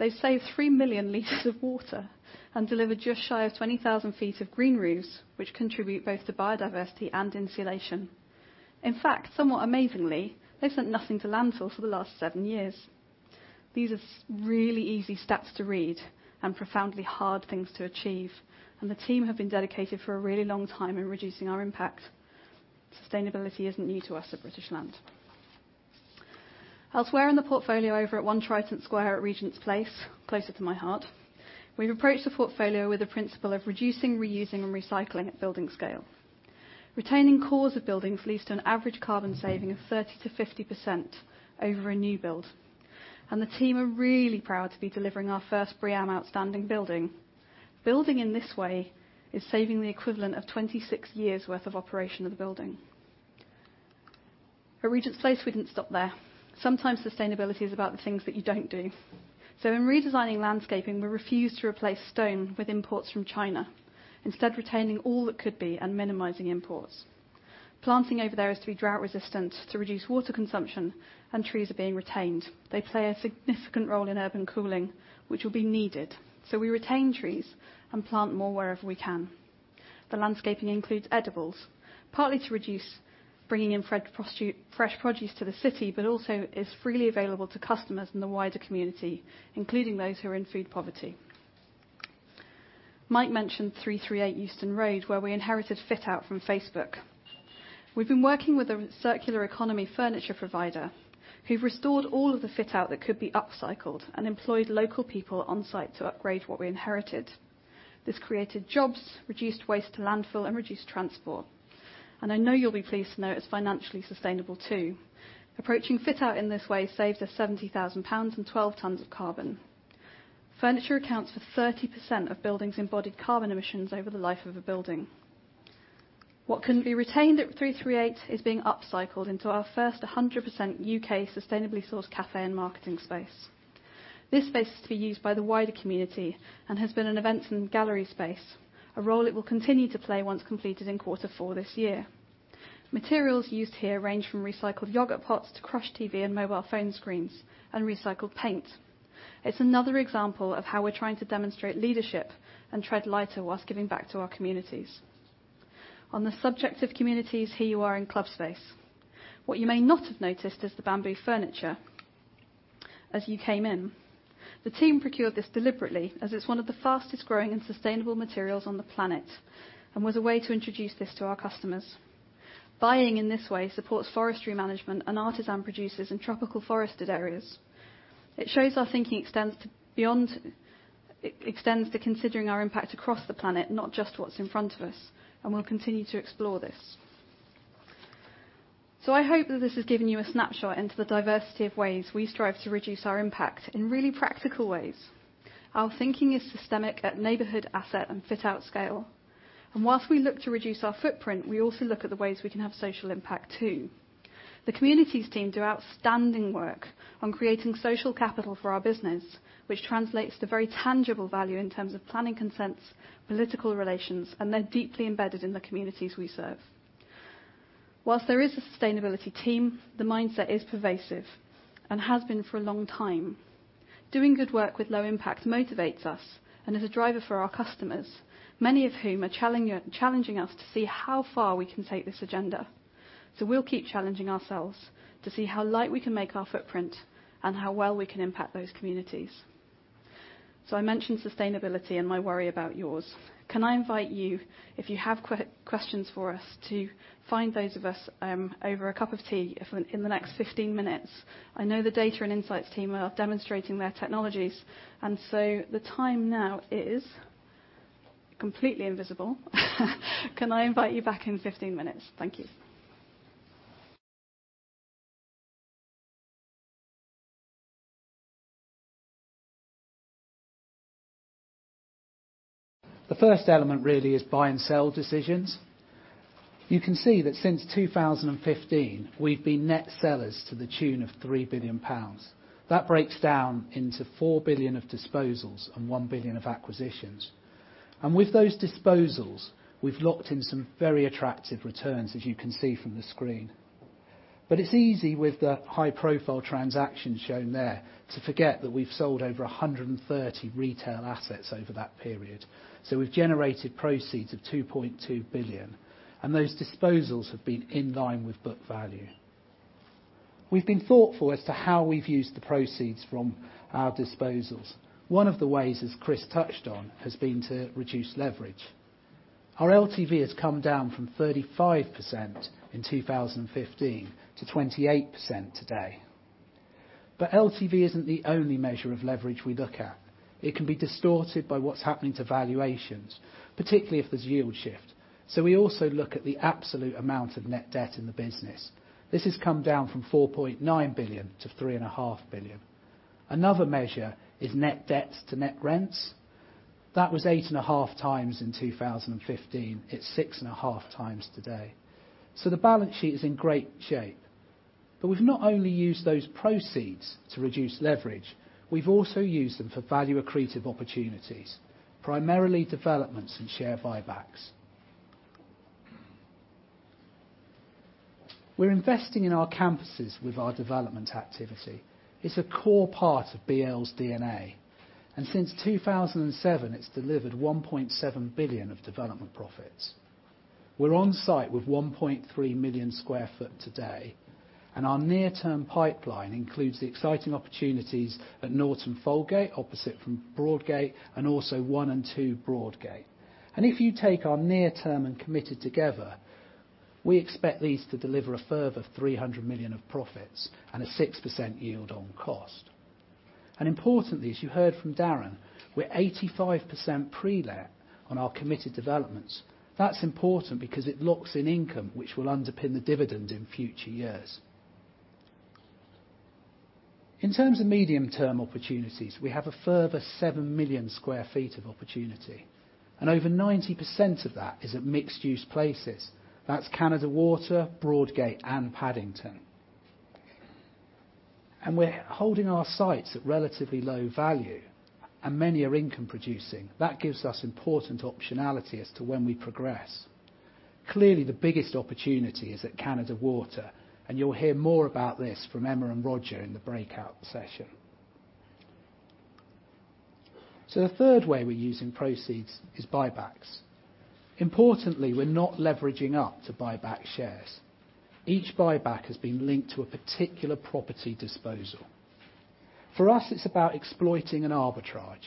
They've saved 3 million liters of water and delivered just shy of 20,000 feet of green roofs, which contribute both to biodiversity and insulation. In fact, somewhat amazingly, they've sent nothing to landfill for the last seven years. These are really easy stats to read and profoundly hard things to achieve. The team have been dedicated for a really long time in reducing our impact. Sustainability isn't new to us at British Land. Elsewhere in the portfolio, over at One Triton Square at Regent's Place, closer to my heart, we've approached the portfolio with the principle of reducing, reusing, and recycling at building scale. Retaining cores of buildings leads to an average carbon saving of 30%-50% over a new build. The team are really proud to be delivering our first BREEAM outstanding building. Building in this way is saving the equivalent of 26 years' worth of operation of the building. At Regent's Place, we didn't stop there. Sometimes sustainability is about the things that you don't do. In redesigning landscaping, we refused to replace stone with imports from China, instead retaining all that could be and minimizing imports. Planting over there is to be drought resistant to reduce water consumption, and trees are being retained. They play a significant role in urban cooling, which will be needed. We retain trees and plant more wherever we can. The landscaping includes edibles, partly to reduce bringing in fresh produce to the city, but also is freely available to customers in the wider community, including those who are in food poverty. Mike mentioned 338 Euston Road, where we inherited fit-out from Facebook. We've been working with a circular economy furniture provider who've restored all of the fit-out that could be upcycled and employed local people on site to upgrade what we inherited. This created jobs, reduced waste to landfill, and reduced transport. I know you'll be pleased to know it's financially sustainable, too. Approaching fit-out in this way saved us 70,000 pounds and 12 tons of carbon. Furniture accounts for 30% of buildings' embodied carbon emissions over the life of a building. What couldn't be retained at 338 is being upcycled into our first 100% U.K. sustainably sourced cafe and marketing space. This space is to be used by the wider community and has been an event and gallery space, a role it will continue to play once completed in quarter four this year. Materials used here range from recycled yogurt pots to crushed TV and mobile phone screens and recycled paint. It's another example of how we're trying to demonstrate leadership and tread lighter while giving back to our communities. On the subject of communities, here you are in Clubspace. What you may not have noticed is the bamboo furniture as you came in. The team procured this deliberately as it's one of the fastest growing and sustainable materials on the planet and was a way to introduce this to our customers. Buying in this way supports forestry management and artisan producers in tropical forested areas. It shows our thinking extends to considering our impact across the planet, not just what's in front of us, and we'll continue to explore this. I hope that this has given you a snapshot into the diversity of ways we strive to reduce our impact in really practical ways. Our thinking is systemic at neighborhood, asset, and fit-out scale. Whilst we look to reduce our footprint, we also look at the ways we can have social impact, too. The communities team do outstanding work on creating social capital for our business, which translates to very tangible value in terms of planning consents, political relations, and they're deeply embedded in the communities we serve. Whilst there is a sustainability team, the mindset is pervasive and has been for a long time. Doing good work with low impact motivates us and is a driver for our customers, many of whom are challenging us to see how far we can take this agenda. We'll keep challenging ourselves to see how light we can make our footprint and how well we can impact those communities. I mentioned sustainability and my worry about yours. Can I invite you, if you have questions for us, to find those of us over a cup of tea in the next 15 minutes? I know the data and insights team are demonstrating their technologies. The time now is completely invisible. Can I invite you back in 15 minutes? Thank you. The first element really is buy and sell decisions. You can see that since 2015, we've been net sellers to the tune of 3 billion pounds. That breaks down into 4 billion of disposals and 1 billion of acquisitions. With those disposals, we've locked in some very attractive returns, as you can see from the screen. It's easy with the high-profile transactions shown there to forget that we've sold over 130 retail assets over that period. We've generated proceeds of 2.2 billion, and those disposals have been in line with book value. We've been thoughtful as to how we've used the proceeds from our disposals. One of the ways, as Chris touched on, has been to reduce leverage. Our LTV has come down from 35% in 2015 to 28% today. LTV isn't the only measure of leverage we look at. It can be distorted by what's happening to valuations, particularly if there's yield shift. We also look at the absolute amount of net debt in the business. This has come down from 4.9 billion to 3.5 billion. Another measure is net debt to net rents. That was 8.5 times in 2015. It's 6.5 times today. The balance sheet is in great shape. We've not only used those proceeds to reduce leverage, we've also used them for value-accretive opportunities, primarily developments and share buybacks. We're investing in our campuses with our development activity. It's a core part of BL's DNA, and since 2007, it's delivered 1.7 billion of development profits. We're on site with 1.3 million sq ft today, and our near-term pipeline includes the exciting opportunities at Norton Folgate, opposite from Broadgate, and also One and Two Broadgate. If you take our near term and committed together, we expect these to deliver a further 300 million of profits and a 6% yield on cost. Importantly, as you heard from Darren, we're 85% pre-let on our committed developments. That's important because it locks in income, which will underpin the dividend in future years. In terms of medium-term opportunities, we have a further 7 million sq ft of opportunity, and over 90% of that is at mixed-use places. That's Canada Water, Broadgate, and Paddington. We're holding our sites at relatively low value, and many are income producing. That gives us important optionality as to when we progress. Clearly, the biggest opportunity is at Canada Water, and you'll hear more about this from Emma and Roger in the breakout session. The third way we're using proceeds is buybacks. Importantly, we're not leveraging up to buy back shares. Each buyback has been linked to a particular property disposal. For us, it's about exploiting an arbitrage.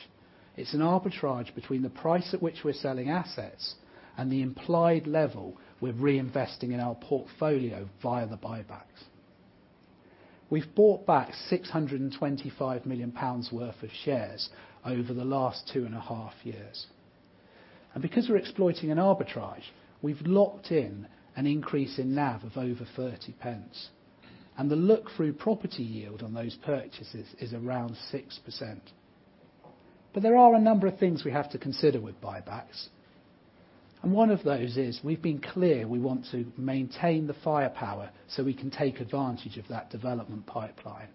It's an arbitrage between the price at which we're selling assets and the implied level we're reinvesting in our portfolio via the buybacks. We've bought back 625 million pounds worth of shares over the last two and a half years. Because we're exploiting an arbitrage, we've locked in an increase in NAV of over 0.30, and the look-through property yield on those purchases is around 6%. There are a number of things we have to consider with buybacks, and one of those is we've been clear we want to maintain the firepower so we can take advantage of that development pipeline.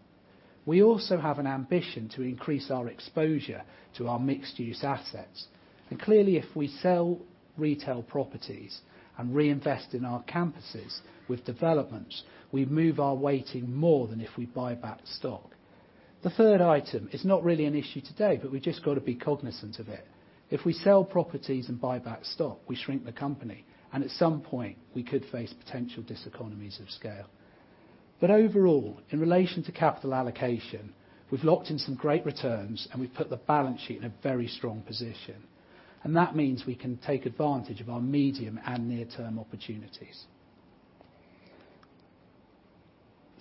We also have an ambition to increase our exposure to our mixed-use assets. Clearly, if we sell retail properties and reinvest in our campuses with developments, we move our weighting more than if we buy back stock. The third item is not really an issue today, but we've just got to be cognizant of it. If we sell properties and buy back stock, we shrink the company, and at some point, we could face potential diseconomies of scale. Overall, in relation to capital allocation, we've locked in some great returns, and we've put the balance sheet in a very strong position. That means we can take advantage of our medium and near-term opportunities.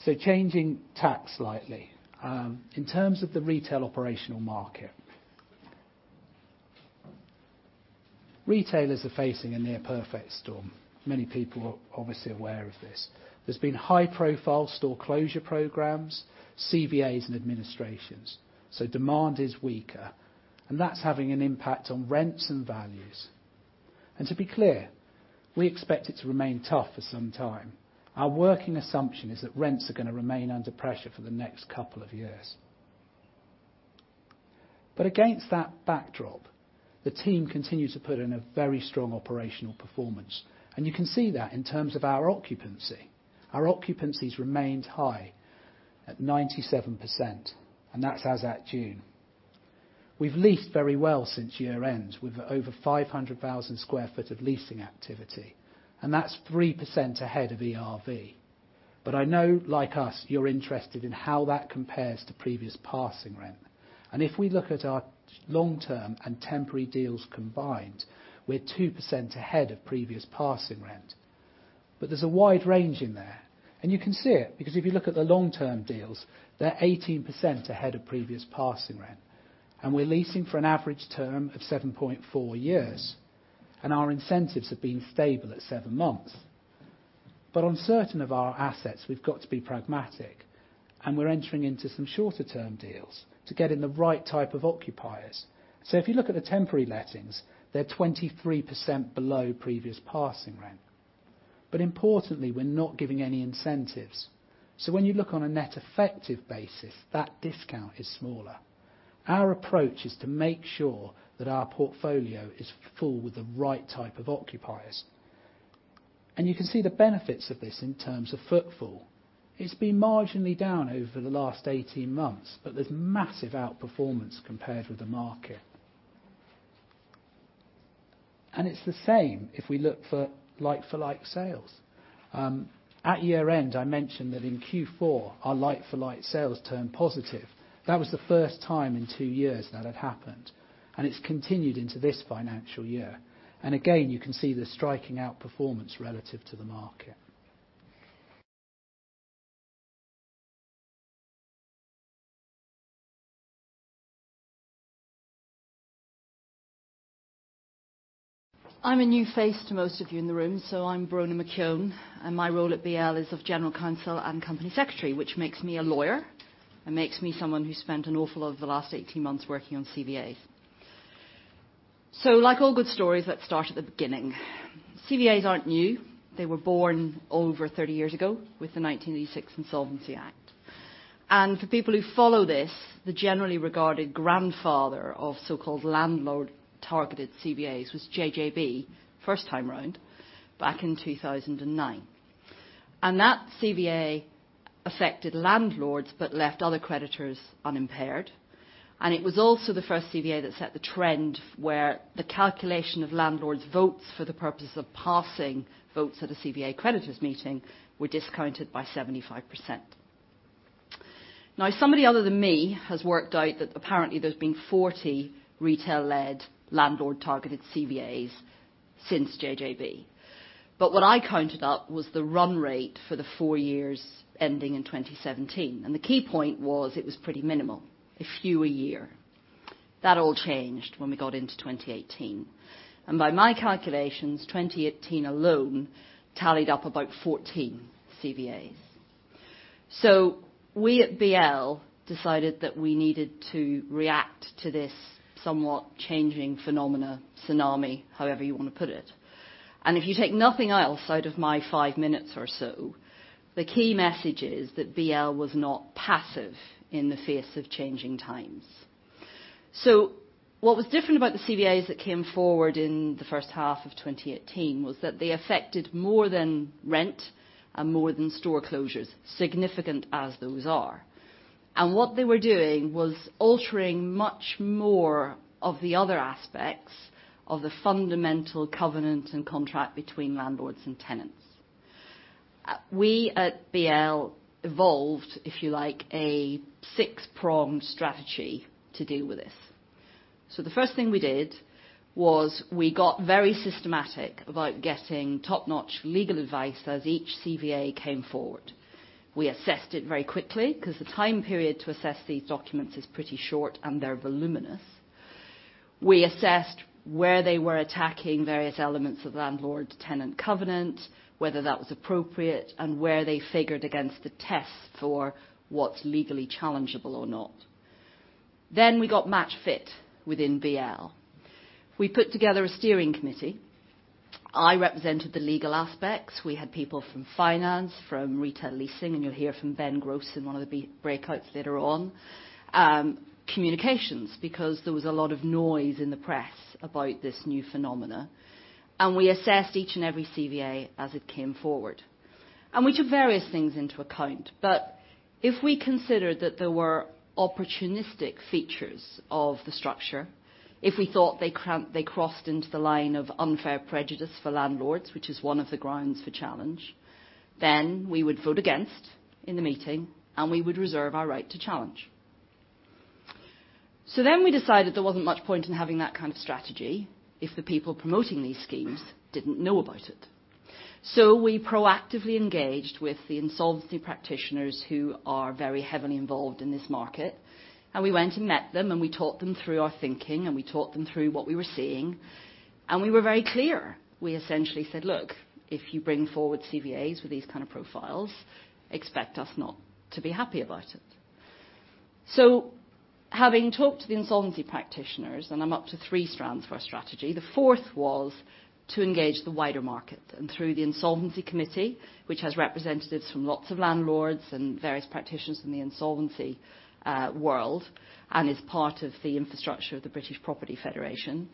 Changing tack slightly. In terms of the retail operational market, retailers are facing a near perfect storm. Many people are obviously aware of this. There's been high-profile store closure programs, CVAs, and administrations. Demand is weaker, and that's having an impact on rents and values. To be clear, we expect it to remain tough for some time. Our working assumption is that rents are going to remain under pressure for the next couple of years. Against that backdrop, the team continued to put in a very strong operational performance, and you can see that in terms of our occupancy. Our occupancies remained high at 97%, and that's as at June. We've leased very well since year-end with over 500,000 square foot of leasing activity, and that's 3% ahead of ERV. I know, like us, you're interested in how that compares to previous passing rent. If we look at our long-term and temporary deals combined, we're 2% ahead of previous passing rent. There's a wide range in there, and you can see it, because if you look at the long-term deals, they're 18% ahead of previous passing rent. We're leasing for an average term of 7.4 years, and our incentives have been stable at seven months. On certain of our assets, we've got to be pragmatic, and we're entering into some shorter-term deals to get in the right type of occupiers. If you look at the temporary lettings, they're 23% below previous passing rent. Importantly, we're not giving any incentives. When you look on a net effective basis, that discount is smaller. Our approach is to make sure that our portfolio is full with the right type of occupiers. You can see the benefits of this in terms of footfall. It's been marginally down over the last 18 months. There's massive outperformance compared with the market. It's the same if we look for like-for-like sales. At year-end, I mentioned that in Q4, our like-for-like sales turned positive. That was the first time in two years that had happened. It's continued into this financial year. Again, you can see the striking outperformance relative to the market. I'm Brona McKeown, and my role at BL is of General Counsel and Company Secretary, which makes me a lawyer and makes me someone who spent an awful of the last 18 months working on CVAs. Like all good stories, let's start at the beginning. CVAs aren't new. They were born over 30 years ago with the Insolvency Act 1986. For people who follow this, the generally regarded grandfather of so-called landlord targeted CVAs was JJB, first time around, back in 2009. That CVA affected landlords but left other creditors unimpaired. It was also the first CVA that set the trend where the calculation of landlords' votes for the purpose of passing votes at a CVA creditors meeting were discounted by 75%. Somebody other than me has worked out that apparently there's been 40 retail-led landlord targeted CVAs since JJB. What I counted up was the run rate for the 4 years ending in 2017. The key point was it was pretty minimal, a few a year. That all changed when we got into 2018. By my calculations, 2018 alone tallied up about 14 CVAs. We at BL decided that we needed to react to this somewhat changing phenomena, tsunami, however you want to put it. If you take nothing else out of my five minutes or so, the key message is that BL was not passive in the face of changing times. What was different about the CVAs that came forward in the first half of 2018 was that they affected more than rent and more than store closures, significant as those are. What they were doing was altering much more of the other aspects of the fundamental covenant and contract between landlords and tenants. We at BL evolved, if you like, a six-pronged strategy to deal with this. The first thing we did was we got very systematic about getting top-notch legal advice as each CVA came forward. We assessed it very quickly because the time period to assess these documents is pretty short and they're voluminous. We assessed where they were attacking various elements of landlord-tenant covenant, whether that was appropriate, and where they figured against the test for what's legally challengeable or not. We got match fit within BL. We put together a steering committee. I represented the legal aspects. We had people from finance, from retail leasing, and you'll hear from Ben Grose in one of the breakouts later on. Communications, because there was a lot of noise in the press about this new phenomena. We assessed each and every CVA as it came forward. We took various things into account. If we consider that there were opportunistic features of the structure. If we thought they crossed into the line of unfair prejudice for landlords, which is one of the grounds for challenge, then we would vote against in the meeting and we would reserve our right to challenge. We decided there wasn't much point in having that kind of strategy if the people promoting these schemes didn't know about it. We proactively engaged with the insolvency practitioners who are very heavily involved in this market, and we went and met them and we talked them through our thinking and we talked them through what we were seeing, and we were very clear. We essentially said, "Look, if you bring forward CVAs with these kind of profiles, expect us not to be happy about it." Having talked to the insolvency practitioners, I am up to three strands for our strategy, the fourth was to engage the wider market and through the insolvency committee, which has representatives from lots of landlords and various practitioners from the insolvency world, and is part of the infrastructure of the British Property Federation.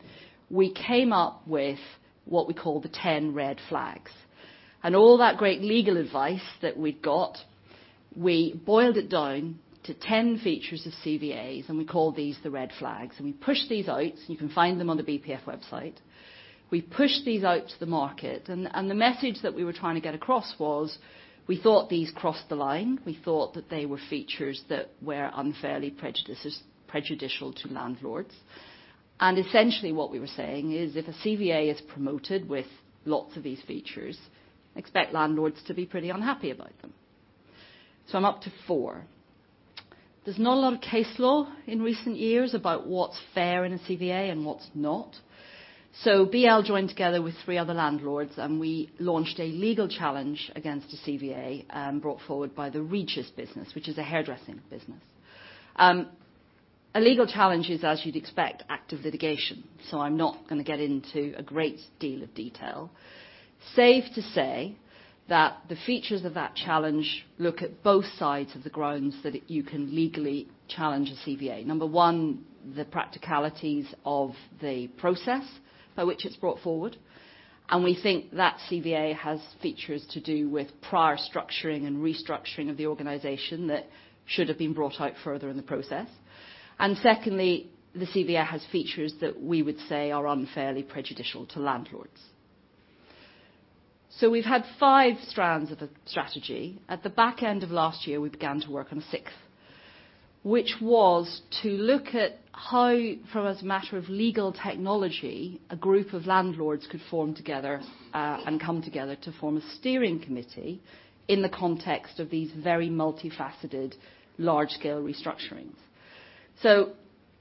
We came up with what we call the 10 red flags. All that great legal advice that we had got, we boiled it down to 10 features of CVAs, and we called these the red flags. We pushed these out. You can find them on the BPF website. We pushed these out to the market, and the message that we were trying to get across was, we thought these crossed the line. We thought that they were features that were unfairly prejudicial to landlords. Essentially what we were saying is, if a CVA is promoted with lots of these features, expect landlords to be pretty unhappy about them. I'm up to four. There's not a lot of case law in recent years about what's fair in a CVA and what's not. BL joined together with three other landlords, and we launched a legal challenge against a CVA, brought forward by the Regis business, which is a hairdressing business. A legal challenge is, as you'd expect, active litigation, so I'm not going to get into a great deal of detail. Safe to say that the features of that challenge look at both sides of the grounds that you can legally challenge a CVA. Number one, the practicalities of the process by which it's brought forward. We think that CVA has features to do with prior structuring and restructuring of the organization that should have been brought out further in the process. Secondly, the CVA has features that we would say are unfairly prejudicial to landlords. We've had five strands of a strategy. At the back end of last year, we began to work on a sixth, which was to look at how, from as a matter of legal technology, a group of landlords could form together, and come together to form a steering committee in the context of these very multifaceted, large-scale restructurings.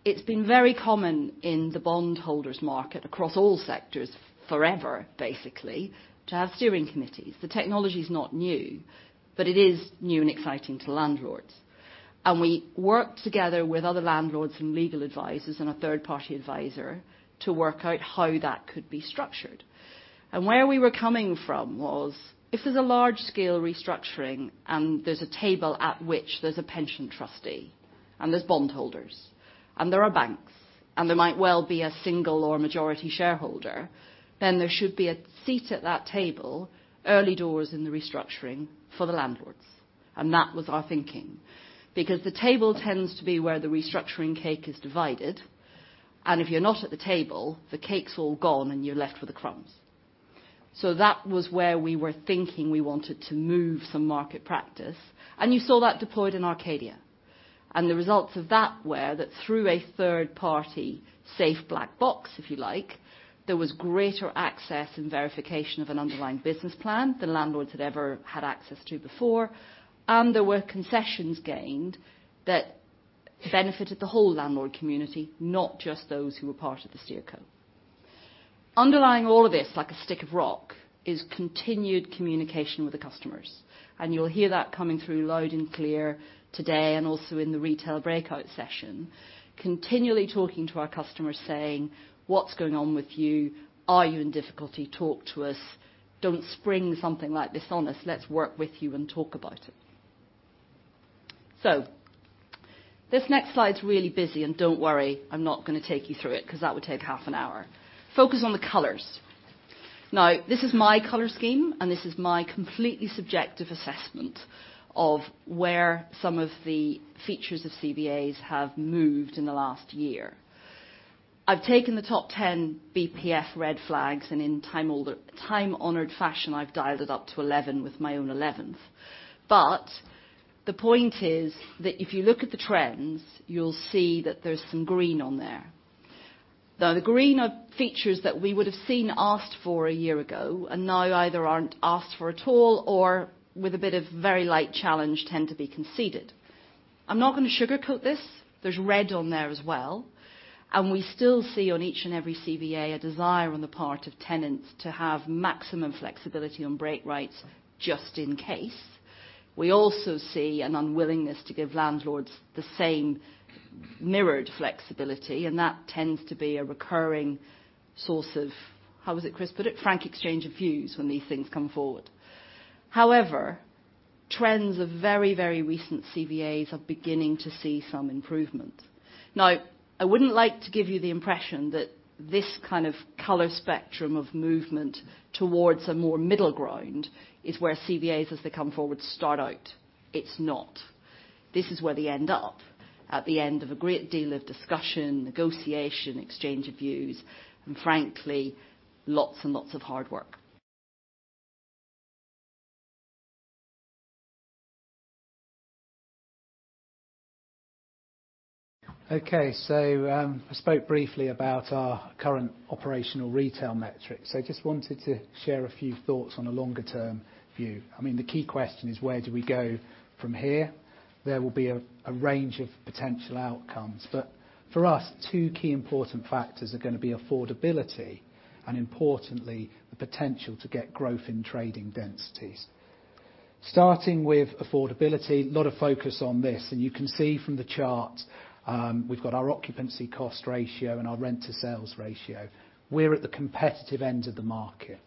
It's been very common in the bondholders market across all sectors forever, basically, to have steering committees. The technology's not new, but it is new and exciting to landlords. We worked together with other landlords and legal advisors and a third-party advisor to work out how that could be structured. Where we were coming from was, if there's a large-scale restructuring and there's a table at which there's a pension trustee and there's bondholders and there are banks, and there might well be a single or majority shareholder, then there should be a seat at that table early doors in the restructuring for the landlords. That was our thinking. Because the table tends to be where the restructuring cake is divided, and if you're not at the table, the cake's all gone and you're left with the crumbs. That was where we were thinking we wanted to move some market practice, and you saw that deployed in Arcadia. The results of that were that through a third party, safe black box, if you like, there was greater access and verification of an underlying business plan than landlords had ever had access to before, and there were concessions gained that benefited the whole landlord community, not just those who were part of the SteerCo. Underlying all of this, like a stick of rock, is continued communication with the customers, and you'll hear that coming through loud and clear today and also in the retail breakout session. Continually talking to our customers, saying, "What's going on with you? Are you in difficulty? Talk to us. Don't spring something like this on us. Let's work with you and talk about it." This next slide's really busy, and don't worry, I'm not going to take you through it because that would take half an hour. Focus on the colors. Now, this is my color scheme, and this is my completely subjective assessment of where some of the features of CVAs have moved in the last year. I've taken the top 10 BPF red flags, and in time-honored fashion, I've dialed it up to 11 with my own 11th. The point is that if you look at the trends, you'll see that there's some green on there. Now, the green are features that we would have seen asked for a year ago and now either aren't asked for at all or with a bit of very light challenge tend to be conceded. I'm not going to sugarcoat this. There's red on there as well, and we still see on each and every CVA a desire on the part of tenants to have maximum flexibility on break rights, just in case. We also see an unwillingness to give landlords the same mirrored flexibility, and that tends to be a recurring source of, how was it Chris put it, frank exchange of views when these things come forward. Trends of very, very recent CVAs are beginning to see some improvement. I wouldn't like to give you the impression that this kind of color spectrum of movement towards a more middle ground is where CVAs as they come forward start out. It's not. This is where they end up at the end of a great deal of discussion, negotiation, exchange of views, and frankly, lots and lots of hard work. Okay, I spoke briefly about our current operational retail metrics. I just wanted to share a few thoughts on a longer-term view. The key question is where do we go from here? There will be a range of potential outcomes but for us, two key important factors are going to be affordability, and importantly, the potential to get growth in trading densities. Starting with affordability, a lot of focus on this. You can see from the chart, we've got our occupancy cost ratio and our rent to sales ratio. We're at the competitive end of the market.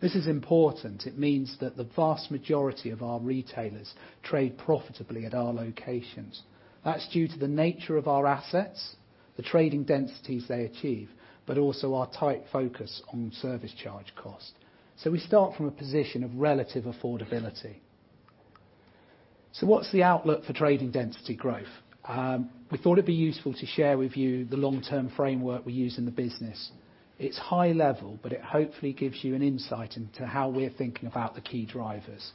This is important. It means that the vast majority of our retailers trade profitably at our locations. That's due to the nature of our assets, the trading densities they achieve, but also our tight focus on service charge cost. We start from a position of relative affordability. What's the outlook for trading density growth? We thought it would be useful to share with you the long-term framework we use in the business. It's high level, but it hopefully gives you an insight into how we're thinking about the key drivers.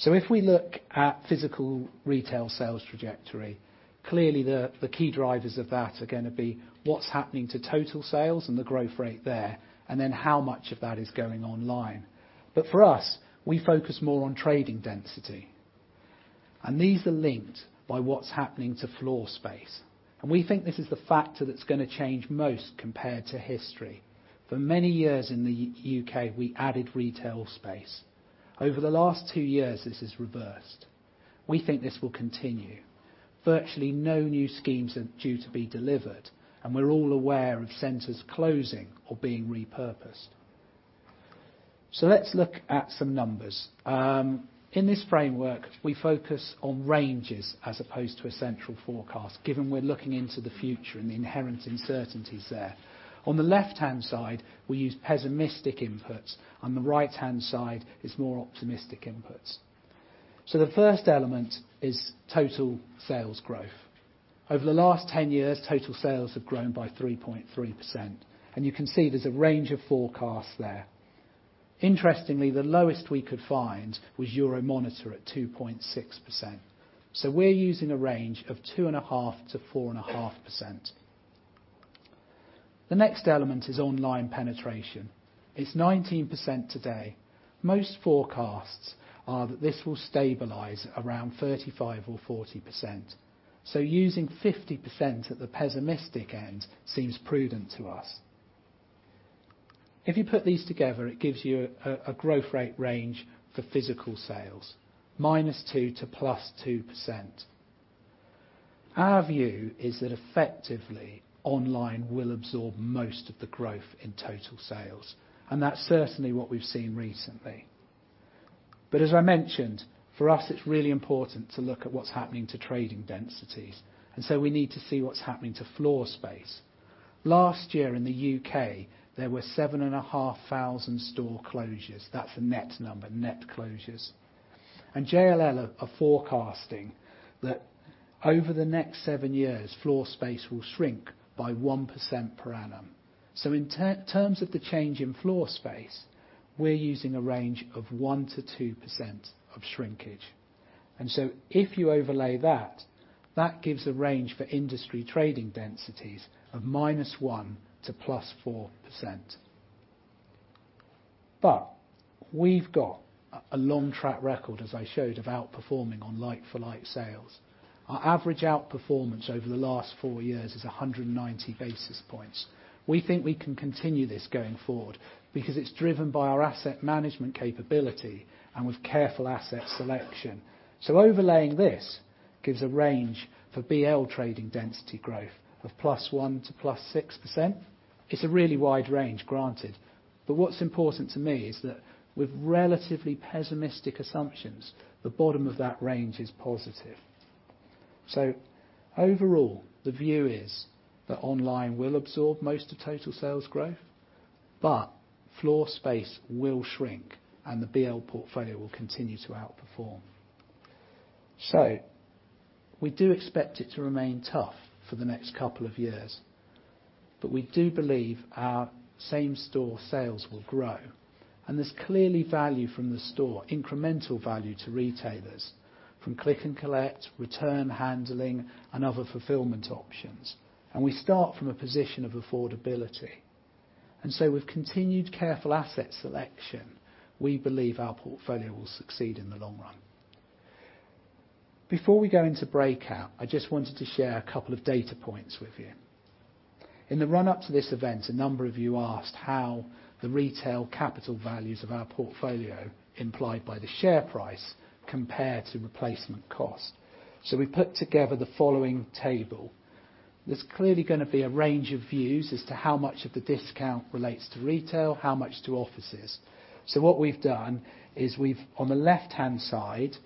If we look at physical retail sales trajectory, clearly, the key drivers of that are going to be what's happening to total sales and the growth rate there, and then how much of that is going online. For us, we focus more on trading density. These are linked by what's happening to floor space. We think this is the factor that's going to change most compared to history. For many years in the U.K., we added retail space. Over the last two years, this has reversed. We think this will continue. Virtually no new schemes are due to be delivered, and we're all aware of centers closing or being repurposed. Let's look at some numbers. In this framework, we focus on ranges as opposed to a central forecast, given we're looking into the future and the inherent uncertainties there. On the left-hand side, we use pessimistic inputs. On the right-hand side is more optimistic inputs. The first element is total sales growth. Over the last 10 years, total sales have grown by 3.3%, and you can see there's a range of forecasts there. Interestingly, the lowest we could find was Euromonitor at 2.6%. We're using a range of 2.5%-4.5%. The next element is online penetration. It's 19% today. Most forecasts are that this will stabilize around 35% or 40%. Using 50% at the pessimistic end seems prudent to us. If you put these together, it gives you a growth rate range for physical sales, minus 2% to plus 2%. Our view is that effectively, online will absorb most of the growth in total sales, and that's certainly what we've seen recently. As I mentioned, for us, it's really important to look at what's happening to trading densities, and so we need to see what's happening to floor space. Last year in the U.K., there were 7,500 store closures. That's a net number, net closures. JLL are forecasting that over the next seven years, floor space will shrink by 1% per annum. In terms of the change in floor space, we're using a range of 1%-2% of shrinkage. If you overlay that gives a range for industry trading densities of minus 1% to plus 4%. We've got a long track record, as I showed, of outperforming on like-for-like sales. Our average outperformance over the last four years is 190 basis points. We think we can continue this going forward because it's driven by our asset management capability and with careful asset selection. Overlaying this gives a range for BL trading density growth of +1% to +6%. It's a really wide range, granted, but what's important to me is that with relatively pessimistic assumptions, the bottom of that range is positive. Overall, the view is that online will absorb most of total sales growth, but floor space will shrink and the BL portfolio will continue to outperform. We do expect it to remain tough for the next couple of years, but we do believe our same store sales will grow, and there's clearly value from the store, incremental value to retailers, from click and collect, return handling, and other fulfillment options. We start from a position of affordability. With continued careful asset selection, we believe our portfolio will succeed in the long run. Before we go into breakout, I just wanted to share a couple of data points with you. In the run-up to this event, a number of you asked how the retail capital values of our portfolio, implied by the share price, compare to replacement cost. We put together the following table. There's clearly going to be a range of views as to how much of the discount relates to retail, how much to offices. What we've done is, on the left-hand side,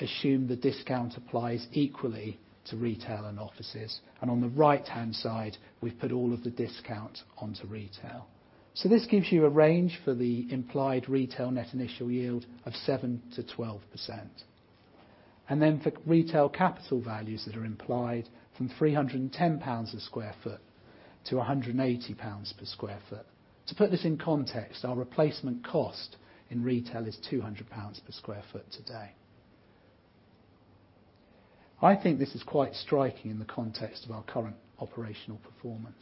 assumed the discount applies equally to retail and offices, and on the right-hand side, we've put all of the discount onto retail. This gives you a range for the implied retail net initial yield of 7%-12%. Then for retail capital values that are implied, from 310 pounds per square foot to 180 pounds per square foot. To put this in context, our replacement cost in retail is 200 pounds per square foot today. I think this is quite striking in the context of our current operational performance.